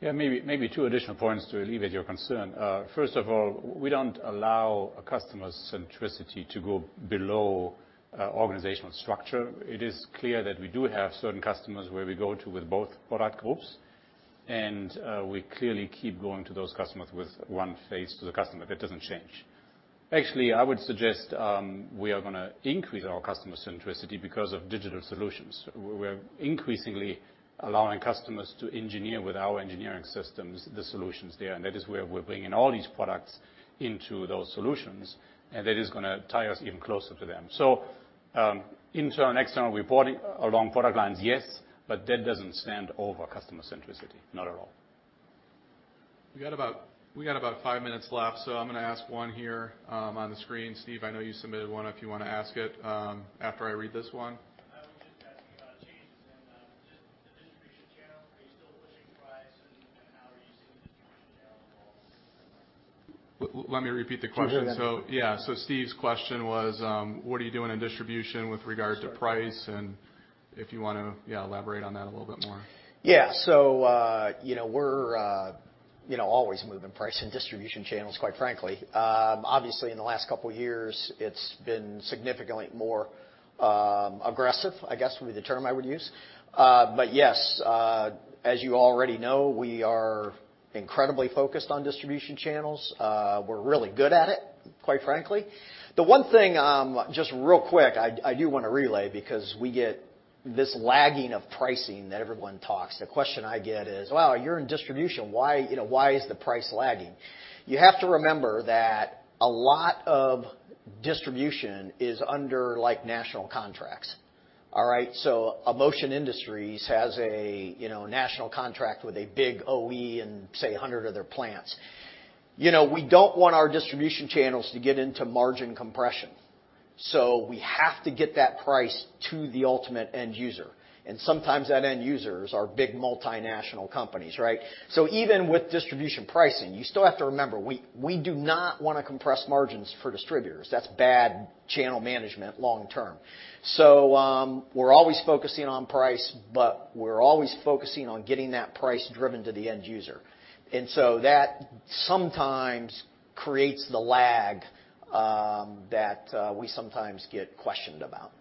Yeah. Maybe two additional points to alleviate your concern. First of all, we don't allow a customer centricity to go below organizational structure. It is clear that we do have certain customers where we go to with both product groups, and we clearly keep going to those customers with one face to the customer. That doesn't change. Actually, I would suggest we are gonna increase our customer centricity because of digital solutions. We're increasingly allowing customers to engineer with our engineering systems, the solutions there, and that is where we're bringing all these products into those solutions, and that is gonna tie us even closer to them. Internal and external reporting along product lines, yes, but that doesn't stand over customer centricity. Not at all. We got about five minutes left, so I'm gonna ask one here, on the screen. Steve, I know you submitted one, if you wanna ask it, after I read this one. I was just asking about changes in just the distribution channel. Are you still pushing price, and how are you seeing the distribution channel evolve? Let me repeat the question. Sure, yeah. Steve's question was, what are you doing in distribution with regard to price? If you wanna, yeah, elaborate on that a little bit more. Yeah. You know, we're you know, always moving price and distribution channels, quite frankly. Obviously, in the last couple years, it's been significantly more aggressive, I guess would be the term I would use. Yes, as you already know, we are incredibly focused on distribution channels. We're really good at it, quite frankly. The one thing, just real quick, I do wanna relay, because we get this lagging of pricing that everyone talks. The question I get is, "Well, you're in distribution. Why, you know, why is the price lagging?" You have to remember that a lot of distribution is under, like, national contracts, all right? Motion Industries has a, you know, national contract with a big OE in, say, 100 of their plants. You know, we don't want our distribution channels to get into margin compression, so we have to get that price to the ultimate end user, and sometimes that end users are big multinational companies, right? Even with distribution pricing, you still have to remember, we do not wanna compress margins for distributors. That's bad channel management long term. We're always focusing on price, but we're always focusing on getting that price driven to the end user. And so that sometimes creates the lag that we sometimes get questioned about.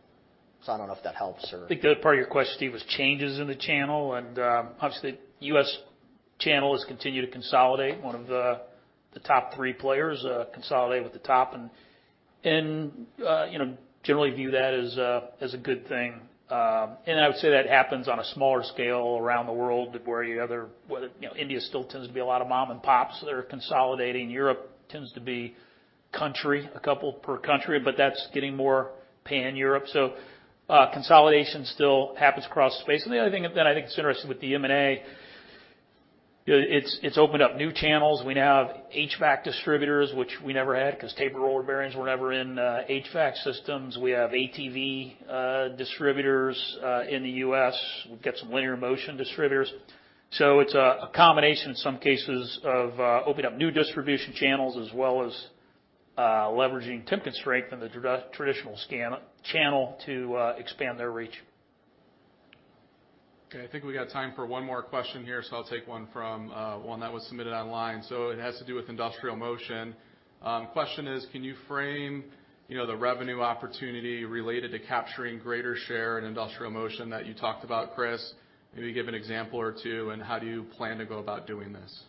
I don't know if that helps or- I think the other part of your question, Steve, was changes in the channel, and obviously, U.S. channels continue to consolidate. One of the top three players consolidate with the top, and you know, generally view that as a good thing. I would say that happens on a smaller scale around the world where whether, you know, India still tends to be a lot of mom and pops that are consolidating. Europe tends to be a couple per country, but that's getting more pan-Europe. Consolidation still happens across the space. The other thing that I think is interesting with the M&A, it's opened up new channels. We now have HVAC distributors, which we never had, 'cause tapered roller bearings were never in HVAC systems. We have ATV distributors in the U.S. We've got some Linear Motion distributors. It's a combination in some cases of opening up new distribution channels as well as leveraging Timken strength in the traditional channel to expand their reach. Okay. I think we got time for one more question here, so I'll take one from one that was submitted online. It has to do with Industrial Motion. Question is, can you frame, you know, the revenue opportunity related to capturing greater share in Industrial Motion that you talked about, Chris? Maybe give an example or two, and how do you plan to go about doing this?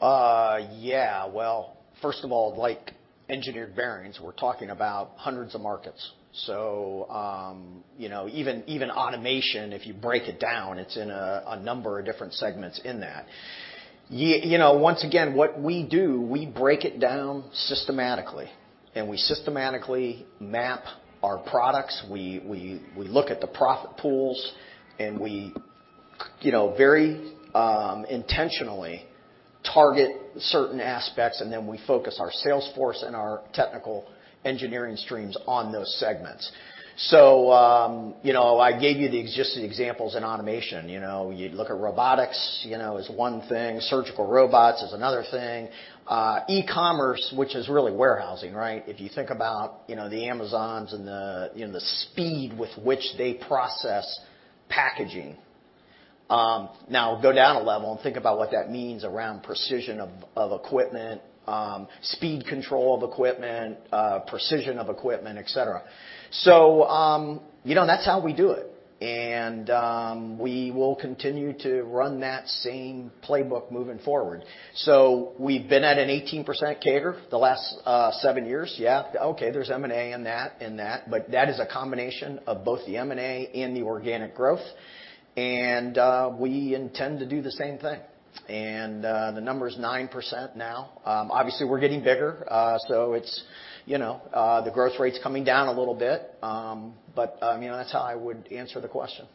Yeah. Well, first of all, like Engineered Bearings, we're talking about hundreds of markets. You know, even automation, if you break it down, it's in a number of different segments in that. You know, once again, what we do, we break it down systematically, and we systematically map our products. We look at the profit pools, and we, you know, very intentionally target certain aspects, and then we focus our sales force and our technical engineering streams on those segments. You know, I gave you the existing examples in automation. You know, you look at robotics, you know, as one thing. Surgical robots is another thing. E-commerce, which is really warehousing, right? If you think about, you know, the Amazon and the, you know, the speed with which they process packaging. Now go down a level and think about what that means around precision of equipment, speed control of equipment, precision of equipment, et cetera. You know, that's how we do it, and we will continue to run that same playbook moving forward. We've been at an 18% CAGR the last seven years. Yeah, okay, there's M&A in that, but that is a combination of both the M&A and the organic growth, and we intend to do the same thing. The number is 9% now. Obviously, we're getting bigger, so it's, you know, the growth rate's coming down a little bit. You know, that's how I would answer the question.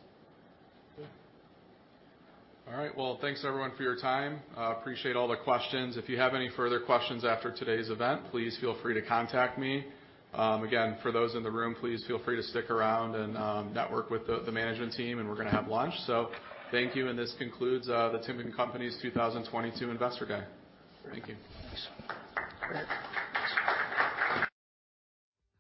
All right. Well, thanks everyone for your time. I appreciate all the questions. If you have any further questions after today's event, please feel free to contact me. Again, for those in the room, please feel free to stick around and network with the management team, and we're gonna have lunch. Thank you, and this concludes the Timken Company's 2022 Investor Day. Thank you.